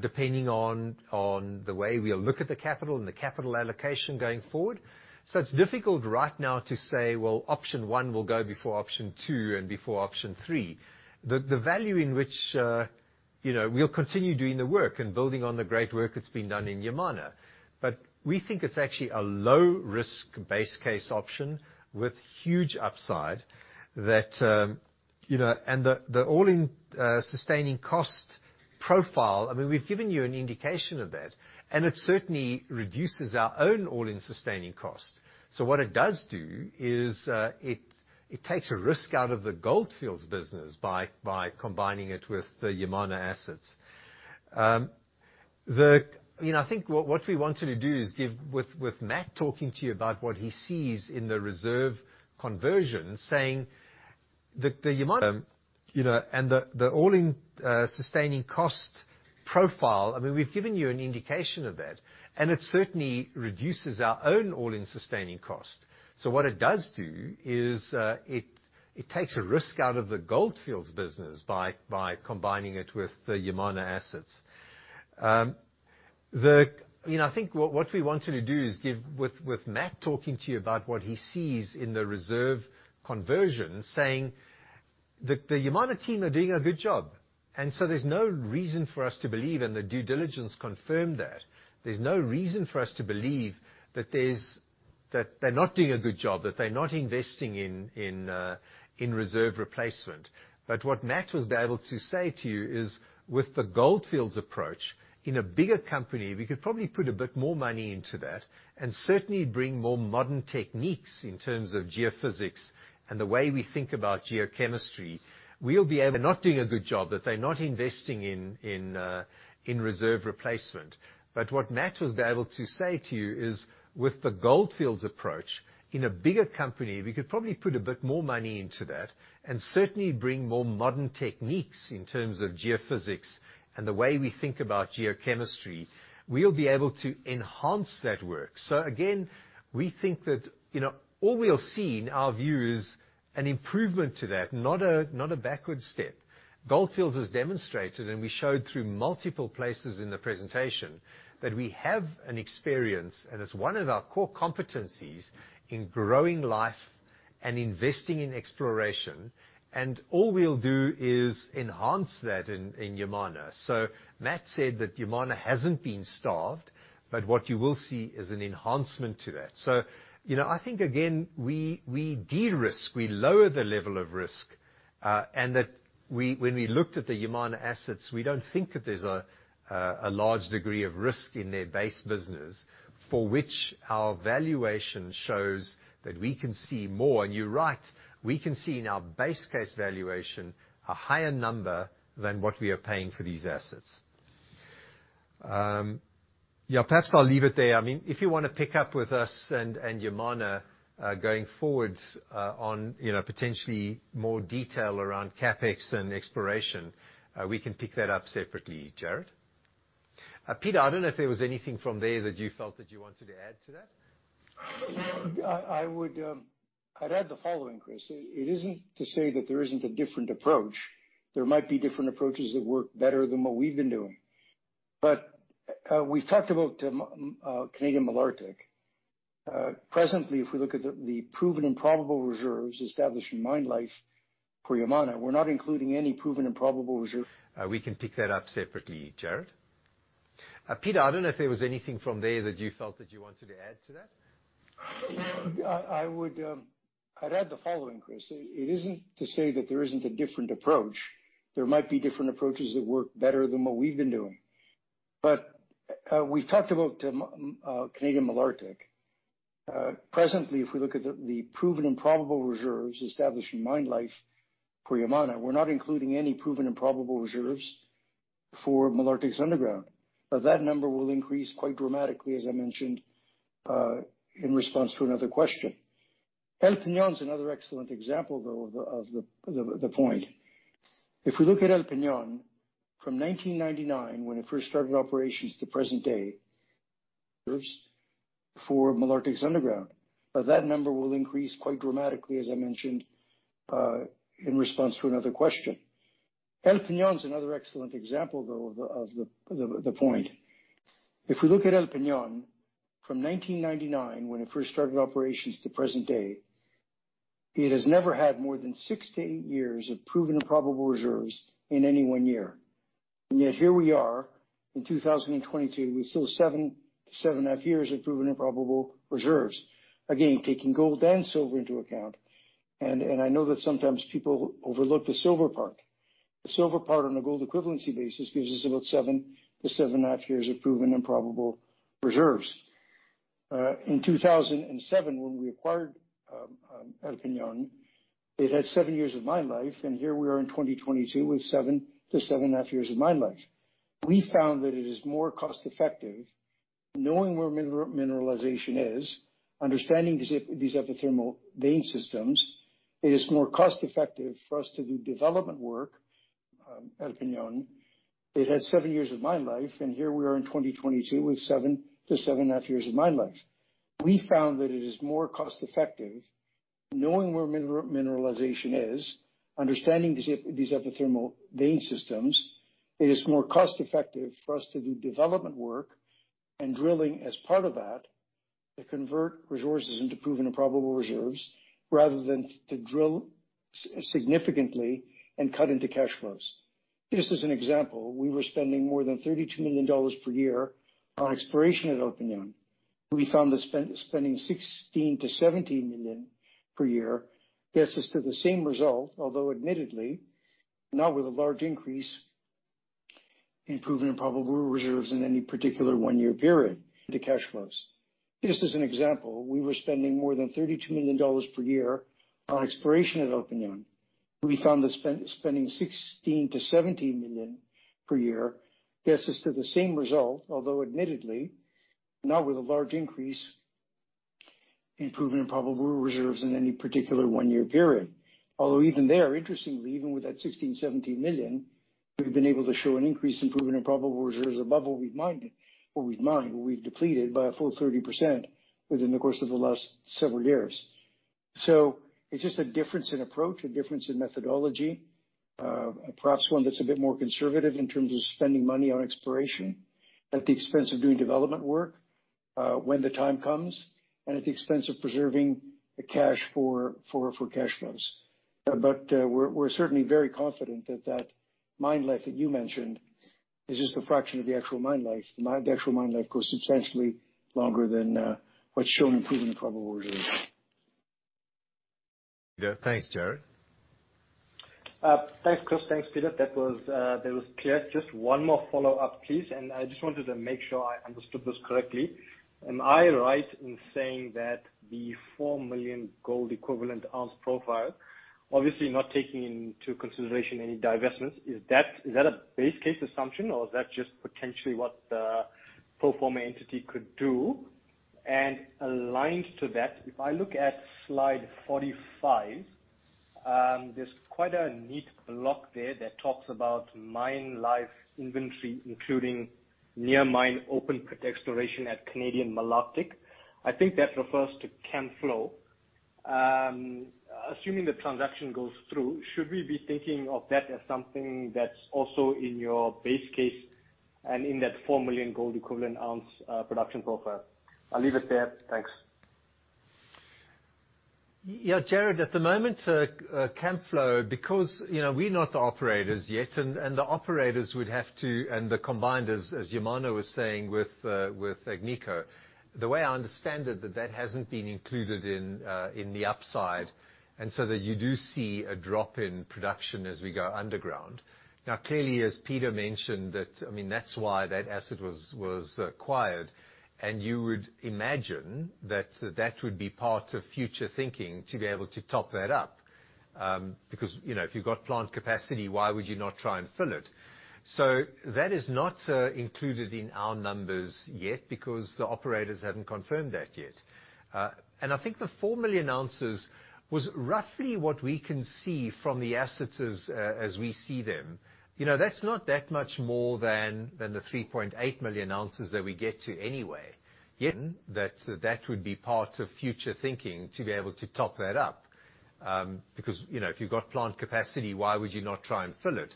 depending on the way we'll look at the capital and the capital allocation going forward. It's difficult right now to say, "Well, option one will go before option two and before option three." The value in which, you know, we'll continue doing the work and building on the great work that's been done in Yamana. We think it's actually a low-risk base case option with huge upside that, you know. The all-in sustaining cost profile, I mean, we've given you an indication of that, and it certainly reduces our own all-in sustaining cost. What it does do is, it takes a risk out of the Gold Fields business by combining it with the Yamana assets. You know, I think what we wanted to do is give with Matt talking to you about what he sees in the reserve conversion, saying the Yamana, you know, and the all-in sustaining cost profile, I mean, we've given you an indication of that, and it certainly reduces our own all-in sustaining cost. What it does do is, it takes a risk out of the Gold Fields business by combining it with the Yamana assets. You know, I think what we wanted to do is give with Matt talking to you about what he sees in the reserve conversion, saying the Yamana team are doing a good job. There's no reason for us to believe, and the due diligence confirmed that there's no reason for us to believe that they're not doing a good job, that they're not investing in reserve replacement. But what Matt was able to say to you is, with the Gold Fields approach, in a bigger company, we could probably put a bit more money into that and certainly bring more modern techniques in terms of geophysics and the way we think about geochemistry. We'll be able to enhance that work. Again, we think that, you know, all we'll see in our view is an improvement to that, not a backward step. Gold Fields has demonstrated, and we showed through multiple places in the presentation, that we have an experience, and it's one of our core competencies in growing life and investing in exploration, and all we'll do is enhance that in Yamana. Matt said that Yamana hasn't been starved, but what you will see is an enhancement to that. You know, I think again, we de-risk, we lower the level of risk, and when we looked at the Yamana assets, we don't think that there's a large degree of risk in their base business for which our valuation shows that we can see more. You're right, we can see in our base case valuation a higher number than what we are paying for these assets. Yeah, perhaps I'll leave it there. I mean, if you wanna pick up with us and Yamana going forward, you know, potentially more detail around CapEx and exploration, we can pick that up separately, Jared. Peter, I don't know if there was anything from there that you felt that you wanted to add to that. Well, I would add the following, Chris. It isn't to say that there isn't a different approach. There might be different approaches that work better than what we've been doing. We've talked about Canadian Malartic. Presently, if we look at the proven and probable reserves establishing mine life for Yamana, we're not including any proven and probable reserves for Malartic underground, but that number will increase quite dramatically, as I mentioned in response to another question. El Peñón's another excellent example, though, of the point. If we look at El Peñón from 1999 when it first started operations to present day, it has never had more than six to eight years of proven and probable reserves in any one year. Yet, here we are in 2022 with still seven, 7.5 years of proven and probable reserves, again, taking gold and silver into account. I know that sometimes people overlook the silver part. The silver part on a gold equivalency basis gives us about seven, 7.5 years of proven and probable reserves. In 2007, when we acquired El Peñón, it had seven years of mine life, and here we are in 2022 with seven to 7.5 years of mine life. We found that it is more cost effective knowing where mineralization is, understanding these epithermal vein systems. It is more cost effective for us to do development work, and drilling as part of that to convert resources into proven and probable reserves rather than to drill significantly and cut into cash flows. Just as an example, we were spending more than $32 million per year on exploration at El Peñón. We found that spending $16 million-$17 million per year gets us to the same result, although admittedly not with a large increase in proven and probable reserves in any particular one-year period. Although even there, interestingly, even with that $16 million-$17 million, we've been able to show an increase in proven and probable reserves above what we've mined, what we've depleted by a full 30% within the course of the last several years. It's just a difference in approach, a difference in methodology, perhaps one that's a bit more conservative in terms of spending money on exploration at the expense of doing development work, when the time comes, and at the expense of preserving the cash for cash flows. We're certainly very confident that that mine life that you mentioned is just a fraction of the actual mine life. The actual mine life goes substantially longer than what's shown in proven and probable reserves. Thanks, Jared. Thanks, Chris. Thanks, Peter. That was clear. Just one more follow-up, please, and I just wanted to make sure I understood this correctly. Am I right in saying that the 4 million gold equivalent ounce profile, obviously not taking into consideration any divestments, is that a base case assumption or is that just potentially what the pro forma entity could do? Aligned to that, if I look at slide 45, there's quite a neat block there that talks about mine life inventory, including near mine open pit exploration at Canadian Malartic. I think that refers to Camflo. Assuming the transaction goes through, should we be thinking of that as something that's also in your base case and in that 4 million gold equivalent ounce production profile? I'll leave it there. Thanks. Yeah, Jared, at the moment, Camflo, because, you know, we're not the operators yet, and the combined, as Yamana was saying with Agnico. The way I understand it, that hasn't been included in the upside. That you do see a drop in production as we go underground. Now, clearly, as Peter mentioned, I mean, that's why that asset was acquired. You would imagine that would be part of future thinking to be able to top that up. Because, you know, if you've got plant capacity, why would you not try and fill it? That is not included in our numbers yet because the operators haven't confirmed that yet. I think the 4 million oz was roughly what we can see from the assets as we see them. You know, that's not that much more than the 3.8 million oz that we get to anyway. Again, that would be part of future thinking to be able to top that up. Because, you know, if you've got plant capacity, why would you not try and fill it?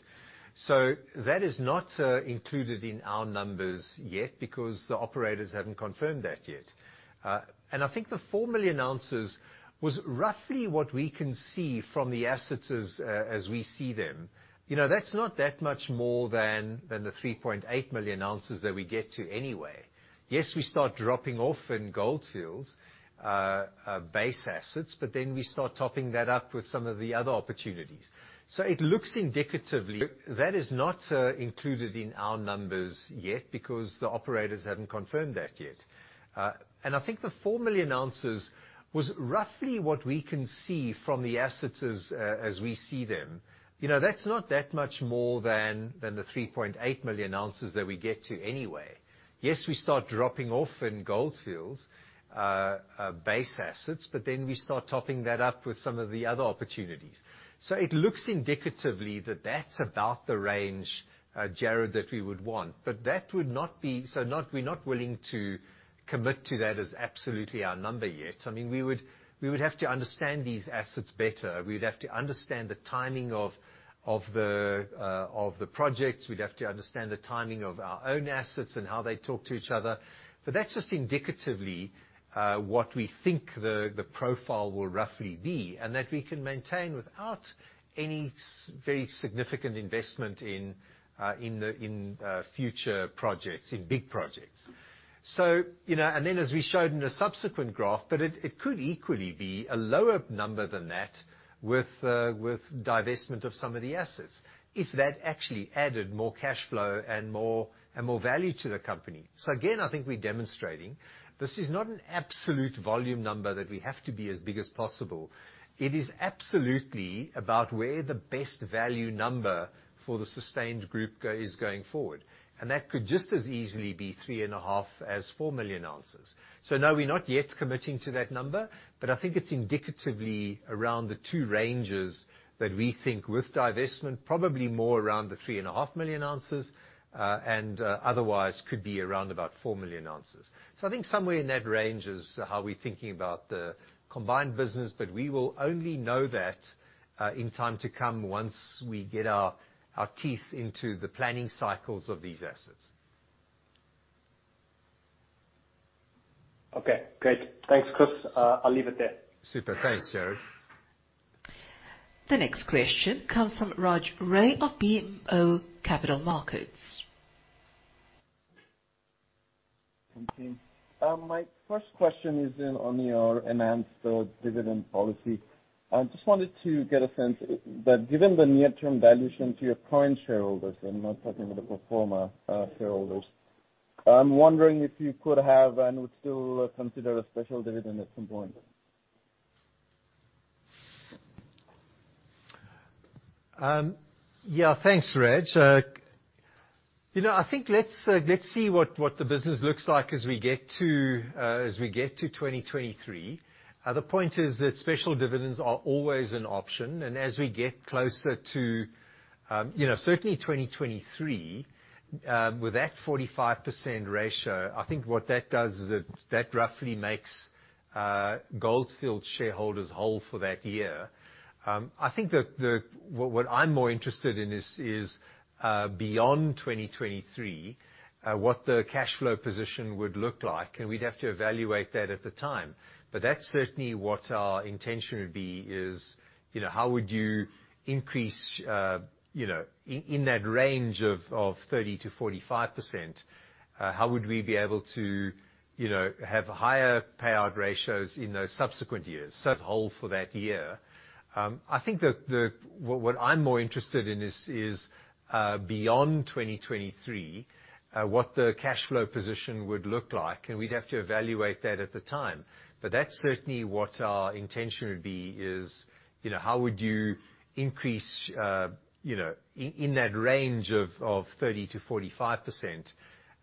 That is not included in our numbers yet because the operators haven't confirmed that yet. Yes, we start dropping off in Gold Fields' base assets, but then we start topping that up with some of the other opportunities. It looks indicatively that that is not included in our numbers yet because the operators haven't confirmed that yet. I think the 4 million oz was roughly what we can see from the assets as we see them. You know, that's not that much more than the 3.8 million oz that we get to anyway. Yes, we start dropping off in Gold Fields' base assets, but then we start topping that up with some of the other opportunities. It looks indicatively that that's about the range, Jared, that we would want. But we're not willing to commit to that as absolutely our number yet. I mean, we would have to understand these assets better. We'd have to understand the timing of the projects. We'd have to understand the timing of our own assets and how they talk to each other. That's just indicatively what we think the profile will roughly be, and that we can maintain without any very significant investment in future projects, in big projects. You know, then as we showed in a subsequent graph, it could equally be a lower number than that with divestment of some of the assets, if that actually added more cash flow and more value to the company. Again, I think we're demonstrating this is not an absolute volume number that we have to be as big as possible. It is absolutely about where the best value number for the sustained group is going forward. That could just as easily be 3.5 million oz as 4 million oz. No, we're not yet committing to that number, but I think it's indicatively around the two ranges that we think with divestment, probably more around the 3.5 million oz, and otherwise could be around about 4 million oz. I think somewhere in that range is how we're thinking about the combined business, but we will only know that, in time to come once we get our teeth into the planning cycles of these assets. Okay, great. Thanks, Chris. I'll leave it there. Super. Thanks, Jared. The next question comes from Raj Ray of BMO Capital Markets. Thanks. My first question is on your enhanced dividend policy. I just wanted to get a sense, but given the near-term dilution to your current shareholders, I'm not talking about the former shareholders. I'm wondering if you could and would still consider a special dividend at some point. Yeah, thanks, Raj. You know, I think let's see what the business looks like as we get to 2023. The point is that special dividends are always an option. As we get closer to, you know, certainly 2023, with that 45% ratio, I think what that does is that roughly makes Gold Fields shareholders whole for that year. I think what I'm more interested in is beyond 2023, what the cash flow position would look like, and we'd have to evaluate that at the time. That's certainly what our intention would be is, you know, how would you increase, you know, in that range of 30%-45%, how would we be able to, you know, have higher payout ratios in those subsequent years. Whole for that year. I think the-- what I'm more interested in is, beyond 2023, what the cash flow position would look like, and we'd have to evaluate that at the time. That's certainly what our intention would be is, you know, how would you increase, you know, in that range of 30%-45%,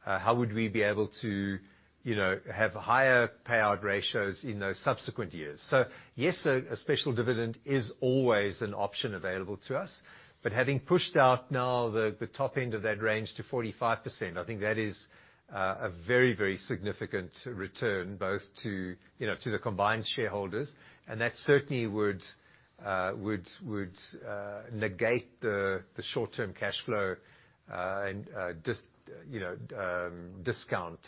how would we be able to, you know, have higher payout ratios in those subsequent years. Yes, a special dividend is always an option available to us. Having pushed out now the top end of that range to 45%, I think that is a very, very significant return both to, you know, to the combined shareholders, and that certainly would negate the short-term cash flow, and discount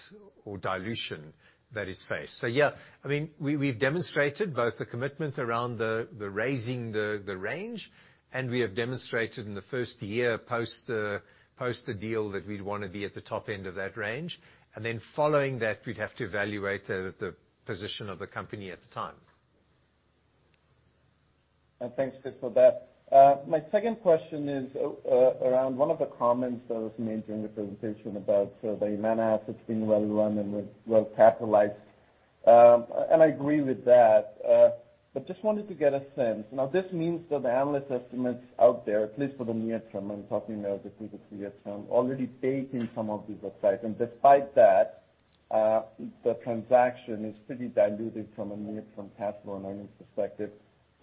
or dilution that is faced. So yeah, I mean, we've demonstrated both the commitment around the raising the range, and we have demonstrated in the first year post the deal that we'd wanna be at the top end of that range. Then following that, we'd have to evaluate the position of the company at the time. Thanks, Chris, for that. My second question is around one of the comments that was made during the presentation about the Yamana assets being well-run and well capitalized. I agree with that, but just wanted to get a sense. Now, this means that the analyst estimates out there, at least for the near term, I'm talking now the previous near-term, already bake in some of these upsides, and despite that, the transaction is pretty diluted from a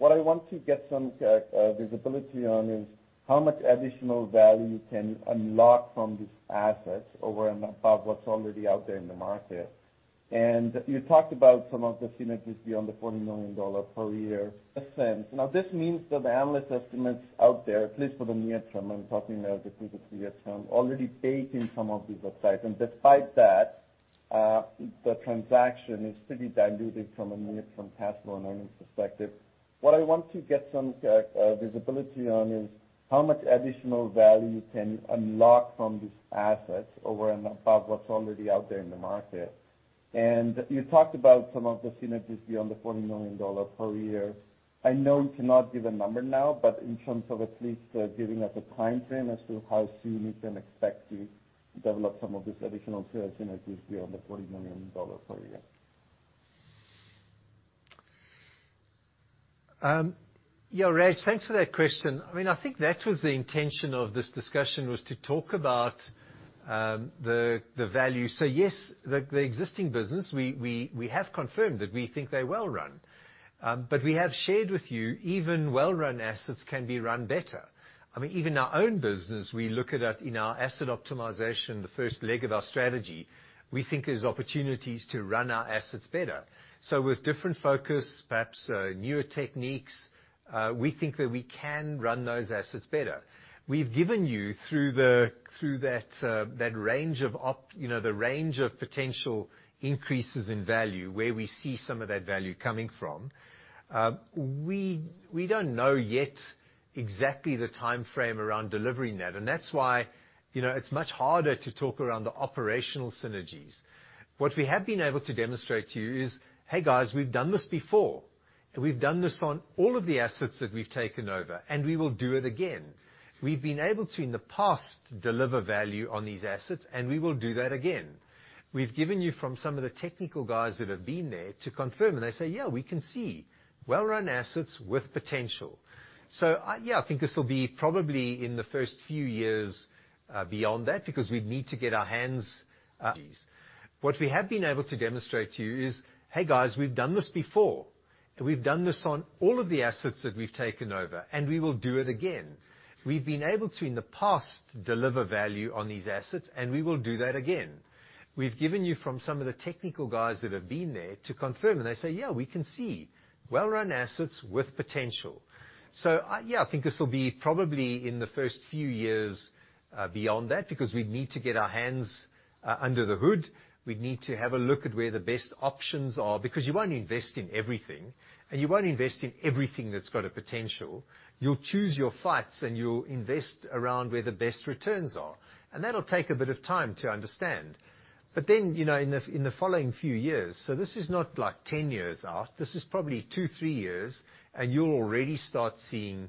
near-term cash flow and earnings perspective. Yeah, Raj, thanks for that question. I mean, I think that was the intention of this discussion, was to talk about the value. Yes, the existing business, we have confirmed that we think they're well-run. We have shared with you even well-run assets can be run better. I mean, even our own business, we look at it in our asset optimization, the first leg of our strategy, we think there's opportunities to run our assets better. With different focus, perhaps, newer techniques, we think that we can run those assets better. We've given you through that, you know, the range of potential increases in value where we see some of that value coming from. We don't know yet exactly the timeframe around delivering that, and that's why, you know, it's much harder to talk about the operational synergies. What we have been able to demonstrate to you is, hey guys, we've done this before, and we've done this on all of the assets that we've taken over, and we will do it again. We've been able to, in the past, deliver value on these assets, and we will do that again. We've given you from some of the technical guys that have been there to confirm, and they say, "Yeah, we can see well-run assets with potential." Yeah, I think this will be probably in the first few years, beyond that because we'd need to get our hands on these. What we have been able to demonstrate to you is, hey guys, we've done this before, and we've done this on all of the assets that we've taken over, and we will do it again. We've been able to, in the past, deliver value on these assets, and we will do that again. We've given you from some of the technical guys that have been there to confirm, and they say, "Yeah, we can see well-run assets with potential." Yeah, I think this will be probably in the first few years, beyond that, because we'd need to get our hands under the hood. We'd need to have a look at where the best options are, because you won't invest in everything, and you won't invest in everything that's got a potential. You'll choose your fights, and you'll invest around where the best returns are. That'll take a bit of time to understand. Then, you know, in the following few years, so this is not like 10 years out, this is probably two, three years, and you'll already start seeing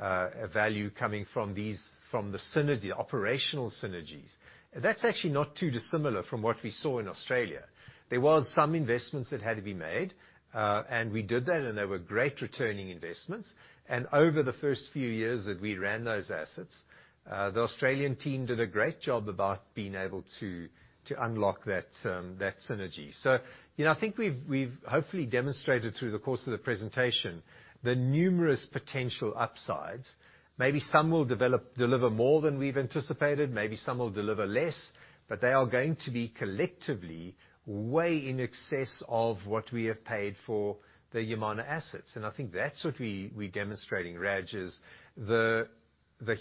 a value coming from these, from the synergy, operational synergies. That's actually not too dissimilar from what we saw in Australia. There was some investments that had to be made, and we did that, and they were great returning investments. Over the first few years that we ran those assets, the Australian team did a great job about being able to unlock that synergy. You know, I think we've hopefully demonstrated through the course of the presentation the numerous potential upsides. Maybe some will deliver more than we've anticipated, maybe some will deliver less, but they are going to be collectively way in excess of what we have paid for the Yamana assets. I think that's what we're demonstrating, Raj, is the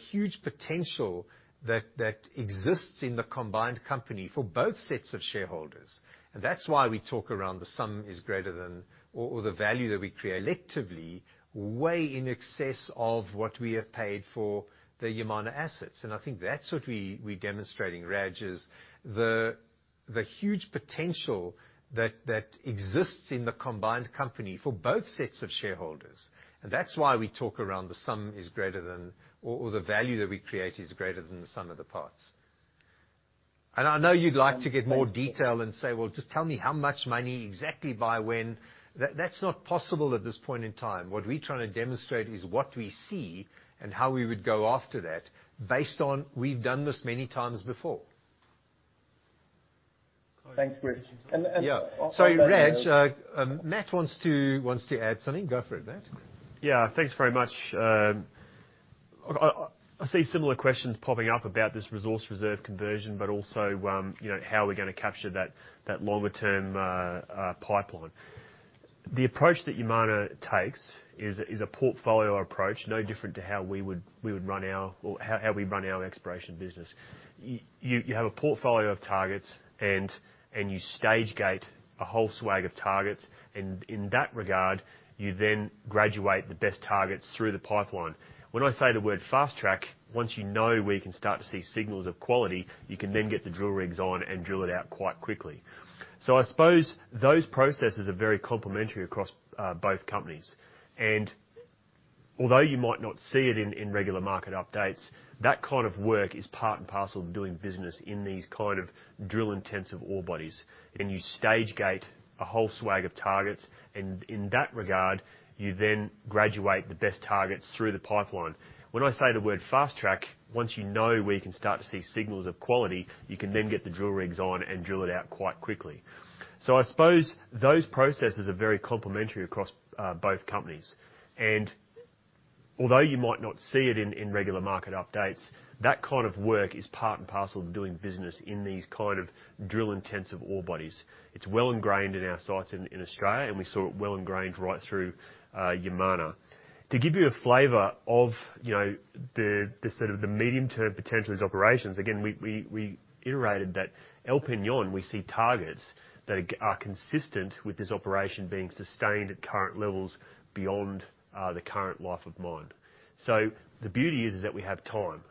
huge potential that exists in the combined company for both sets of shareholders. That's why we talk around the sum is greater than or the value that we create is greater than the sum of the parts. I know you'd like to get more detail and say, "Well, just tell me how much money exactly by when." That's not possible at this point in time. What we're trying to demonstrate is what we see and how we would go after that based on we've done this many times before. Thanks, Chris. Yeah. Sorry, Raj. Matt wants to add something. Go for it, Matt. Yeah. Thanks very much. I see similar questions popping up about this resource reserve conversion, but also, you know, how we're gonna capture that longer-term pipeline. The approach that Yamana takes is a portfolio approach, no different to how we run our exploration business. You have a portfolio of targets, and you stage-gate a whole swag of targets. In that regard, you then graduate the best targets through the pipeline. When I say the word fast track, once you know where you can start to see signals of quality, you can then get the drill rigs on and drill it out quite quickly. I suppose those processes are very complementary across both companies. Although you might not see it in regular market updates, that kind of work is part and parcel of doing business in these kind of drill-intensive ore bodies. You stage-gate a whole swag of targets. In that regard, you then graduate the best targets through the pipeline. When I say the word fast track, once you know where you can start to see signals of quality, you can then get the drill rigs on and drill it out quite quickly. I suppose those processes are very complementary across both companies. Although you might not see it in regular market updates, that kind of work is part and parcel of doing business in these kind of drill-intensive ore bodies. It's well ingrained in our sites in Australia, and we saw it well ingrained right through Yamana. To give you a flavor of the sort of medium-term potential of these operations, again, we iterated that El Peñón, we see targets that are consistent with this operation being sustained at current levels beyond the current life of mine. The beauty is that we have time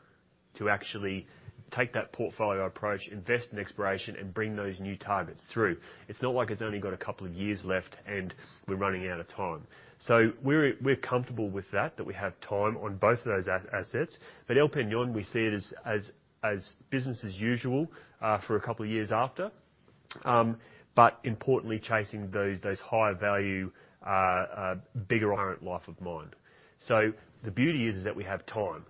to actually take that portfolio approach, invest in exploration and bring those new targets through. It's not like it's only got a couple of years left and we're running out of time. We're comfortable with that we have time on both of those assets. El Peñón, we see it as business as usual for a couple of years after. Importantly, chasing those higher value bigger current life of mine. The beauty is that we have time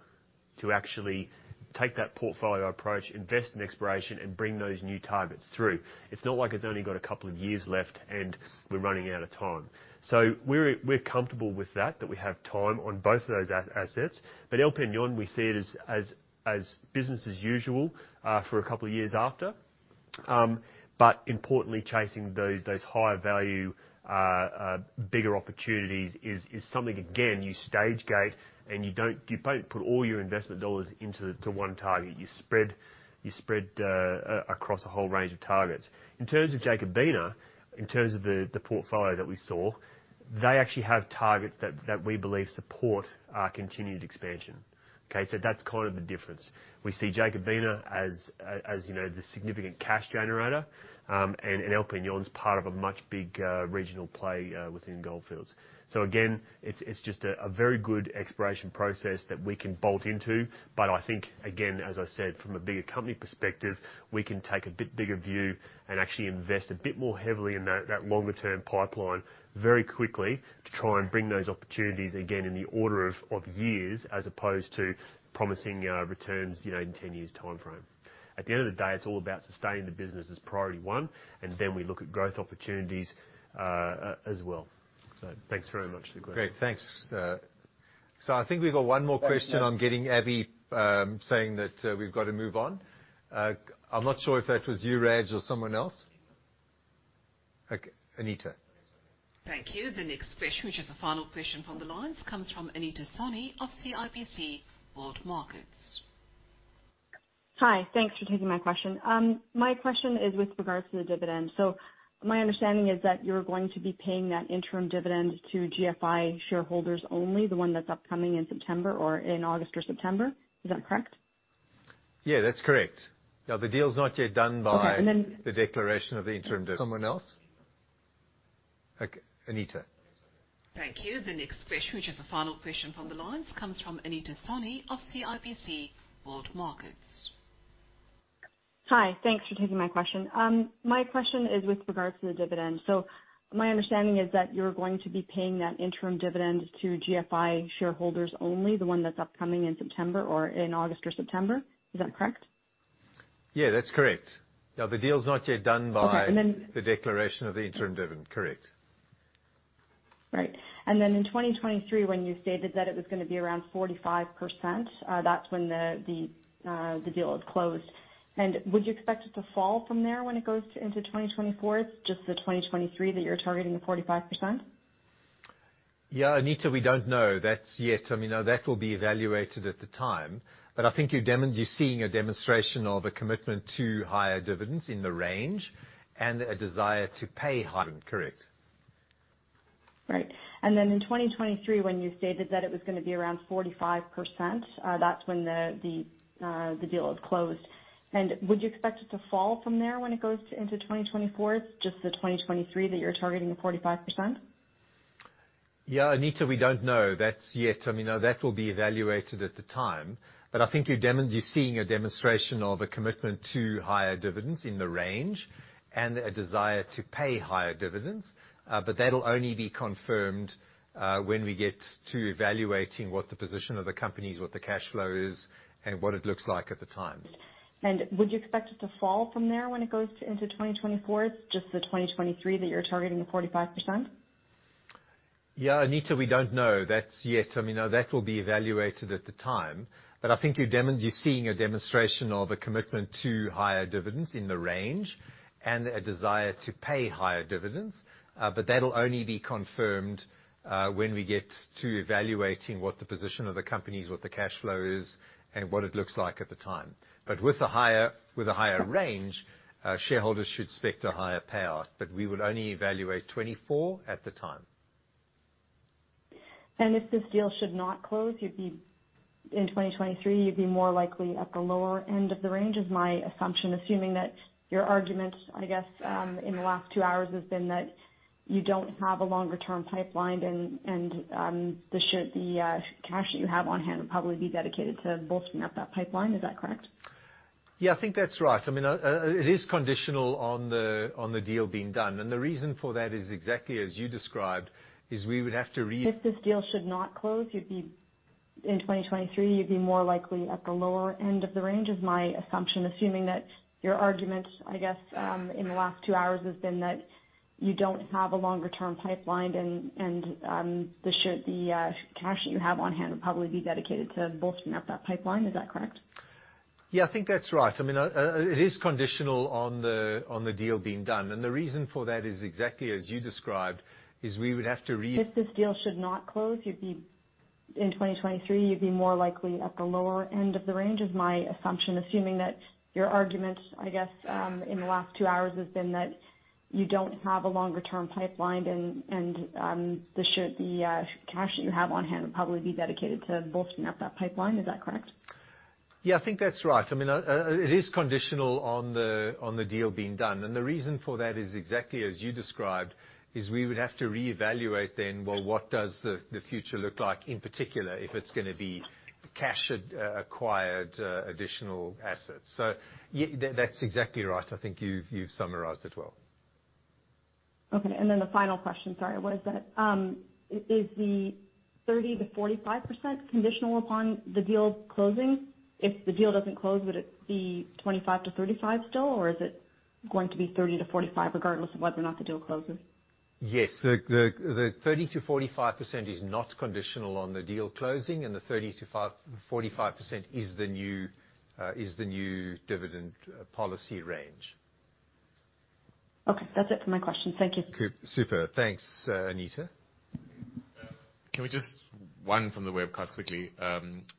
to actually take that portfolio approach, invest in exploration and bring those new targets through. It's not like it's only got a couple of years left and we're running out of time. We're comfortable with that we have time on both of those assets. El Peñón, we see it as business as usual for a couple of years after. Importantly, chasing those higher value bigger opportunities is something, again, you stage-gate and you don't put all your investment dollars into one target. You spread across a whole range of targets. In terms of Jacobina, in terms of the portfolio that we saw, they actually have targets that we believe support our continued expansion. Okay. That's kind of the difference. We see Jacobina as, you know, the significant cash generator. El Peñón's part of a much bigger regional play within Gold Fields. Again, it's just a very good exploration process that we can bolt into. I think, again, as I said, from a bigger company perspective, we can take a bit bigger view and actually invest a bit more heavily in that longer term pipeline very quickly to try and bring those opportunities, again, in the order of years, as opposed to promising returns, you know, in 10 years' timeframe. At the end of the day, it's all about sustaining the business as priority one, and then we look at growth opportunities as well. Thanks very much for the question. Great. Thanks. I think we've got one more question. I'm getting Abby saying that we've got to move on. I'm not sure if that was you, Raj, or someone else. Okay, Anita. Thank you. The next question, which is the final question from the line, comes from Anita Soni of CIBC World Markets. Hi. Thanks for taking my question. My question is with regards to the dividend. My understanding is that you're going to be paying that interim dividend to GFI shareholders only, the one that's upcoming in September or in August or September. Is that correct? Yeah, that's correct. Now, the deal's not yet done by- Okay. The declaration of the interim dividend. Correct. Right. Then in 2023, when you stated that it was gonna be around 45%, that's when the deal is closed. Would you expect it to fall from there when it goes into 2024? It's just the 2023 that you're targeting the 45%? Yeah, Anita, we don't know. That will be evaluated at the time. I think you're seeing a demonstration of a commitment to higher dividends in the range and a desire to pay higher dividends. That'll only be confirmed when we get to evaluating what the position of the company is, what the cash flow is, and what it looks like at the time. With a higher range, shareholders should expect a higher payout. We would only evaluate 2024 at the time. If this deal should not close, you'd be in 2023 more likely at the lower-end of the range is my assumption, assuming that your argument, I guess, in the last two hours has been that you don't have a longer-term pipeline and the cash that you have on-hand would probably be dedicated to bolstering up that pipeline. Is that correct? Yeah, I think that's right. I mean, it is conditional on the deal being done. The reason for that is exactly as you described. We would have to reevaluate then, well, what does the future look like, in particular if it's gonna be cash acquired additional assets. That's exactly right. I think you've summarized it well. Okay, the final question. Sorry, what is that? Is the 30%-45% conditional upon the deal closing? If the deal doesn't close, would it be 25%-35% still? Or is it going to be 30%-45% regardless of whether or not the deal closes? Yes. The 30%-45% is not conditional on the deal closing and the 30%-45% is the new dividend policy range. Okay, that's it for my questions. Thank you. Good. Super. Thanks, Anita. One from the webcast quickly.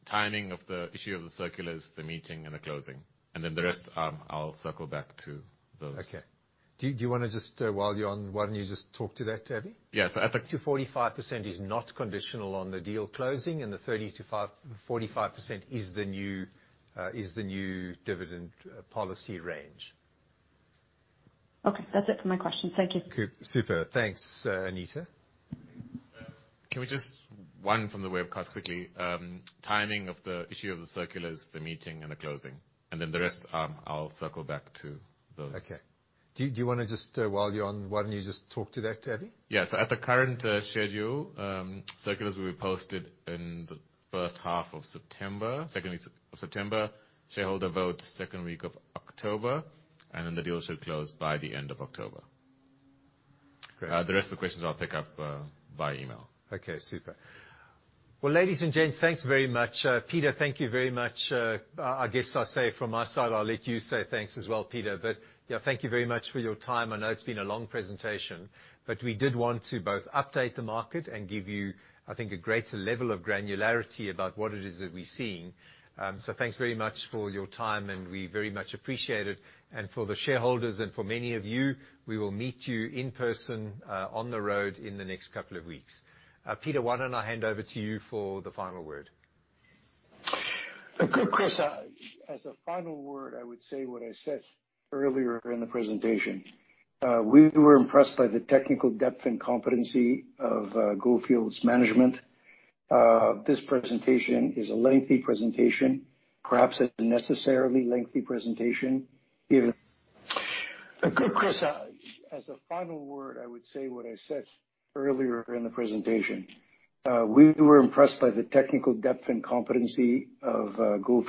Timing of the issue of the circulars, the meeting and the closing, and then the rest, I'll circle back to those. Okay. Do you wanna just, while you're on, why don't you just talk to that, Abby? Yes. At the current schedule, circulars will be posted in the first half of September. Second week of September, shareholder vote second week of October, and then the deal should close by the end of October. Great. The rest of the questions I'll pick up via e-mail. Okay, super. Well, ladies and gents, thanks very much. Peter, thank you very much. I guess I'll say from my side, I'll let you say thanks as well, Peter. Yeah, thank you very much for your time. I know it's been a long presentation, but we did want to both update the market and give you, I think, a greater level of granularity about what it is that we're seeing. Thanks very much for your time, and we very much appreciate it. For the shareholders and for many of you, we will meet you in person, on the road in the next couple of weeks. Peter, why don't I hand over to you for the final word? Of course. As a final word, I would say what I said earlier in the presentation. We were impressed by the technical depth and competency of Gold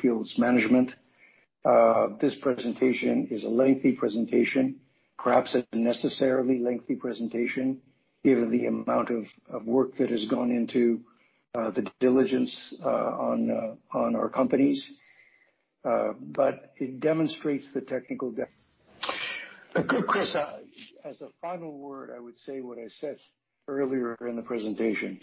Fields' management. This presentation is a lengthy presentation, perhaps a necessarily lengthy presentation given the amount of work that has gone into the diligence on our companies. But it demonstrates the technical depth. This presentation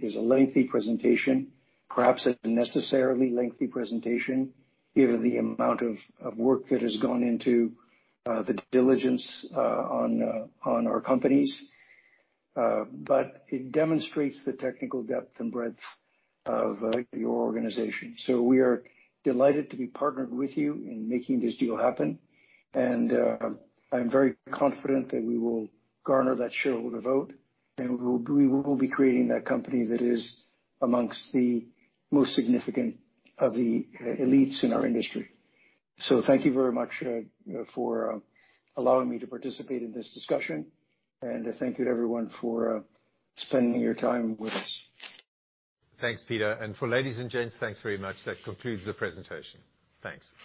is a lengthy presentation, perhaps a necessarily lengthy presentation given the amount of work that has gone into the diligence on our companies. It demonstrates the technical depth and breadth of your organization. We are delighted to be partnered with you in making this deal happen, and I'm very confident that we will garner that shareholder vote, and we will be creating that company that is amongst the most significant of the elites in our industry. Thank you very much for allowing me to participate in this discussion, and thank you to everyone for spending your time with us. Thanks, Peter. For ladies and gents, thanks very much. That concludes the presentation. Thanks.